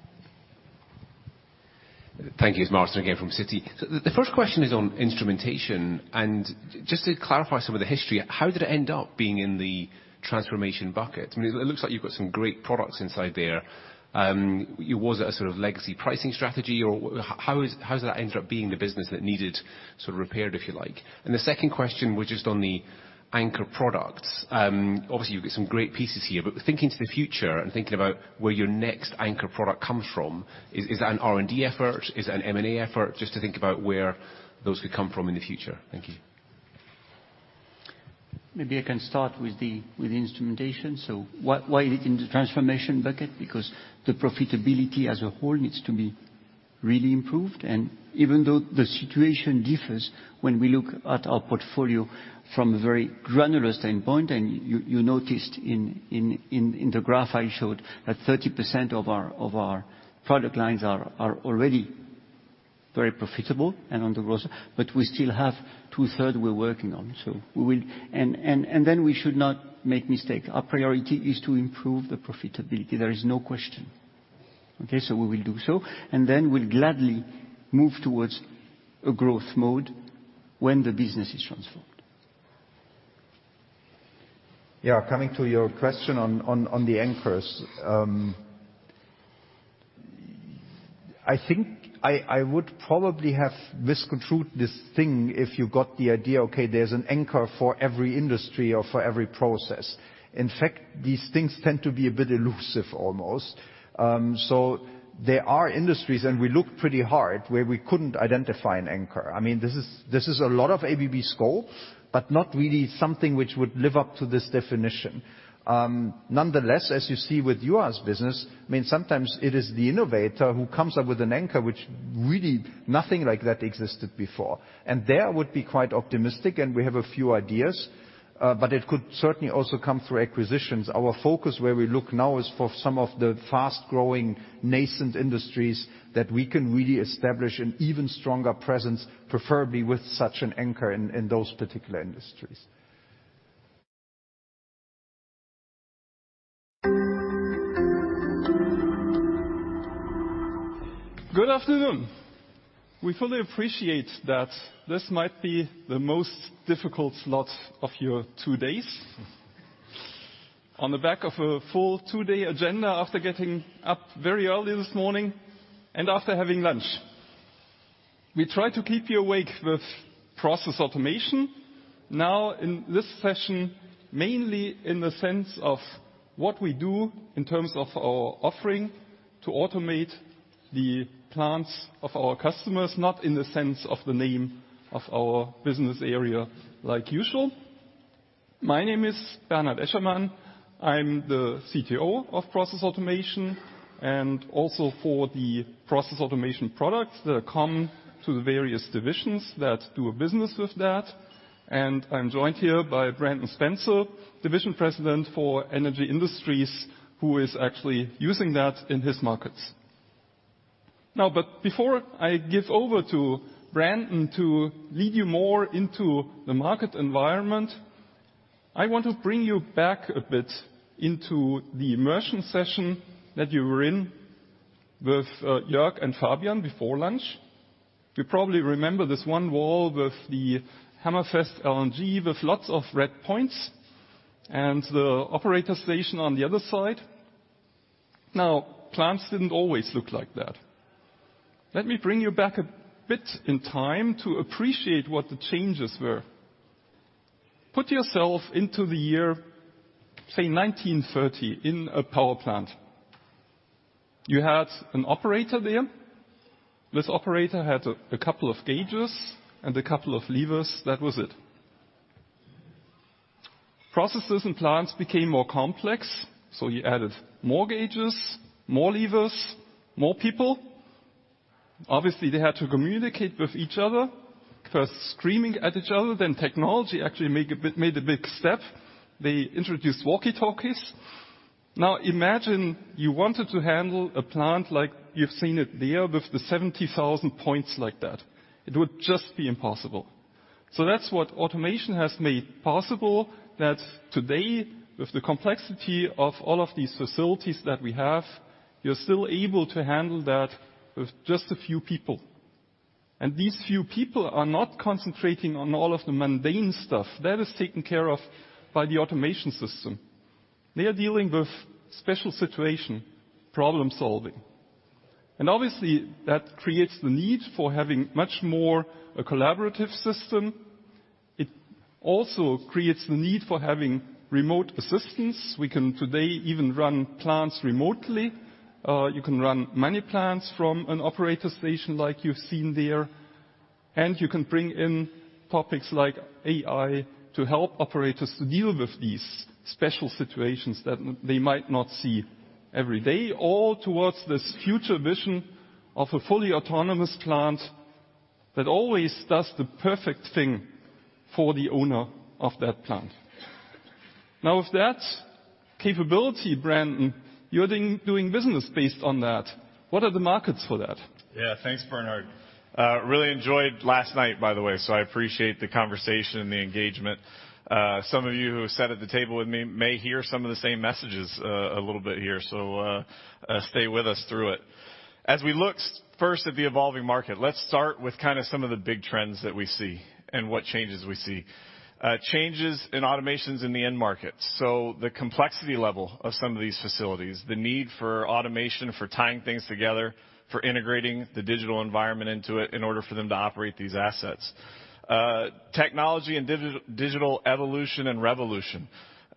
Thank you. It's Martin again from Citi. The first question is on instrumentation. Just to clarify some of the history, how did it end up being in the transformation bucket? I mean, it looks like you've got some great products inside there. Was it a sort of legacy pricing strategy? Or how does that end up being the business that needed sort of repaired, if you like? The second question was just on the anchor products. Obviously, you've got some great pieces here, but thinking to the future and thinking about where your next anchor product comes from, is that an R&D effort? Is it an M&A effort? Just to think about where those could come from in the future. Thank you. Maybe I can start with the instrumentation. Why is it in the transformation bucket? Because the profitability as a whole needs to be really improved. Even though the situation differs when we look at our portfolio from a very granular standpoint, you noticed in the graph I showed that 30% of our product lines are already very profitable and on the growth. But we still have two-thirds we're working on, so we will. Then we should not make mistake. Our priority is to improve the profitability. There is no question. Okay? We will do so, and then we'll gladly move towards a growth mode when the business is transformed. Yeah. Coming to your question on the anchors. I think I would probably have misconstrued this thing if you got the idea, okay, there's an anchor for every industry or for every process. In fact, these things tend to be a bit elusive almost. There are industries, and we look pretty hard, where we couldn't identify an anchor. I mean, this is a lot of ABB scope, but not really something which would live up to this definition. Nonetheless, as you see with your business, I mean, sometimes it is the innovator who comes up with an anchor which really nothing like that existed before. There would be quite optimistic, and we have a few ideas, but it could certainly also come through acquisitions. Our focus where we look now is for some of the fast-growing nascent industries that we can really establish an even stronger presence, preferably with such an anchor in those particular industries. Good afternoon. We fully appreciate that this might be the most difficult slot of your two days, on the back of a full two-day agenda after getting up very early this morning and after having lunch. We try to keep you awake with process automation. Now, in this session, mainly in the sense of what we do in terms of our offering to automate the plants of our customers, not in the sense of the name of our business area, like usual. My name is Bernhard Eschermann. I'm the CTO of Process Automation and also for the process automation products that come to the various divisions that do a business with that. I'm joined here by Brandon Spencer, Division President for Energy Industries, who is actually using that in his markets. Now, before I give over to Brandon to lead you more into the market environment, I want to bring you back a bit into the immersion session that you were in with Jörg and Fabian before lunch. You probably remember this one wall with the Hammerfest LNG with lots of red points and the operator station on the other side. Now, plants didn't always look like that. Let me bring you back a bit in time to appreciate what the changes were. Put yourself into the year, say 1930, in a power plant. You had an operator there. This operator had a couple of gauges and a couple of levers. That was it. Processes and plants became more complex, so you added more gauges, more levers, more people. Obviously, they had to communicate with each other, first screaming at each other. Technology actually made a big step. They introduced walkie-talkies. Now, imagine you wanted to handle a plant like you've seen it there with the 70,000 points like that. It would just be impossible. That's what automation has made possible, that today, with the complexity of all of these facilities that we have, you're still able to handle that with just a few people. These few people are not concentrating on all of the mundane stuff. That is taken care of by the automation system. They are dealing with special situation, problem-solving. Obviously, that creates the need for having much more a collaborative system. It also creates the need for having remote assistance. We can today even run plants remotely. You can run many plants from an operator station like you've seen there. You can bring in topics like AI to help operators to deal with these special situations that they might not see every day, all towards this future vision of a fully autonomous plant that always does the perfect thing for the owner of that plant. Now, with that capability, Brandon, you're doing business based on that. What are the markets for that? Yeah. Thanks, Bernhard. Really enjoyed last night, by the way, so I appreciate the conversation and the engagement. Some of you who sat at the table with me may hear some of the same messages, a little bit here, so stay with us through it. As we look first at the evolving market, let's start with kinda some of the big trends that we see and what changes we see. Changes in automation in the end market, so the complexity level of some of these facilities, the need for automation for tying things together, for integrating the digital environment into it in order for them to operate these assets. Technology and digital evolution and revolution.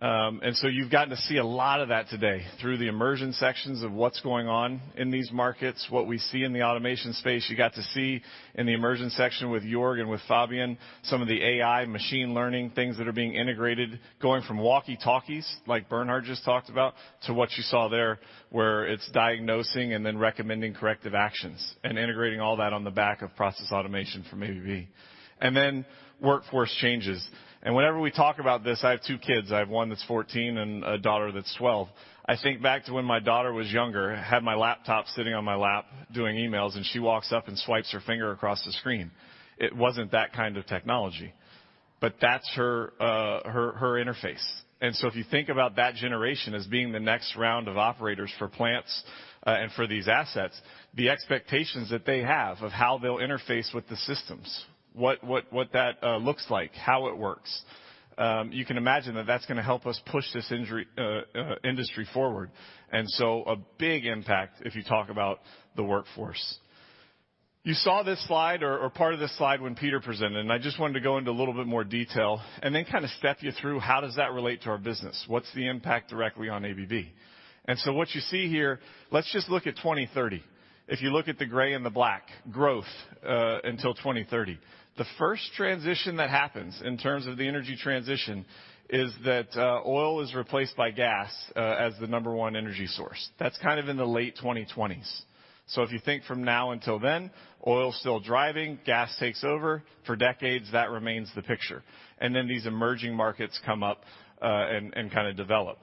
You've gotten to see a lot of that today through the immersion sections of what's going on in these markets, what we see in the automation space. You got to see in the immersion section with Jörg and with Fabian some of the AI machine learning things that are being integrated, going from walkie-talkies, like Bernhard just talked about, to what you saw there, where it's diagnosing and then recommending corrective actions and integrating all that on the back of Process Automation from ABB. Workforce changes, and whenever we talk about this. I have two kids. I have one that's 14 and a daughter that's 12. I think back to when my daughter was younger, I had my laptop sitting on my lap doing emails, and she walks up and swipes her finger across the screen. It wasn't that kind of technology, but that's her interface. If you think about that generation as being the next round of operators for plants, and for these assets, the expectations that they have of how they'll interface with the systems, what that looks like, how it works, you can imagine that that's gonna help us push this industry forward, and so a big impact if you talk about the workforce. You saw this slide or part of this slide when Peter presented, and I just wanted to go into a little bit more detail and then kinda step you through how does that relate to our business? What's the impact directly on ABB? What you see here, let's just look at 2030. If you look at the gray and the black, growth until 2030. The first transition that happens in terms of the energy transition is that oil is replaced by gas as the number one energy source. That's kind of in the late 2020s. If you think from now until then, oil's still driving. Gas takes over. For decades, that remains the picture. Then these emerging markets come up and kinda develop.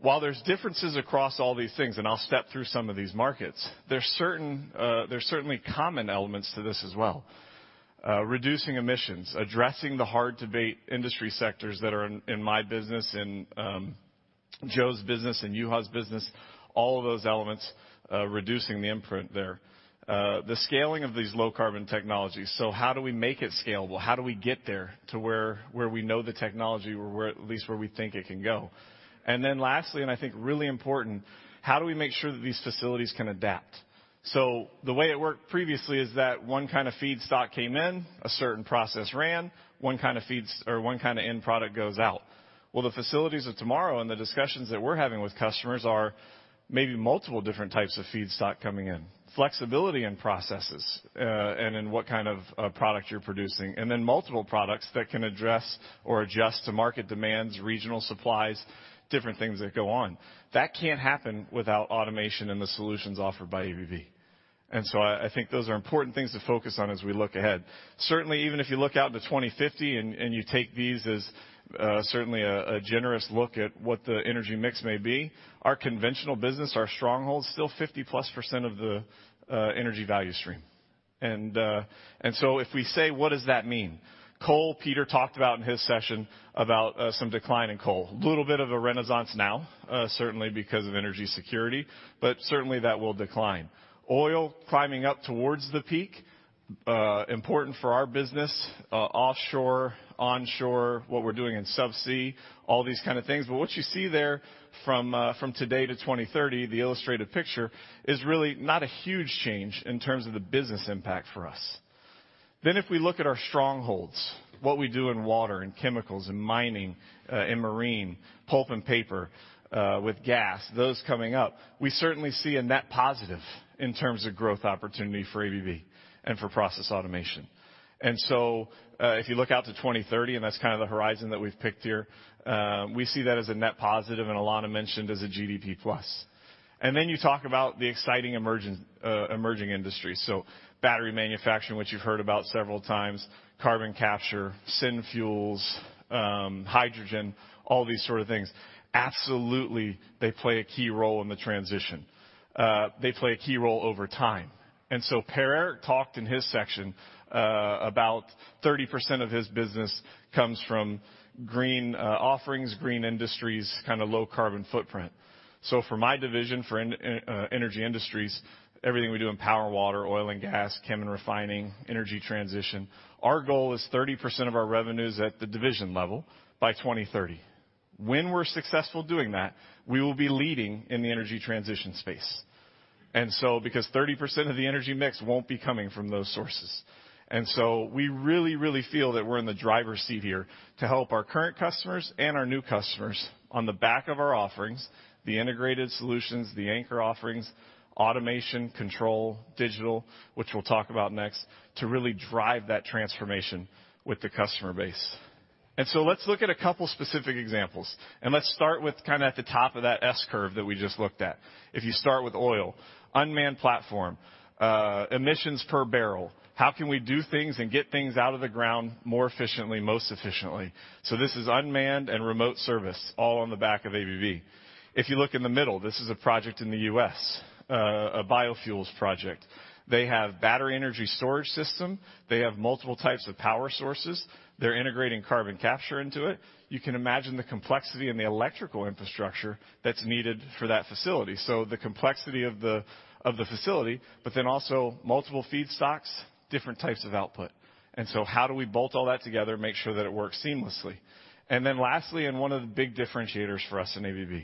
While there's differences across all these things, and I'll step through some of these markets, there's certainly common elements to this as well. Reducing emissions, addressing the hard-to-abate industry sectors that are in my business, in Joa's business, in Juha's business, all of those elements, reducing the imprint there. The scaling of these low carbon technologies, so how do we make it scalable? How do we get there to where we know the technology or where, at least where we think it can go? Then lastly, and I think really important, how do we make sure that these facilities can adapt? The way it worked previously is that one kind of feedstock came in, a certain process ran, one kind of feeds or one kind of end product goes out. Well, the facilities of tomorrow and the discussions that we're having with customers are maybe multiple different types of feedstock coming in, flexibility in processes, and in what kind of product you're producing, and then multiple products that can address or adjust to market demands, regional supplies, different things that go on. That can't happen without automation and the solutions offered by ABB. I think those are important things to focus on as we look ahead. Certainly, even if you look out to 2050 and you take these as certainly a generous look at what the energy mix may be, our conventional business, our strongholds, still 50%+ of the energy value stream. If we say, what does that mean? Coal, Peter talked about in his session about some decline in coal. A little bit of a renaissance now, certainly because of energy security, but certainly that will decline. Oil climbing up towards the peak, important for our business, offshore, onshore, what we're doing in subsea, all these kind of things. What you see there from today to 2030, the illustrated picture, is really not a huge change in terms of the business impact for us. If we look at our strongholds, what we do in water, in chemicals, in mining, in marine, pulp and paper, with gas, those coming up, we certainly see a net positive in terms of growth opportunity for ABB and for Process Automation. If you look out to 2030, and that's kind of the horizon that we've picked here, we see that as a net positive, and Alanna mentioned as a GDP plus. You talk about the exciting emerging industries, so battery manufacturing, which you've heard about several times, carbon capture, syn fuels, hydrogen, all these sort of things. Absolutely, they play a key role in the transition. They play a key role over time. Per-Erik talked in his section about 30% of his business comes from green offerings, green industries, kinda low carbon footprint. For my division, for Energy Industries, everything we do in power, water, oil and gas, chem and refining, energy transition, our goal is 30% of our revenues at the division level by 2030. When we're successful doing that, we will be leading in the energy transition space. Because 30% of the energy mix won't be coming from those sources. We really feel that we're in the driver's seat here to help our current customers and our new customers on the back of our offerings, the integrated solutions, the anchor offerings, automation, control, digital, which we'll talk about next, to really drive that transformation with the customer base. Let's look at a couple specific examples, and let's start with kinda at the top of that S curve that we just looked at. If you start with oil, unmanned platform, emissions per barrel, how can we do things and get things out of the ground more efficiently, most efficiently? This is unmanned and remote service all on the back of ABB. If you look in the middle, this is a project in the U.S., a biofuels project. They have battery energy storage system. They have multiple types of power sources. They're integrating carbon capture into it. You can imagine the complexity and the electrical infrastructure that's needed for that facility. The complexity of the facility, but then also multiple feedstocks, different types of output. How do we bolt all that together, make sure that it works seamlessly? Lastly, and one of the big differentiators for us in ABB,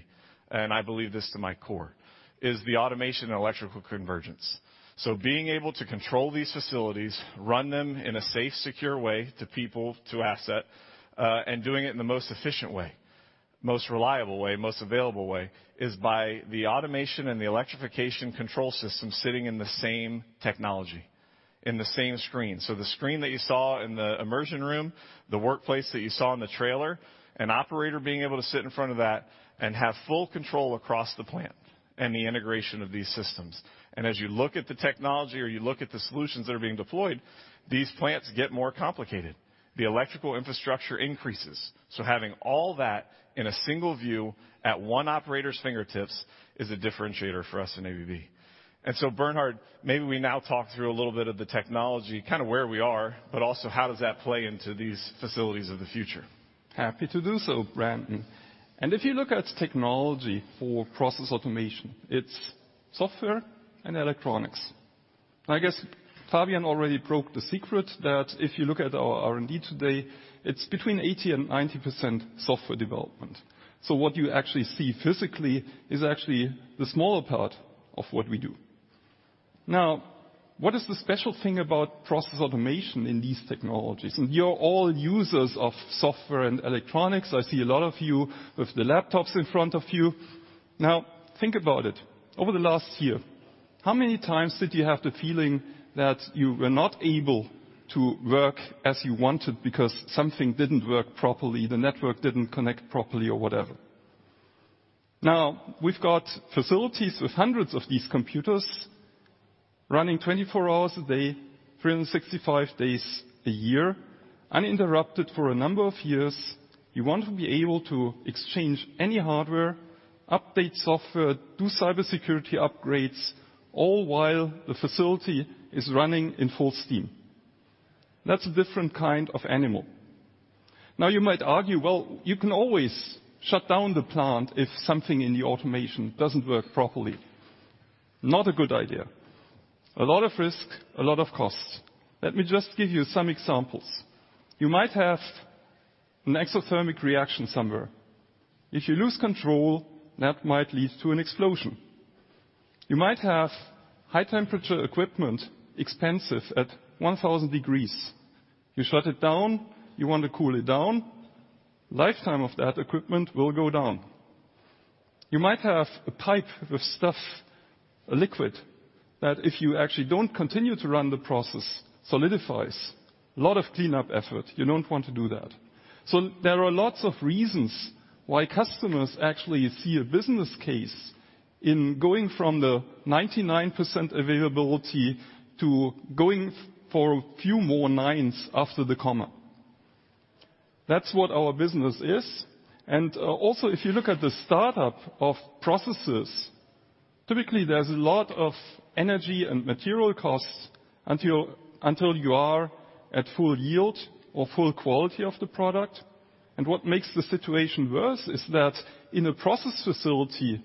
and I believe this to my core, is the automation electrical convergence. Being able to control these facilities, run them in a safe, secure way to people, to asset, and doing it in the most efficient way, most reliable way, most available way, is by the automation and the electrification control system sitting in the same technology, in the same screen. The screen that you saw in the immersion room, the workplace that you saw in the trailer, an operator being able to sit in front of that and have full control across the plant and the integration of these systems. As you look at the technology or you look at the solutions that are being deployed, these plants get more complicated. The electrical infrastructure increases. Having all that in a single view at one operator's fingertips is a differentiator for us in ABB. Bernhard, maybe we now talk through a little bit of the technology, kind of where we are, but also how does that play into these facilities of the future? Happy to do so, Brandon. If you look at technology for Process Automation, it's software and electronics. I guess Fabian already broke the secret that if you look at our R&D today, it's between 80% and 90% software development. What you actually see physically is actually the smaller part of what we do. Now, what is the special thing about Process Automation in these technologies? You're all users of software and electronics. I see a lot of you with the laptops in front of you. Now, think about it. Over the last year, how many times did you have the feeling that you were not able to work as you wanted because something didn't work properly, the network didn't connect properly or whatever? Now, we've got facilities with hundreds of these computers running 24 hours a day, 365 days a year, uninterrupted for a number of years. You want to be able to exchange any hardware, update software, do cybersecurity upgrades, all while the facility is running in full steam. That's a different kind of animal. Now you might argue, well, you can always shut down the plant if something in the automation doesn't work properly. Not a good idea. A lot of risk, a lot of costs. Let me just give you some examples. You might have an exothermic reaction somewhere. If you lose control, that might lead to an explosion. You might have high temperature equipment, expensive at 1,000 degrees. You shut it down, you want to cool it down, lifetime of that equipment will go down. You might have a pipe with stuff, a liquid, that if you actually don't continue to run the process solidifies. A lot of cleanup effort. You don't want to do that. So there are lots of reasons why customers actually see a business case in going from the 99% availability to going for a few more nines after the comma. That's what our business is. Also if you look at the startup of processes, typically there's a lot of energy and material costs until you are at full yield or full quality of the product. What makes the situation worse is that in a process facility,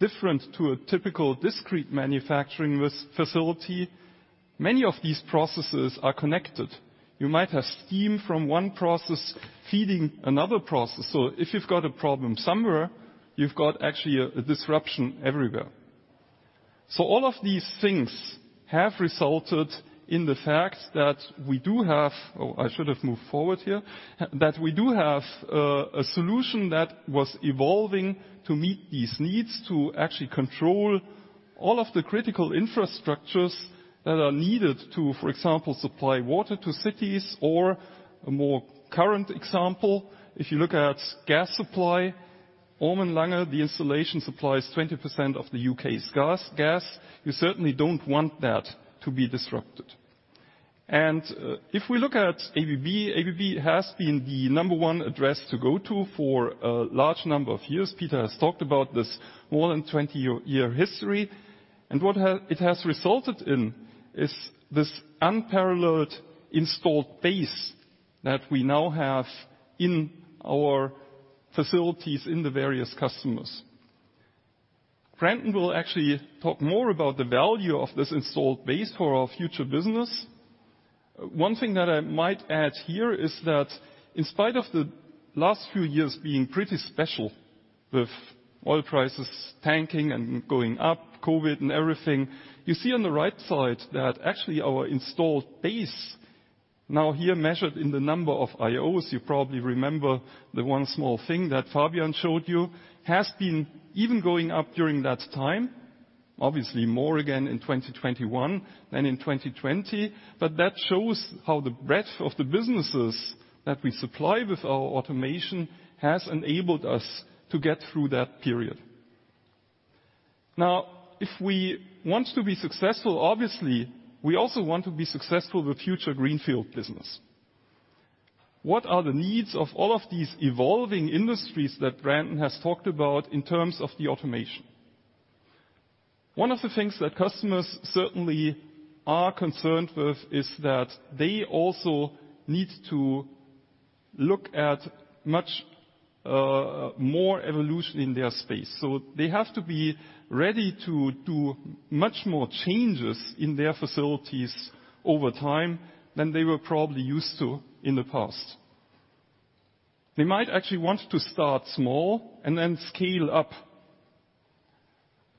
different to a typical discrete manufacturing facility, many of these processes are connected. You might have steam from one process feeding another process. So if you've got a problem somewhere, you've got actually a disruption everywhere. All of these things have resulted in the fact that we do have a solution that was evolving to meet these needs, to actually control all of the critical infrastructures that are needed to, for example, supply water to cities, or a more current example, if you look at gas supply, Ormen Lange, the installation supplies 20% of the UK's gas. You certainly don't want that to be disrupted. If we look at ABB has been the number one address to go to for a large number of years. Peter has talked about this more than 20-year history, and it has resulted in is this unparalleled installed base that we now have in our facilities in the various customers. Brandon will actually talk more about the value of this installed base for our future business. One thing that I might add here is that in spite of the last few years being pretty special with oil prices tanking and going up, COVID and everything, you see on the right side that actually our installed base, now here measured in the number of I/Os, you probably remember the one small thing that Fabian showed you, has been even going up during that time. Obviously more again in 2021 than in 2020. That shows how the breadth of the businesses that we supply with our automation has enabled us to get through that period. Now, if we want to be successful obviously we also want to be successful with future greenfield business. What are the needs of all of these evolving industries that Brandon has talked about in terms of the automation? One of the things that customers certainly are concerned with is that they also need to look at much more evolution in their space. They have to be ready to do much more changes in their facilities over time than they were probably used to in the past. They might actually want to start small and then scale up.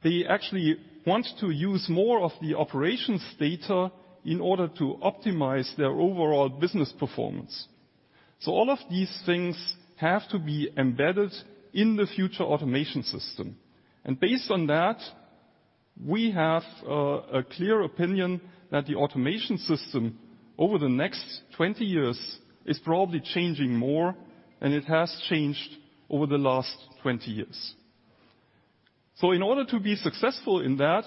They actually want to use more of the operations data in order to optimize their overall business performance. All of these things have to be embedded in the future automation system. Based on that, we have a clear opinion that the automation system over the next 20 years is probably changing more than it has changed over the last 20 years. In order to be successful in that,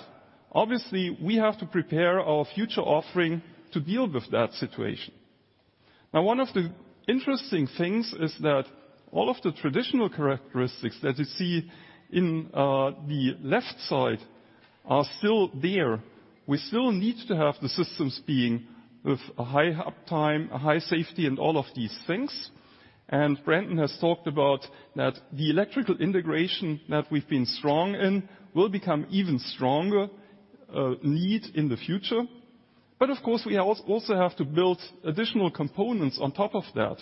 obviously we have to prepare our future offering to deal with that situation. Now, one of the interesting things is that all of the traditional characteristics that you see in the left side are still there. We still need to have the systems being with a high uptime, a high safety in all of these things. Brandon has talked about that the electrical integration that we've been strong in will become even stronger need in the future. Of course, we also have to build additional components on top of that.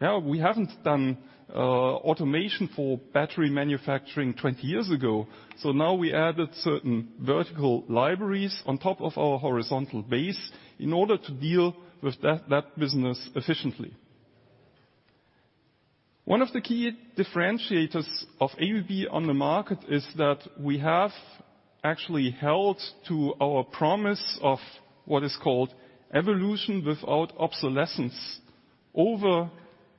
Now we haven't done automation for battery manufacturing 20 years ago, so now we added certain vertical libraries on top of our horizontal base in order to deal with that business efficiently. One of the key differentiators of ABB on the market is that we have actually held to our promise of what is called evolution without obsolescence over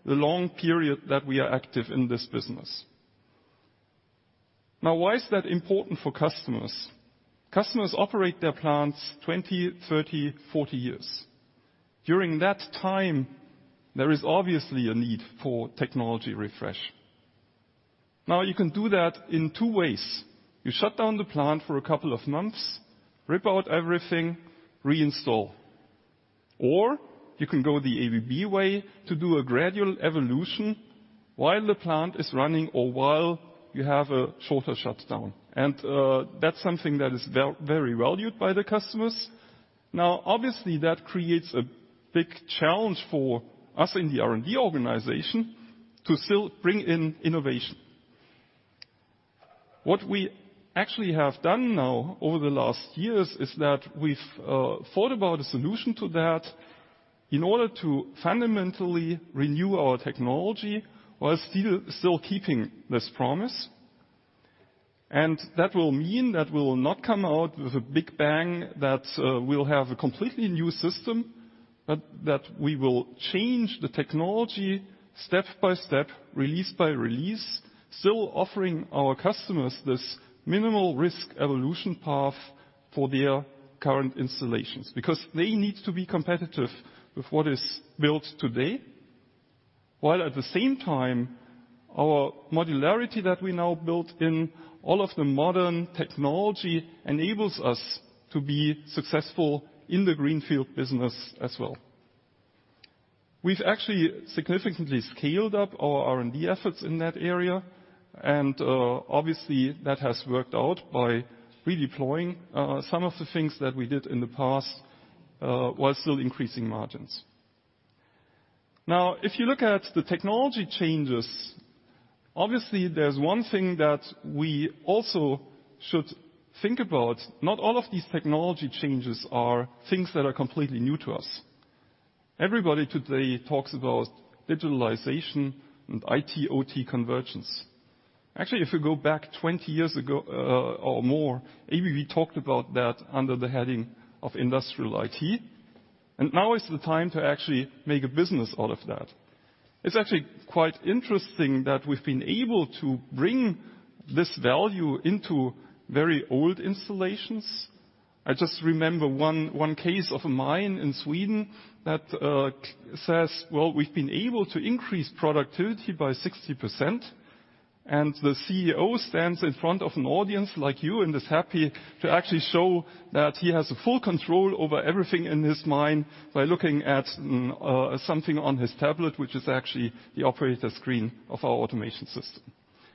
the long period that we are active in this business. Now why is that important for customers? Customers operate their plants 20, 30, 40 years. During that time, there is obviously a need for technology refresh. Now, you can do that in two ways. You shut down the plant for a couple of months, rip out everything, reinstall. you can go the ABB way to do a gradual evolution while the plant is running or while you have a shorter shutdown. that's something that is very valued by the customers. Now obviously that creates a big challenge for us in the R&D organization to still bring in innovation. What we actually have done now over the last years is that we've thought about a solution to that in order to fundamentally renew our technology while still keeping this promise. That will mean that we will not come out with a big bang, that we'll have a completely new system, but that we will change the technology step by step, release by release, still offering our customers this minimal risk evolution path for their current installations. Because they need to be competitive with what is built today, while at the same time our modularity that we now built in all of the modern technology enables us to be successful in the greenfield business as well. We've actually significantly scaled up our R&D efforts in that area, and, obviously that has worked out by redeploying, some of the things that we did in the past, while still increasing margins. Now, if you look at the technology changes, obviously there's one thing that we also should think about. Not all of these technology changes are things that are completely new to us. Everybody today talks about digitalization and IT/OT convergence. Actually, if we go back 20 years ago, or more, ABB talked about that under the heading of Industrial IT, and now is the time to actually make a business out of that. It's actually quite interesting that we've been able to bring this value into very old installations. I just remember one case of a mine in Sweden that says, "Well, we've been able to increase productivity by 60%." The CEO stands in front of an audience like you and is happy to actually show that he has full control over everything in his mine by looking at something on his tablet, which is actually the operator screen of our automation system.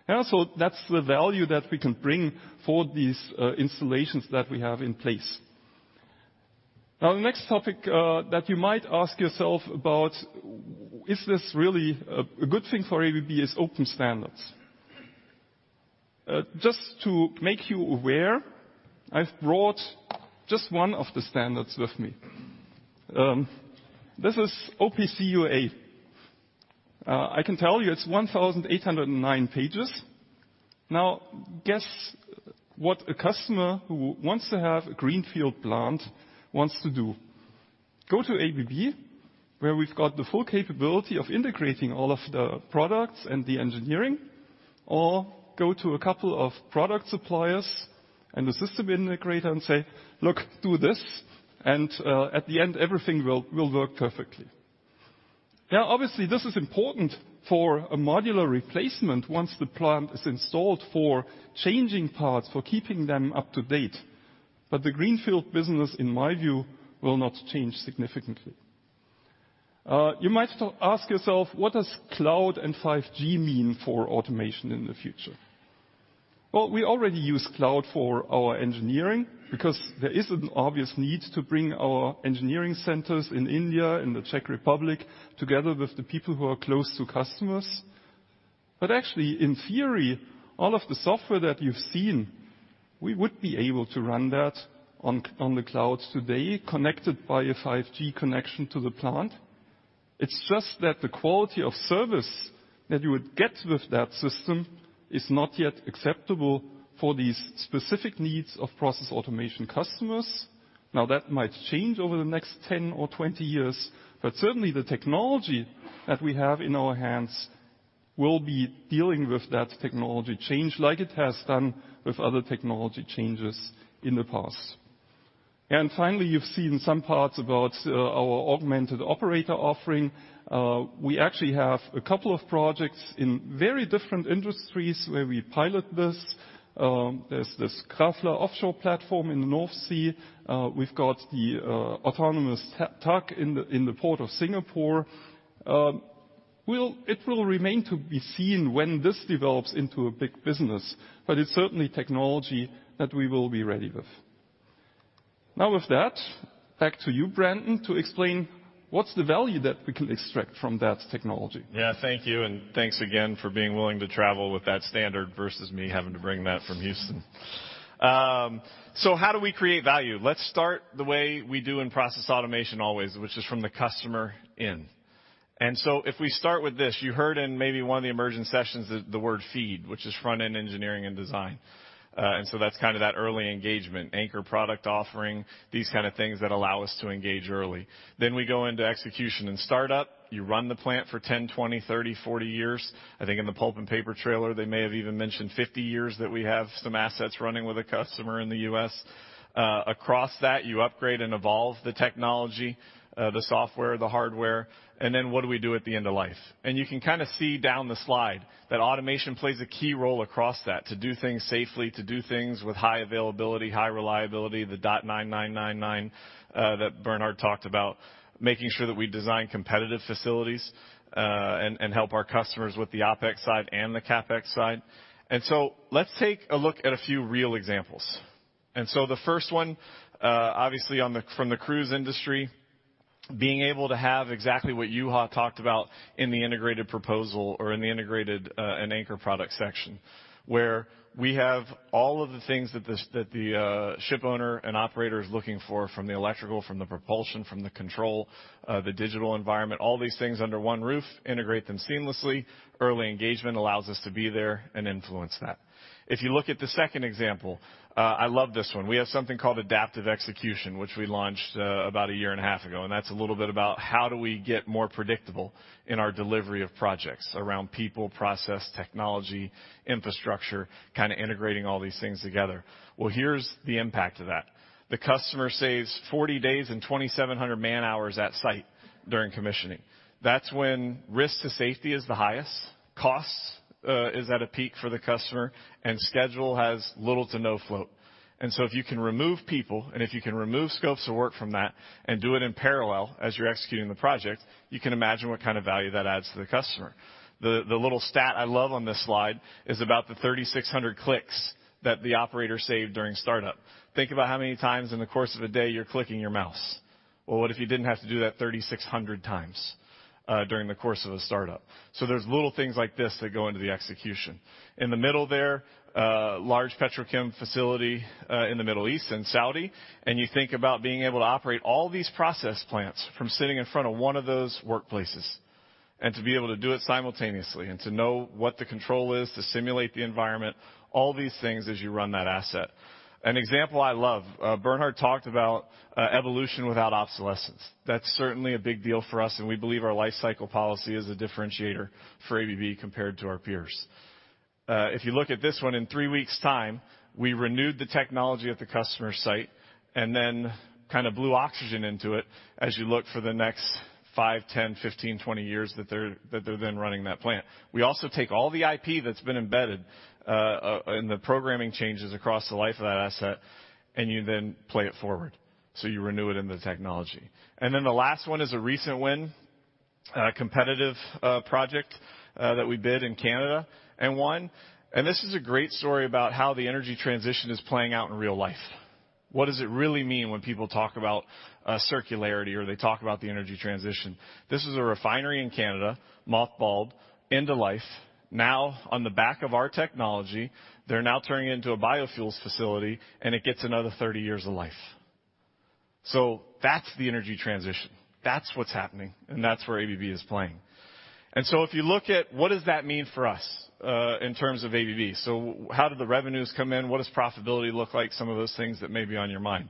Also that's the value that we can bring for these installations that we have in place. Now the next topic that you might ask yourself about is this really a good thing for ABB is open standards. Just to make you aware, I've brought just one of the standards with me. This is OPC UA. I can tell you it's 1,809 pages. Now guess what a customer who wants to have a greenfield plant wants to do? Go to ABB, where we've got the full capability of integrating all of the products and the engineering, or go to a couple of product suppliers and a system integrator and say, "Look, do this, and, at the end, everything will work perfectly." Now, obviously, this is important for a modular replacement once the plant is installed for changing parts, for keeping them up to date. But the greenfield business, in my view, will not change significantly. You might ask yourself, what does cloud and 5G mean for automation in the future? Well, we already use cloud for our engineering because there is an obvious need to bring our engineering centers in India, in the Czech Republic, together with the people who are close to customers. Actually, in theory, all of the software that you've seen, we would be able to run that on the cloud today connected by a 5G connection to the plant. It's just that the quality of service that you would get with that system is not yet acceptable for these specific needs of process automation customers. Now, that might change over the next 10 or 20 years, but certainly, the technology that we have in our hands will be dealing with that technology change like it has done with other technology changes in the past. Finally, you've seen some parts about our augmented operator offering. We actually have a couple of projects in very different industries where we pilot this. There's this Grane offshore platform in the North Sea. We've got the autonomous tug in the port of Singapore. It will remain to be seen when this develops into a big business, but it's certainly technology that we will be ready with. Now with that, back to you, Brandon, to explain what's the value that we can extract from that technology. Yeah, thank you, and thanks again for being willing to travel with that standard versus me having to bring that from Houston. How do we create value? Let's start the way we do in Process Automation always, which is from the customer in. If we start with this, you heard in maybe one of the immersion sessions the word FEED, which is front-end engineering and design. That's kind of that early engagement, anchor product offering, these kind of things that allow us to engage early. Then we go into execution and start up. You run the plant for 10, 20, 30, 40 years. I think in the pulp and paper trailer, they may have even mentioned 50 years that we have some assets running with a customer in the U.S. Across that, you upgrade and evolve the technology, the software, the hardware, and then what do we do at the end of life? You can kinda see down the slide that automation plays a key role across that to do things safely, to do things with high availability, high reliability, the 0.9999, that Bernhard talked about, making sure that we design competitive facilities, and help our customers with the OpEx side and the CapEx side. Let's take a look at a few real examples. The first one, obviously from the cruise industry, being able to have exactly what Juha talked about in the integrated proposal or in the integrated and anchor product section, where we have all of the things that the ship owner and operator is looking for from the electrical, from the propulsion, from the control, the digital environment, all these things under one roof, integrate them seamlessly. Early engagement allows us to be there and influence that. If you look at the second example, I love this one. We have something called Adaptive Execution, which we launched about 1.5 years ago, and that's a little bit about how do we get more predictable in our delivery of projects around people, process, technology, infrastructure, kinda integrating all these things together. Well, here's the impact of that. The customer saves 40 days and 2,700 man-hours at site during commissioning. That's when risk to safety is the highest, cost is at a peak for the customer, and schedule has little to no float. If you can remove people, and if you can remove scopes of work from that and do it in parallel as you're executing the project, you can imagine what kind of value that adds to the customer. The little stat I love on this slide is about the 3,600 clicks that the operator saved during startup. Think about how many times in the course of a day you're clicking your mouse. Well, what if you didn't have to do that 3,600x during the course of a startup? There's little things like this that go into the execution. In the middle there, large petrochemical facility in the Middle East in Saudi, and you think about being able to operate all these process plants from sitting in front of one of those workplaces and to be able to do it simultaneously and to know what the control is, to simulate the environment, all these things as you run that asset. An example I love, Bernhard talked about, evolution without obsolescence. That's certainly a big deal for us, and we believe our lifecycle policy is a differentiator for ABB compared to our peers. If you look at this one, in three weeks' time, we renewed the technology at the customer site and then kinda blew oxygen into it as you look for the next five, 10, 15, 20 years that they're running that plant. We also take all the IP that's been embedded in the programming changes across the life of that asset, and you then play it forward. You renew it in the technology. The last one is a recent win, competitive project that we bid in Canada and won. This is a great story about how the energy transition is playing out in real life. What does it really mean when people talk about circularity or they talk about the energy transition? This is a refinery in Canada, mothballed, end of life. Now, on the back of our technology, they're now turning it into a biofuels facility, and it gets another 30 years of life. That's the energy transition, that's what's happening, and that's where ABB is playing. If you look at what does that mean for us, in terms of ABB? How do the revenues come in? What does profitability look like? Some of those things that may be on your mind.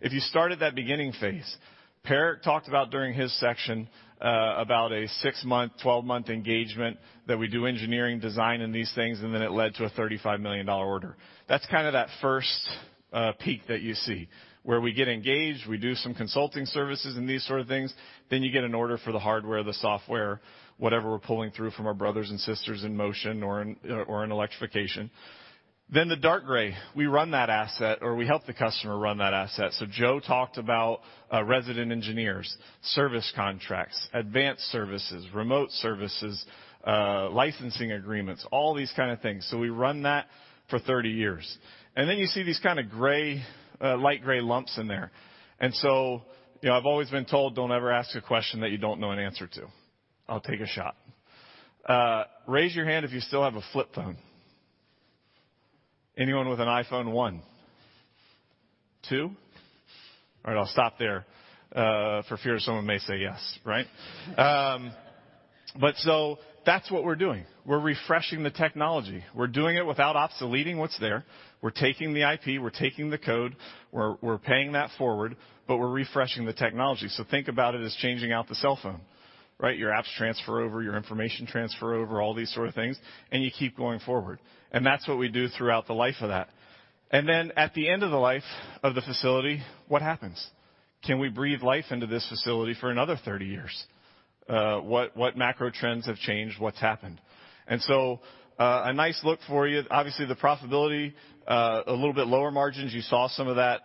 If you start at that beginning phase, Per-Erik talked about during his section, about a six-month, twelve-month engagement that we do engineering design and these things, and then it led to a $35 million order. That's kind of that first peak that you see, where we get engaged, we do some consulting services and these sort of things. Then you get an order for the hardware, the software, whatever we're pulling through from our brothers and sisters in motion or in electrification. Then the dark gray, we run that asset, or we help the customer run that asset. Joa talked about resident engineers, service contracts, advanced services, remote services, licensing agreements, all these kind of things. We run that for 30 years. Then you see these kind of light gray lumps in there. You know, I've always been told, "Don't ever ask a question that you don't know an answer to." I'll take a shot. Raise your hand if you still have a flip phone. Anyone with an iPhone One? Two? All right, I'll stop there, for fear someone may say yes, right? That's what we're doing. We're refreshing the technology. We're doing it without obsoleting what's there. We're taking the IP, we're taking the code, we're paying that forward, but we're refreshing the technology. Think about it as changing out the cell phone, right? Your apps transfer over, your information transfer over, all these sort of things, and you keep going forward. That's what we do throughout the life of that. Then, at the end of the life of the facility, what happens? Can we breathe life into this facility for another 30 years? What macro trends have changed? What's happened? A nice look for you. Obviously, the profitability, a little bit lower margins. You saw some of that,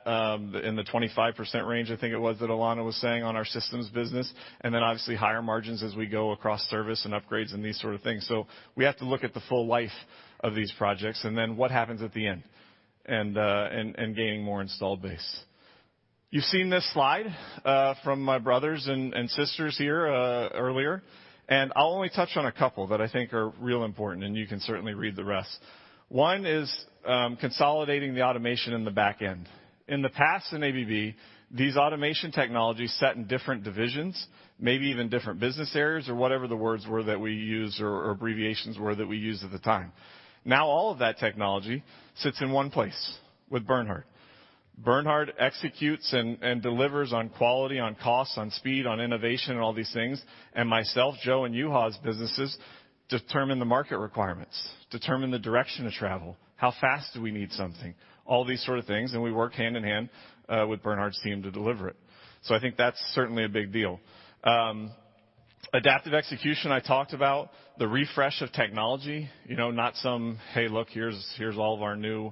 in the 25% range, I think it was, that Alanna was saying on our systems business. Then obviously higher margins as we go across service and upgrades and these sort of things. We have to look at the full life of these projects, and then what happens at the end, and gaining more installed base. You've seen this slide from my brothers and sisters here earlier, and I'll only touch on a couple that I think are real important, and you can certainly read the rest. One is consolidating the automation in the back end. In the past in ABB, these automation technologies sat in different divisions, maybe even different business areas or whatever the words were that we used or abbreviations were that we used at the time. Now all of that technology sits in one place, with Bernhard. Bernhard executes and delivers on quality, on cost, on speed, on innovation, and all these things. Myself, Joa and Juha's businesses determine the market requirements, determine the direction of travel. How fast do we need something? All these sort of things, and we work hand in hand with Bernhard's team to deliver it. I think that's certainly a big deal. Adaptive Execution, I talked about. The refresh of technology, not some, "Hey, look, here's all of our new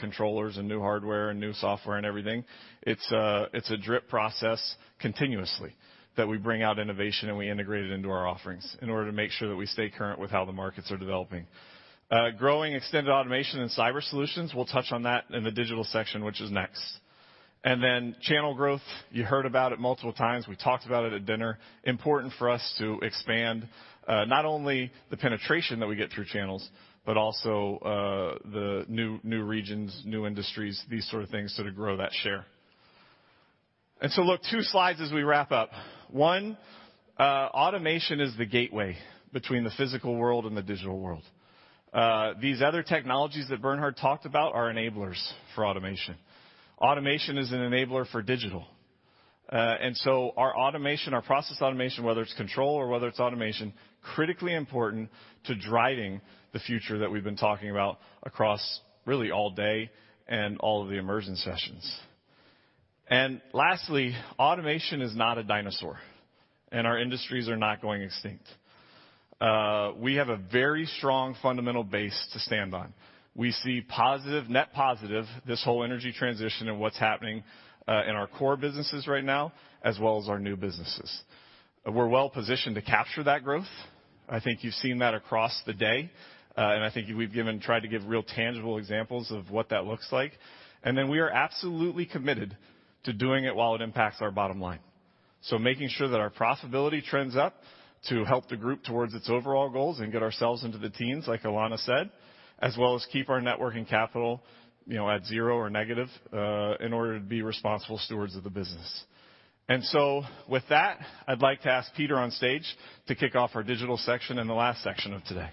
controllers and new hardware and new software and everything." It's a drip process continuously that we bring out innovation and we integrate it into our offerings in order to make sure that we stay current with how the markets are developing. Growing extended automation and cyber solutions, we'll touch on that in the digital section, which is next. And then channel growth, you heard about it multiple times. We talked about it at dinner. Important for us to expand, not only the penetration that we get through channels, but also, the new regions, new industries, these sort of things, so to grow that share. Look, two slides as we wrap up. Automation is the gateway between the physical world and the digital world. These other technologies that Bernhard talked about are enablers for automation. Automation is an enabler for digital. Our automation, our Process Automation, whether it's control or whether it's automation, critically important to driving the future that we've been talking about across really all day and all of the immersion sessions. Lastly, automation is not a dinosaur, and our industries are not going extinct. We have a very strong fundamental base to stand on. We see positive, net positive, this whole energy transition and what's happening in our core businesses right now, as well as our new businesses. We're well-positioned to capture that growth. I think you've seen that across the day, and I think we've tried to give real tangible examples of what that looks like. We are absolutely committed to doing it while it impacts our bottom line. Making sure that our profitability trends up to help the group towards its overall goals and get ourselves into the teens, like Alanna said, as well as keep our net working capital, you know, at zero or negative, in order to be responsible stewards of the business. With that, I'd like to ask Peter on stage to kick off our digital section and the last section of today.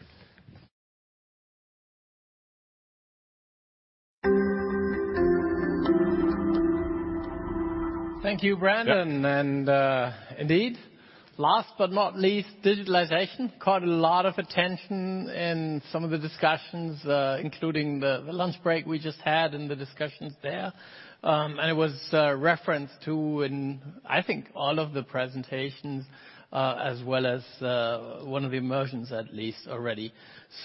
Thank you, Brandon. Yeah. Indeed, last but not least, digitalization caught a lot of attention in some of the discussions, including the lunch break we just had and the discussions there. It was referenced to in, I think, all of the presentations, as well as one of the immersions at least already.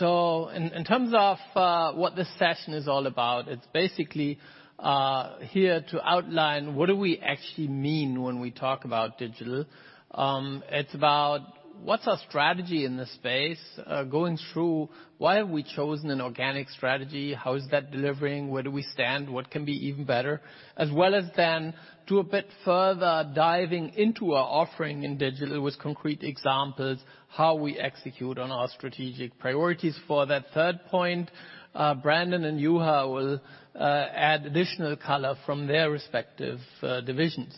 In terms of what this session is all about, it's basically here to outline what do we actually mean when we talk about digital. It's about what's our strategy in this space, going through why have we chosen an organic strategy. How is that delivering? Where do we stand? What can be even better? As well as then do a bit further diving into our offering in digital with concrete examples, how we execute on our strategic priorities. For that third point, Brandon and Juha will add additional color from their respective divisions.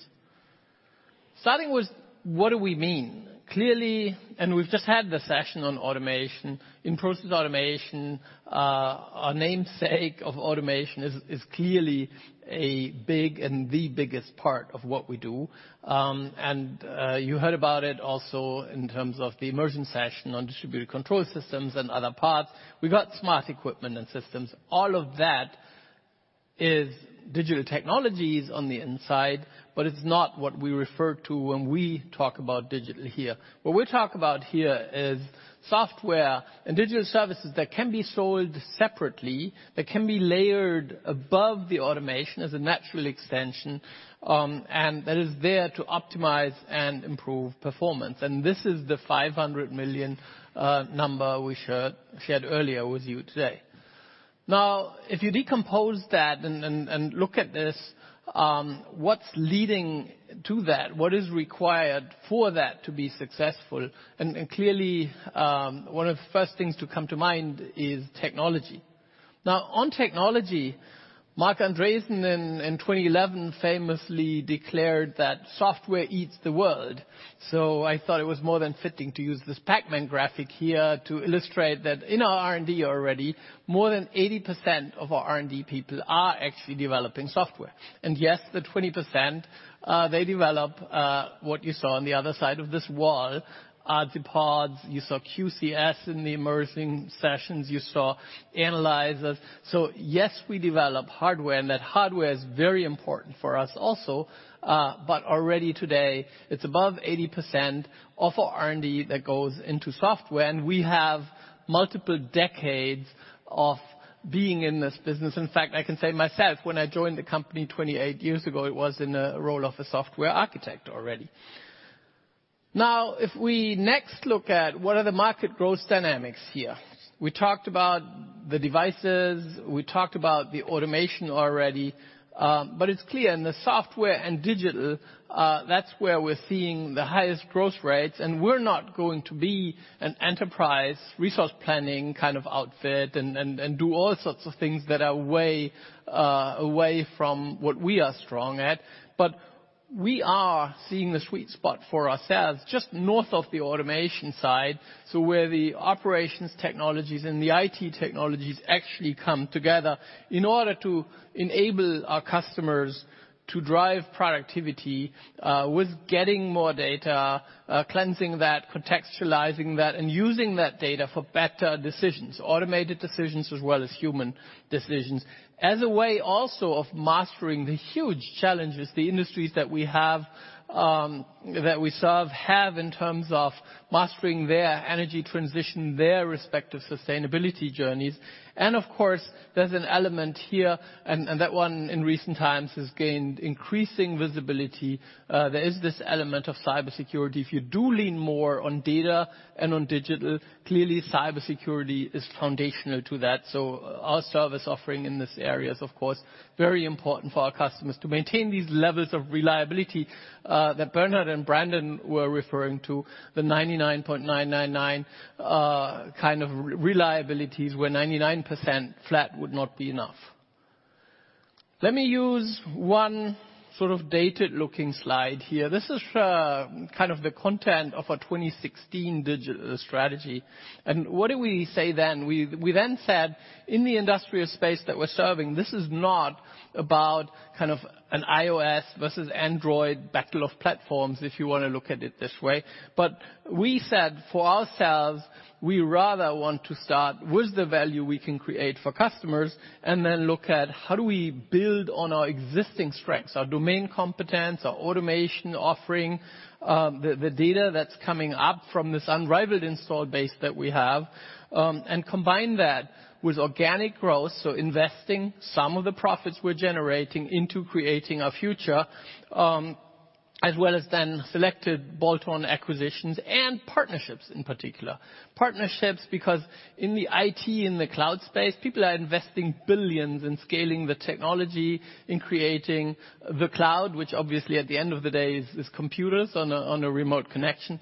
Starting with what do we mean? Clearly, we've just had the session on automation. In Process Automation, our namesake of automation is clearly a big and the biggest part of what we do. You heard about it also in terms of the immersion session on distributed control systems and other parts. We've got smart equipment and systems. All of that is digital technologies on the inside, but it's not what we refer to when we talk about digital here. What we talk about here is software and digital services that can be sold separately, that can be layered above the automation as a natural extension, and that is there to optimize and improve performance. This is the $500 million number we shared earlier with you today. Now, if you decompose that and look at this, what's leading to that? What is required for that to be successful? Clearly, one of the first things to come to mind is technology. Now, on technology, Marc Andreessen in 2011 famously declared that software eats the world. I thought it was more than fitting to use this Pac-Man graphic here to illustrate that in our R&D already, more than 80% of our R&D people are actually developing software. Yes, the 20%, they develop what you saw on the other side of this wall, Azipods, you saw QCS in the immersive sessions, you saw analyzers. Yes, we develop hardware, and that hardware is very important for us also, but already today, it's above 80% of our R&D that goes into software, and we have multiple decades of being in this business. In fact, I can say myself, when I joined the company 28 years ago, it was in a role of a software architect already. Now, if we next look at what are the market growth dynamics here. We talked about the devices, we talked about the automation already, but it's clear in the software and digital, that's where we're seeing the highest growth rates. We're not going to be an enterprise resource planning kind of outfit and do all sorts of things that are way away from what we are strong at. We are seeing the sweet spot for ourselves, just north of the automation side. Where the operational technologies and the IT technologies actually come together in order to enable our customers to drive productivity, with getting more data, cleansing that, contextualizing that, and using that data for better decisions, automated decisions, as well as human decisions. As a way also of mastering the huge challenges the industries that we have, that we serve have in terms of mastering their energy transition, their respective sustainability journeys. Of course, there's an element here, and that one in recent times has gained increasing visibility. There is this element of cybersecurity. If you do lean more on data and on digital, clearly cybersecurity is foundational to that. Our service offering in this area is of course very important for our customers to maintain these levels of reliability that Bernhard and Brandon were referring to, the 99.999% kind of reliabilities where 99% flat would not be enough. Let me use one sort of dated-looking slide here. This is kind of the content of a 2016 digital strategy. What did we say then? We then said, in the industrial space that we're serving, this is not about kind of an iOS versus Android battle of platforms, if you wanna look at it this way. We said, for ourselves, we rather want to start with the value we can create for customers and then look at how do we build on our existing strengths, our domain competence, our automation offering, the data that's coming up from this unrivaled installed base that we have, and combine that with organic growth, so investing some of the profits we're generating into creating our future, as well as then selected bolt-on acquisitions and partnerships in particular. Partnerships because in the IT and the cloud space, people are investing billions in scaling the technology, in creating the cloud, which obviously at the end of the day is computers on a remote connection.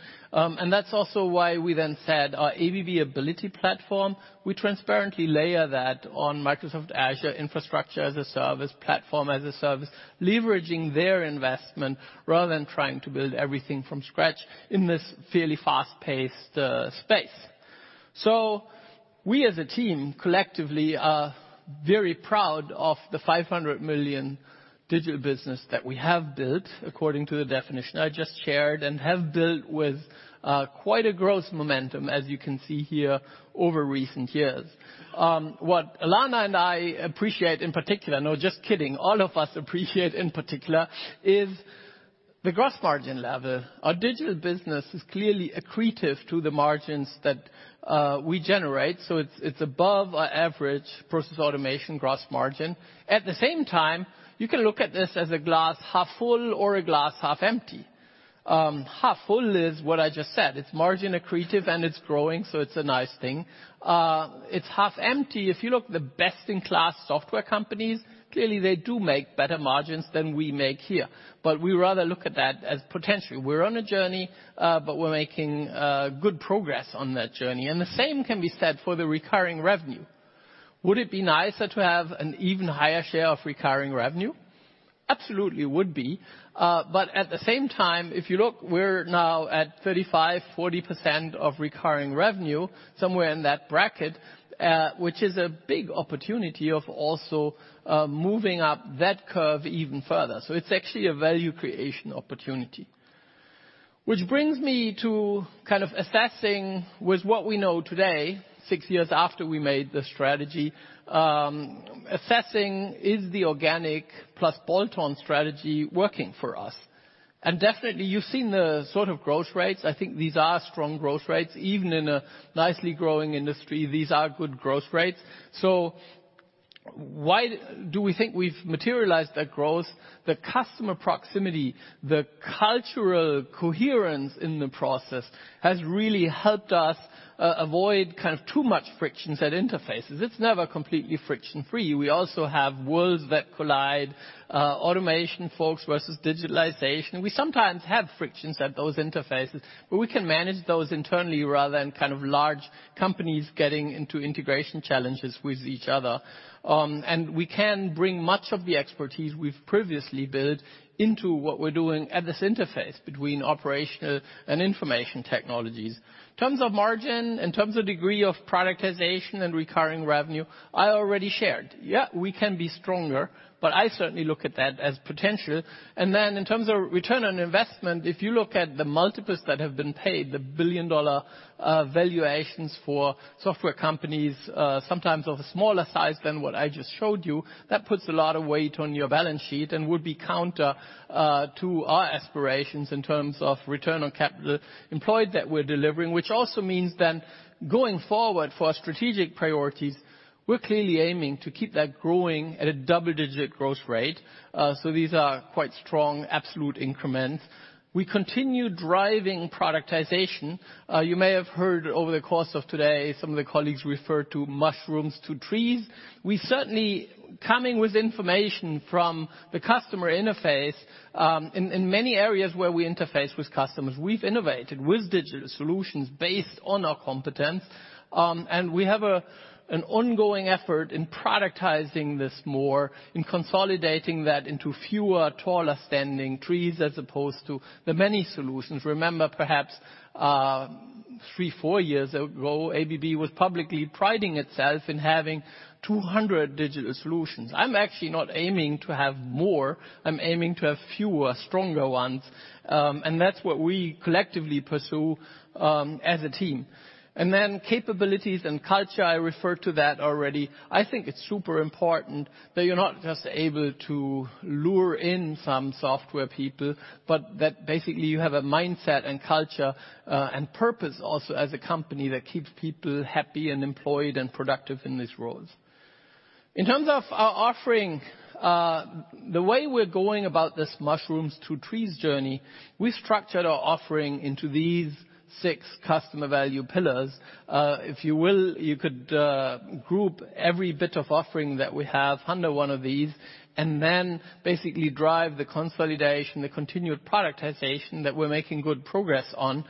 That's also why we then said our ABB Ability platform. We transparently layer that on Microsoft Azure infrastructure as a service, platform as a service, leveraging their investment rather than trying to build everything from scratch in this fairly fast-paced space. We as a team, collectively are very proud of the $500 million digital business that we have built, according to the definition I just shared, and have built with quite a growth momentum, as you can see here over recent years. What Alanna and I appreciate in particular. No, just kidding. All of us appreciate in particular is the gross margin level. Our digital business is clearly accretive to the margins that we generate, so it's above our average process automation gross margin. At the same time, you can look at this as a glass half full or a glass half empty. Half full is what I just said. It's margin accretive and it's growing, so it's a nice thing. It's half empty. If you look at the best-in-class software companies, clearly they do make better margins than we make here. But we rather look at that as potentially. We're on a journey, but we're making good progress on that journey. The same can be said for the recurring revenue. Would it be nicer to have an even higher share of recurring revenue? Absolutely would be. But at the same time, if you look, we're now at 35%-40% of recurring revenue, somewhere in that bracket, which is a big opportunity of also moving up that curve even further. It's actually a value creation opportunity. Which brings me to kind of assessing with what we know today, six years after we made the strategy, is the organic plus bolt-on strategy working for us. Definitely, you've seen the sort of growth rates. I think these are strong growth rates. Even in a nicely growing industry, these are good growth rates. Why do we think we've materialized that growth? The customer proximity, the cultural coherence in the process has really helped us avoid kind of too much frictions at interfaces. It's never completely friction-free. We also have worlds that collide, automation folks versus digitalization. We sometimes have frictions at those interfaces, but we can manage those internally rather than kind of large companies getting into integration challenges with each other. We can bring much of the expertise we've previously built into what we're doing at this interface between operational and information technologies. In terms of margin, in terms of degree of productization and recurring revenue, I already shared. Yeah, we can be stronger, but I certainly look at that as potential. In terms of return on investment, if you look at the multiples that have been paid, the billion-dollar valuations for software companies, sometimes of a smaller size than what I just showed you, that puts a lot of weight on your balance sheet and would be counter to our aspirations in terms of return on capital employed that we're delivering, which also means going forward for our strategic priorities, we're clearly aiming to keep that growing at a double-digit growth rate. These are quite strong absolute increments. We continue driving productization. You may have heard over the course of today, some of the colleagues refer to mushrooms to trees. We're certainly coming with information from the customer interface, in many areas where we interface with customers. We've innovated with digital solutions based on our competence, and we have an ongoing effort in productizing this more, in consolidating that into fewer taller standing trees as opposed to too many solutions. Remember perhaps, three, four years ago, ABB was publicly priding itself in having 200 digital solutions. I'm actually not aiming to have more. I'm aiming to have fewer, stronger ones, and that's what we collectively pursue as a team. Then capabilities and culture, I referred to that already. I think it's super important that you're not just able to lure in some software people, but that basically you have a mindset and culture, and purpose also as a company that keeps people happy and employed and productive in these roles. In terms of our offering, the way we're going about this mushrooms to trees journey, we structured our offering into these six customer value pillars. If you will, you could group every bit of offering that we have under one of these and then basically drive the consolidation, the continued productization that we're making good progress on.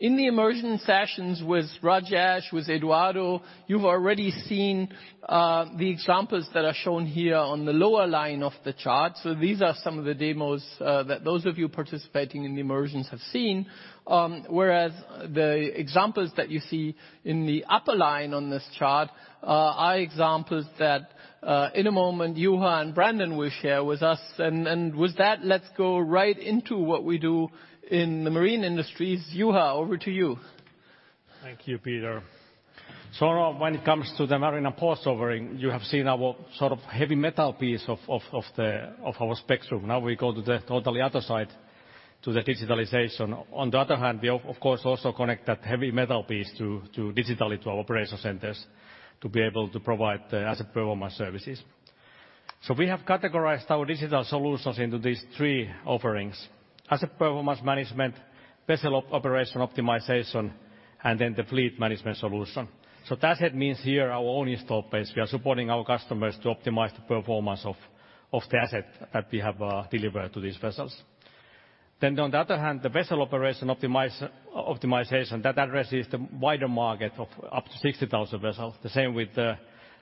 In the immersion sessions with Rajesh, with Eduardo, you've already seen the examples that are shown here on the lower line of the chart. These are some of the demos that those of you participating in the immersions have seen. Whereas the examples that you see in the upper line on this chart are examples that, in a moment, Juha and Brandon will share with us. With that, let's go right into what we do in the marine industries. Juha, over to you. Thank you, Peter. When it comes to the Marine and Ports offering, you have seen our sort of heavy metal piece of our spectrum. Now we go to the totally other side, to the digitalization. On the other hand, we of course also connect that heavy metal piece to digitally to our operation centers to be able to provide the asset performance services. We have categorized our digital solutions into these three offerings: asset performance management, vessel operation optimization, and then the fleet management solution. The asset means here our own installed base. We are supporting our customers to optimize the performance of the asset that we have delivered to these vessels. On the other hand, the vessel operation optimization that addresses the wider market of up to 60,000 vessels, the same with the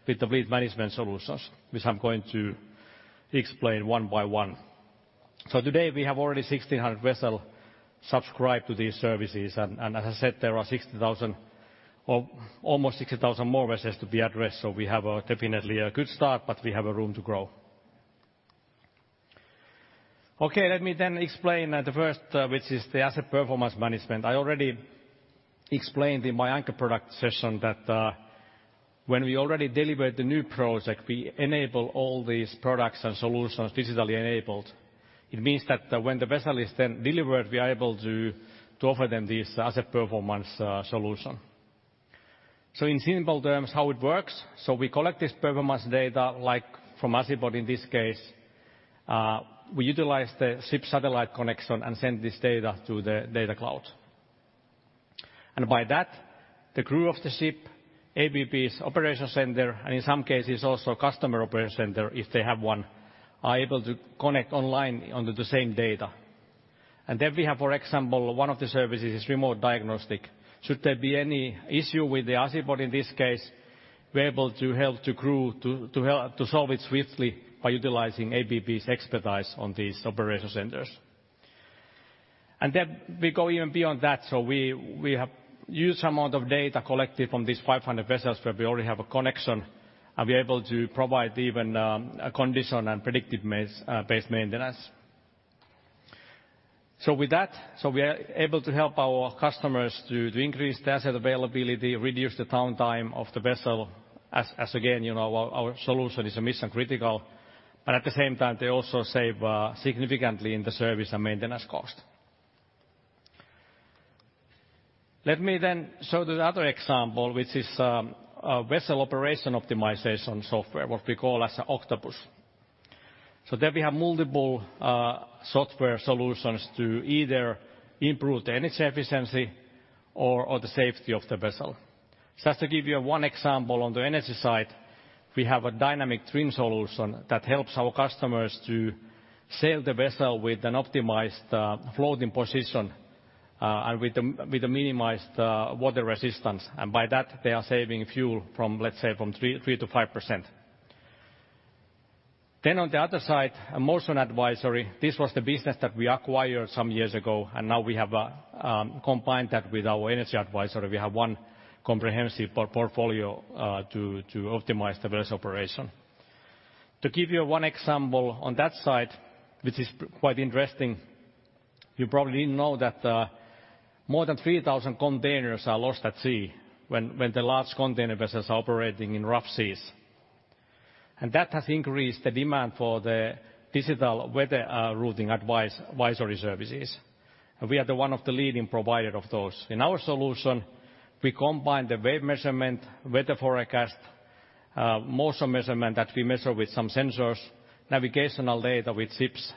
fleet management solutions, which I'm going to explain one by one. Today we have already 1,600 vessels subscribed to these services. And as I said, there are 60,000 or almost 60,000 more vessels to be addressed. We have definitely a good start, but we have a room to grow. Okay, let me explain the first, which is the asset performance management. I already explained in my anchor product session that when we already deliver the new project, we enable all these products and solutions digitally enabled. It means that when the vessel is then delivered, we are able to offer them this asset performance solution. In simple terms, how it works, we collect this performance data, like from Azipod in this case, we utilize the ship satellite connection and send this data to the data cloud. By that, the crew of the ship, ABB's operation center, and in some cases also customer operation center, if they have one, are able to connect online onto the same data. We have, for example, one of the services is remote diagnostic. Should there be any issue with the Azipod, in this case, we're able to help the crew to solve it swiftly by utilizing ABB's expertise on these operation centers. We go even beyond that. We have a huge amount of data collected from these 500 vessels, where we already have a connection, and we're able to provide even a condition-based and predictive maintenance. With that, we are able to help our customers to increase the asset availability, reduce the downtime of the vessel as again, you know, our solution is mission critical. But at the same time, they also save significantly in the service and maintenance cost. Let me then show the other example, which is a vessel operation optimization software, what we call as Octopus. There we have multiple software solutions to either improve the energy efficiency or the safety of the vessel. Just to give you one example on the energy side, we have a dynamic trim solution that helps our customers to sail the vessel with an optimized floating position and with the minimized water resistance. By that they are saving fuel from, let's say, 3%-5%. On the other side, Motion Advisory. This was the business that we acquired some years ago, and now we have combined that with our Energy Advisory. We have one comprehensive portfolio to optimize the vessel operation. To give you one example on that side, which is quite interesting, you probably know that more than 3,000 containers are lost at sea when the large container vessels are operating in rough seas. That has increased the demand for the digital weather routing advisory services. We are one of the leading providers of those. In our solution, we combine the wave measurement, weather forecast, motion measurement that we measure with some sensors, navigational data with ships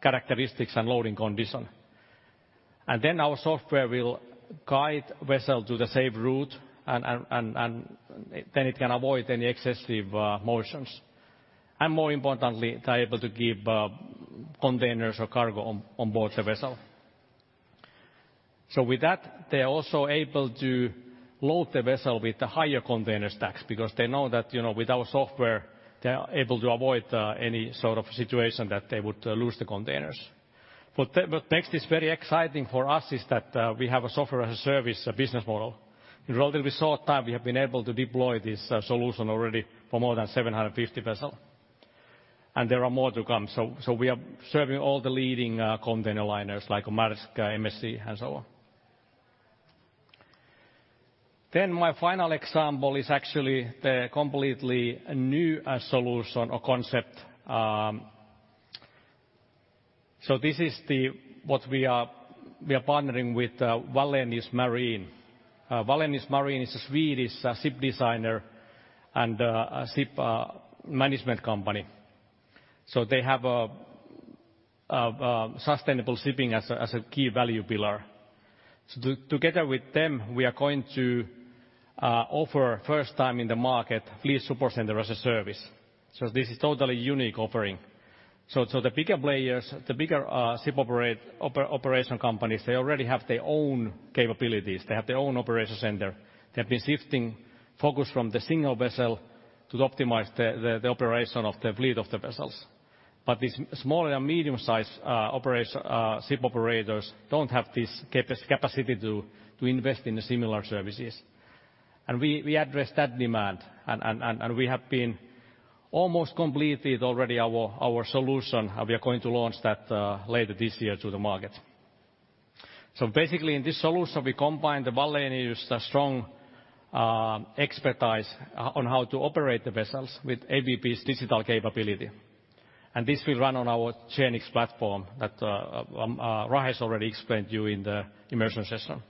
characteristics and loading condition. Then our software will guide vessel to the safe route and then it can avoid any excessive motions. More importantly, they're able to keep containers or cargo on board the vessel. With that, they're also able to load the vessel with the higher container stacks because they know that, you know, with our software, they are able to avoid any sort of situation that they would lose the containers. Next is very exciting for us is that we have a software and service business model. In relatively short time, we have been able to deploy this solution already for more than 750 vessels. There are more to come. We are serving all the leading container liners like Maersk, MSC and so on. My final example is actually the completely new solution or concept. We are partnering with Wallenius Marine. Wallenius Marine is a Swedish ship designer and a ship management company. They have sustainable shipping as a key value pillar. Together with them, we are going to offer first time in the market, fleet support center as a service. This is totally unique offering. The bigger players, the bigger ship operation companies, they already have their own capabilities. They have their own operation center. They have been shifting focus from the single vessel to optimize the operation of the fleet of the vessels. These small and medium-sized operator ship operators don't have this capacity to invest in the similar services. We address that demand and we have been almost completed already our solution, and we are going to launch that later this year to the market. Basically in this solution, we combine the Wallenius' strong expertise on how to operate the vessels with ABB's digital capability. This will run on our Genix platform that Raj already explained you in the immersion session.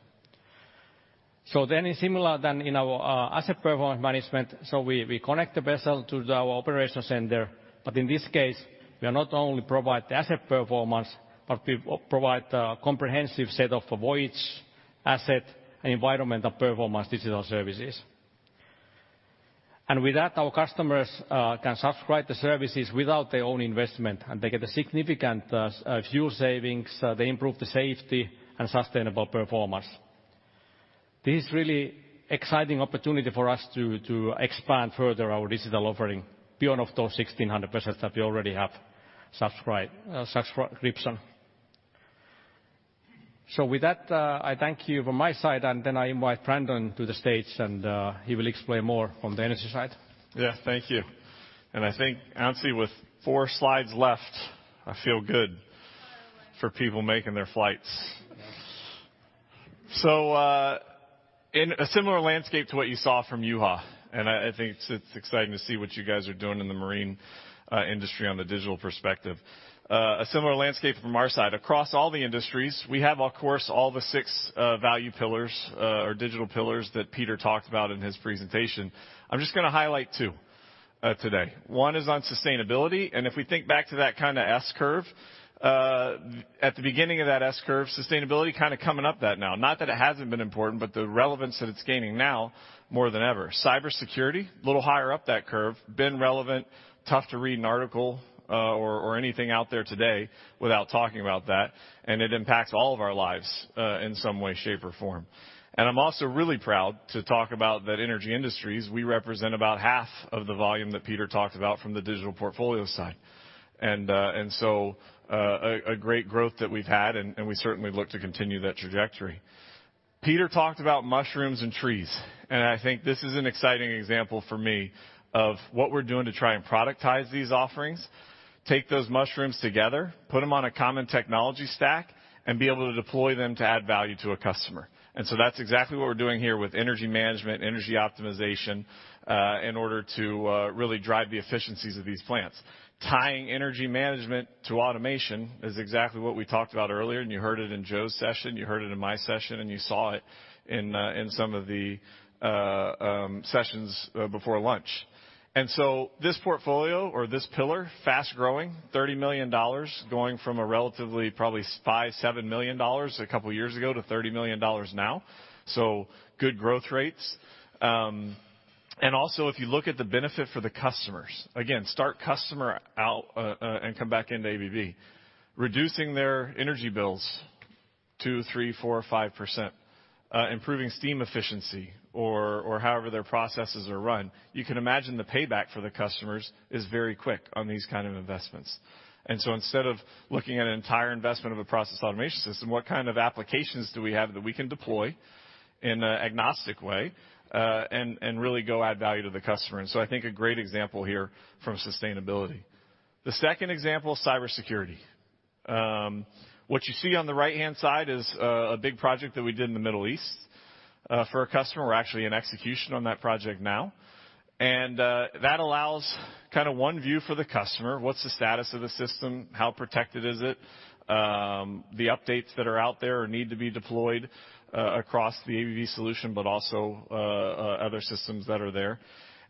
Similar than in our asset performance management. We connect the vessel to our operation center. In this case, we are not only provide the asset performance, but we provide a comprehensive set of voyage, asset, and environmental performance digital services. With that, our customers can subscribe the services without their own investment, and they get a significant fuel savings, they improve the safety and sustainable performance. This is really exciting opportunity for us to expand further our digital offering beyond of those 1,600 vessels that we already have subscription. With that, I thank you from my side, and then I invite Brandon to the stage, and he will explain more on the energy side. Yeah. Thank you. I think, Anssi, with four slides left, I feel good for people making their flights. In a similar landscape to what you saw from Juha, I think it's exciting to see what you guys are doing in the marine industry on the digital perspective. A similar landscape from our side. Across all the industries, we have, of course, all the six value pillars or digital pillars that Peter talked about in his presentation. I'm just gonna highlight two today. One is on sustainability, and if we think back to that kinda S-curve, at the beginning of that S-curve, sustainability kinda coming up that now. Not that it hasn't been important, but the relevance that it's gaining now more than ever. Cybersecurity, a little higher up that curve, been relevant. Tough to read an article or anything out there today without talking about that, and it impacts all of our lives in some way, shape, or form. I'm also really proud to talk about the Energy Industries. We represent about half of the volume that Peter talked about from the digital portfolio side. A great growth that we've had, and we certainly look to continue that trajectory. Peter talked about mushrooms and trees, and I think this is an exciting example for me of what we're doing to try and productize these offerings, take those mushrooms together, put them on a common technology stack, and be able to deploy them to add value to a customer. That's exactly what we're doing here with energy management, energy optimization, in order to really drive the efficiencies of these plants. Tying energy management to automation is exactly what we talked about earlier, and you heard it in Joa's session, you heard it in my session, and you saw it in some of the sessions before lunch. This portfolio or this pillar, fast-growing, $30 million, going from a relatively probably $5 million-$7 million a couple years ago to $30 million now. Good growth rates. And also if you look at the benefit for the customers. Again, start customer out, and come back into ABB. Reducing their energy bills 2%, 3%, 4%, 5%, improving steam efficiency or however their processes are run. You can imagine the payback for the customers is very quick on these kind of investments. Instead of looking at an entire investment of a process automation system, what kind of applications do we have that we can deploy in a agnostic way, and really go add value to the customer? I think a great example here from sustainability. The second example, cybersecurity. What you see on the right-hand side is a big project that we did in the Middle East for a customer. We're actually in execution on that project now. That allows kinda one view for the customer, what's the status of the system, how protected is it, the updates that are out there or need to be deployed across the ABB solution, but also other systems that are there.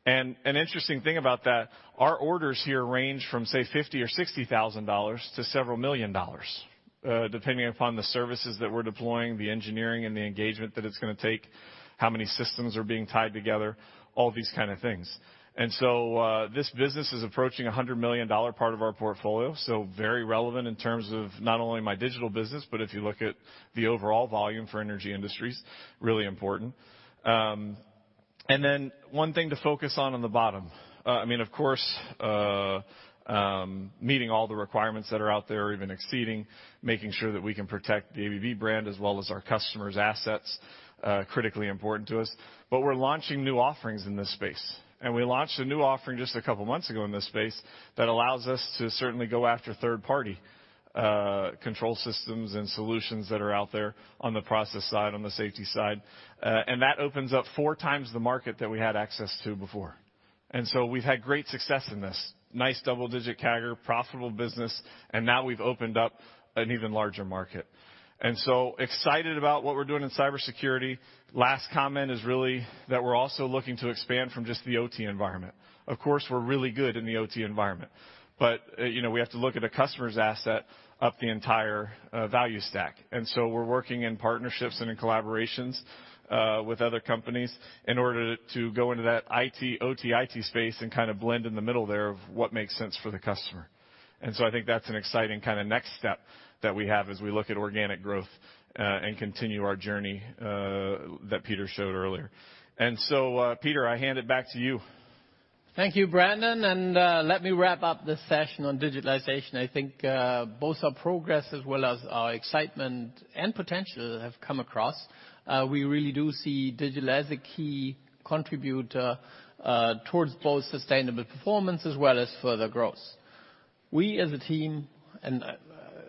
An interesting thing about that, our orders here range from, say, $50,000 or $60,000 to several million dollars, depending upon the services that we're deploying, the engineering and the engagement that it's gonna take, how many systems are being tied together, all these kind of things. This business is approaching $100 million part of our portfolio, so very relevant in terms of not only my digital business, but if you look at the overall volume for Energy Industries, really important. Then one thing to focus on on the bottom. I mean, of course, meeting all the requirements that are out there or even exceeding, making sure that we can protect the ABB brand as well as our customers' assets, critically important to us. We're launching new offerings in this space. We launched a new offering just a couple months ago in this space that allows us to certainly go after third-party control systems and solutions that are out there on the process side, on the safety side. That opens up four times the market that we had access to before. We've had great success in this. Nice double-digit CAGR, profitable business, and now we've opened up an even larger market. Excited about what we're doing in cybersecurity. Last comment is really that we're also looking to expand from just the OT environment. Of course, we're really good in the OT environment, but, you know, we have to look at a customer's asset up the entire value stack. We're working in partnerships and in collaborations with other companies in order to go into that IT, OT-IT space and kind of blend in the middle there of what makes sense for the customer. I think that's an exciting kinda next step that we have as we look at organic growth and continue our journey that Peter showed earlier. Peter, I hand it back to you. Thank you, Brandon, and let me wrap up this session on digitalization. I think both our progress as well as our excitement and potential have come across. We really do see digital as a key contributor towards both sustainable performance as well as further growth. We as a team, and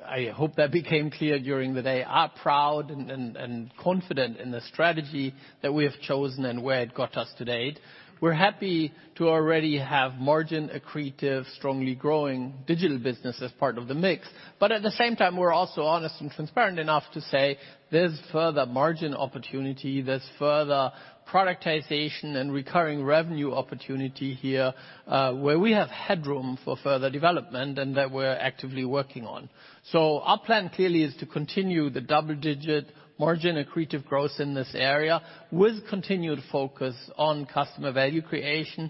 I hope that became clear during the day, are proud and confident in the strategy that we have chosen and where it got us to date. We're happy to already have margin-accretive, strongly growing digital business as part of the mix, but at the same time, we're also honest and transparent enough to say there's further margin opportunity, there's further productization and recurring revenue opportunity here, where we have headroom for further development and that we're actively working on. Our plan, clearly, is to continue the double-digit margin-accretive growth in this area with continued focus on customer value creation.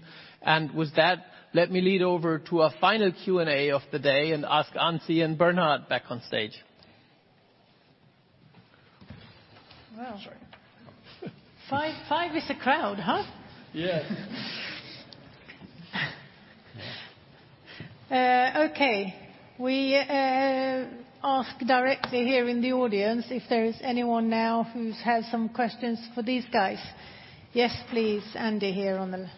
With that, let me lead over to our final Q&A of the day and ask Anssi and Bernhard back on stage. Well- Sorry. Five, five is a crowd, huh? Yes. Okay. We ask directly here in the audience if there is anyone now who's had some questions for these guys. Yes, please. Andy here on the-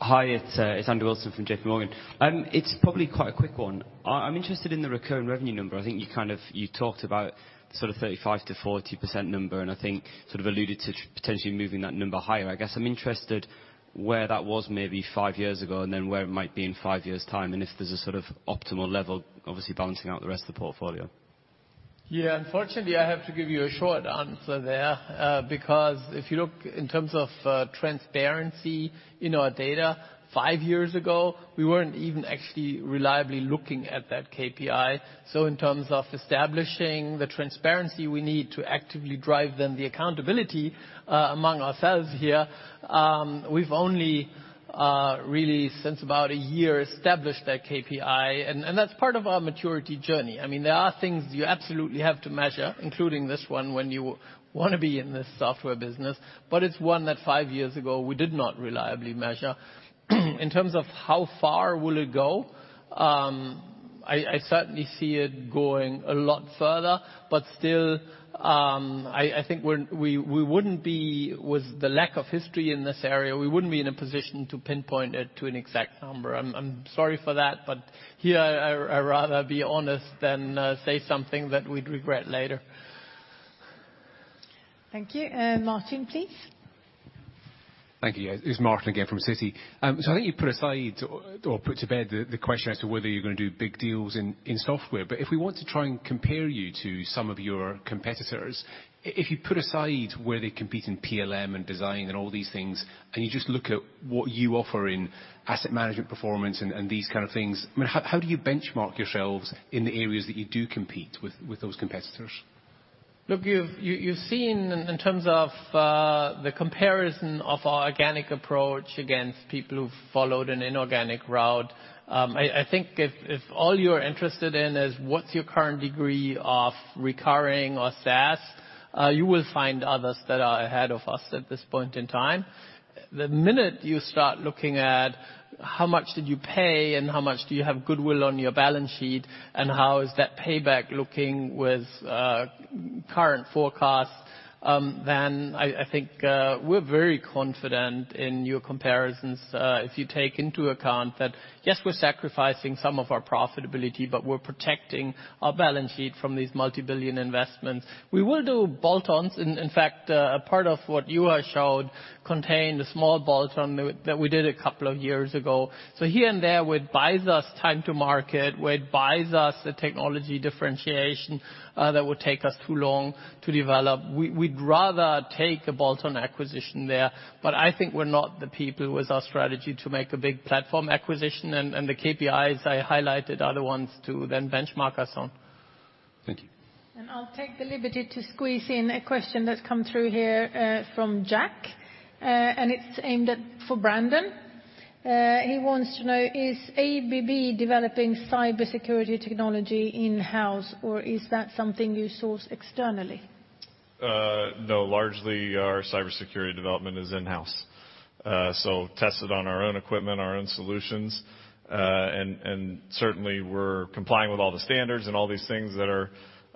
Hi, it's Andrew Wilson from JPMorgan. It's probably quite a quick one. I'm interested in the recurring revenue number. I think you kind of, you talked about sort of 35%-40% number, and I think sort of alluded to potentially moving that number higher. I guess I'm interested where that was maybe five years ago, and then where it might be in five years' time, and if there's a sort of optimal level, obviously balancing out the rest of the portfolio. Yeah, unfortunately, I have to give you a short answer there. Because if you look in terms of transparency in our data, five years ago, we weren't even actually reliably looking at that KPI. In terms of establishing the transparency we need to actively drive then the accountability among ourselves here, we've only really since about a year established that KPI, and that's part of our maturity journey. I mean, there are things you absolutely have to measure, including this one, when you wanna be in this software business, but it's one that five years ago we did not reliably measure. In terms of how far will it go, I certainly see it going a lot further, but still, I think we wouldn't be. With the lack of history in this area, we wouldn't be in a position to pinpoint it to an exact number. I'm sorry for that, but I'd rather be honest than say something that we'd regret later. Thank you. Martin, please. Thank you. It's Martin again from Citi. I think you put aside or put to bed the question as to whether you're gonna do big deals in software. If we want to try and compare you to some of your competitors, if you put aside where they compete in PLM and design and all these things, and you just look at what you offer in asset management performance and these kind of things, I mean, how do you benchmark yourselves in the areas that you do compete with those competitors? Look, you've seen in terms of the comparison of our organic approach against people who've followed an inorganic route. I think if all you're interested in is what's your current degree of recurring or SaaS, you will find others that are ahead of us at this point in time. The minute you start looking at how much did you pay and how much do you have goodwill on your balance sheet and how is that payback looking with current forecast, then I think we're very confident in your comparisons, if you take into account that, yes, we're sacrificing some of our profitability, but we're protecting our balance sheet from these multi-billion investments. We will do bolt-ons. In fact, a part of what you were shown contained a small bolt-on that we did a couple of years ago. Here and there would buy us time to market, where it buys us a technology differentiation that would take us too long to develop. We'd rather take a bolt-on acquisition there, but I think we're not the people with our strategy to make a big platform acquisition, and the KPIs I highlighted are the ones to then benchmark us on. Thank you. I'll take the liberty to squeeze in a question that's come through here from Jac, and it's aimed at, for Brandon. He wants to know, is ABB developing cybersecurity technology in-house, or is that something you source externally? No, largely our cybersecurity development is in-house. Tested on our own equipment, our own solutions, and certainly we're complying with all the standards and all these things that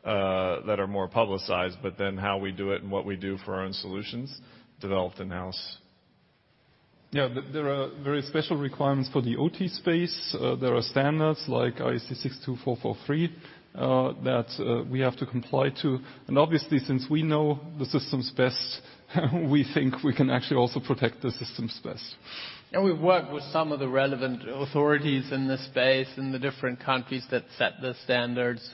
are more publicized, but then how we do it and what we do for our own solutions, developed in-house. There are very special requirements for the OT space. There are standards like IEC 62443 that we have to comply to. Obviously, since we know the systems best, we think we can actually also protect the systems best. We've worked with some of the relevant authorities in this space, in the different countries that set the standards.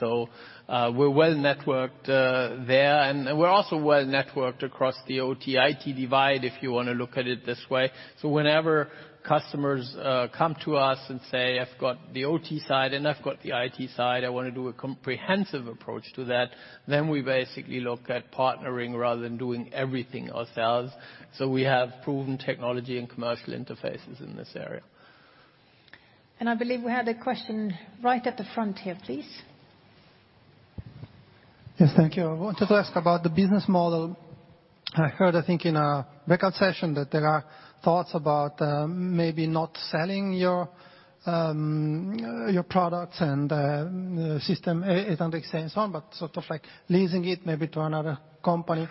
We're well-networked there. We're also well-networked across the OT/IT divide, if you wanna look at it this way. Whenever customers come to us and say, "I've got the OT side and I've got the IT side, I wanna do a comprehensive approach to that," then we basically look at partnering rather than doing everything ourselves. We have proven technology and commercial interfaces in this area. I believe we had a question right at the front here, please. Yes. Thank you. I wanted to ask about the business model. I heard, I think in a breakout session, that there are thoughts about maybe not selling your products and systems and so on, but sort of like leasing it maybe to another company.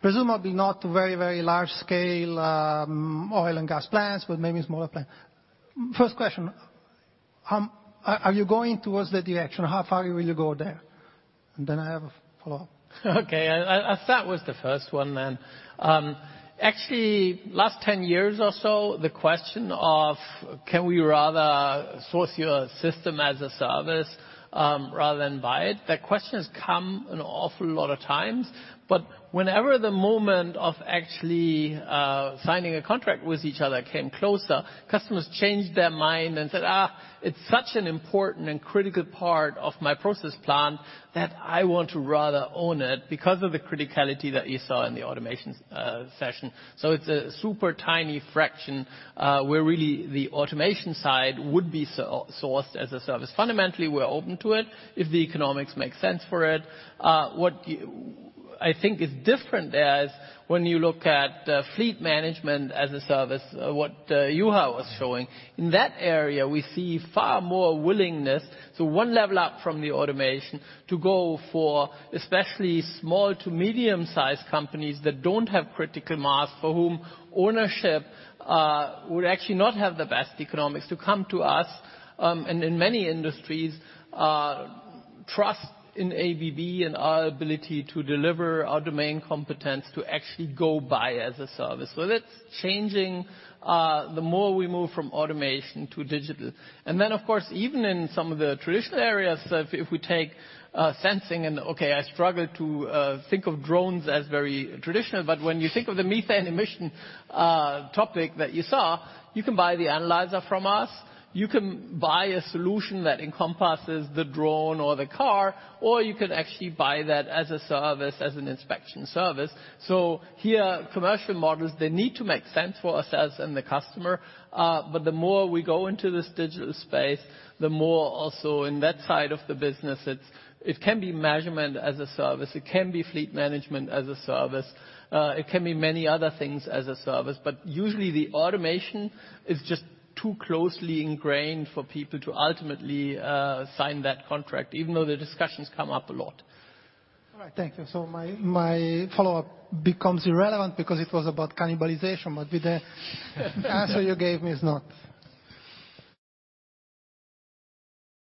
Presumably not very large scale oil and gas plants, but maybe smaller plant. First question, are you going towards that direction? How far will you go there? I have a follow-up. If that was the first one then, actually last 10 years or so, the question of can we rather source your system as a service, rather than buy it, that question has come an awful lot of times. Whenever the moment of actually signing a contract with each other came closer, customers changed their mind and said, "it's such an important and critical part of my process plant that I want to rather own it because of the criticality that you saw in the automation session." It's a super tiny fraction where really the automation side would be sourced as a service. Fundamentally, we're open to it if the economics make sense for it. What I think is different is when you look at fleet management as a service, what Juha was showing. In that area, we see far more willingness to one level up from the automation to go for, especially small to medium-sized companies that don't have critical mass, for whom ownership would actually not have the best economics to come to us, and in many industries, trust in ABB and our ability to deliver our domain competence to actually go buy as a service. That's changing, the more we move from automation to digital. Then, of course, even in some of the traditional areas, if we take sensing and, okay, I struggle to think of drones as very traditional, but when you think of the methane emission topic that you saw, you can buy the analyzer from us, you can buy a solution that encompasses the drone or the car, or you could actually buy that as a service, as an inspection service. Here, commercial models, they need to make sense for us as in the customer, but the more we go into this digital space, the more also in that side of the business it can be management as a service, it can be fleet management as a service, it can be many other things as a service. Usually the automation is just too closely ingrained for people to ultimately sign that contract, even though the discussions come up a lot. All right. Thank you. My follow-up becomes irrelevant because it was about cannibalization, but with the answer you gave me, it's not.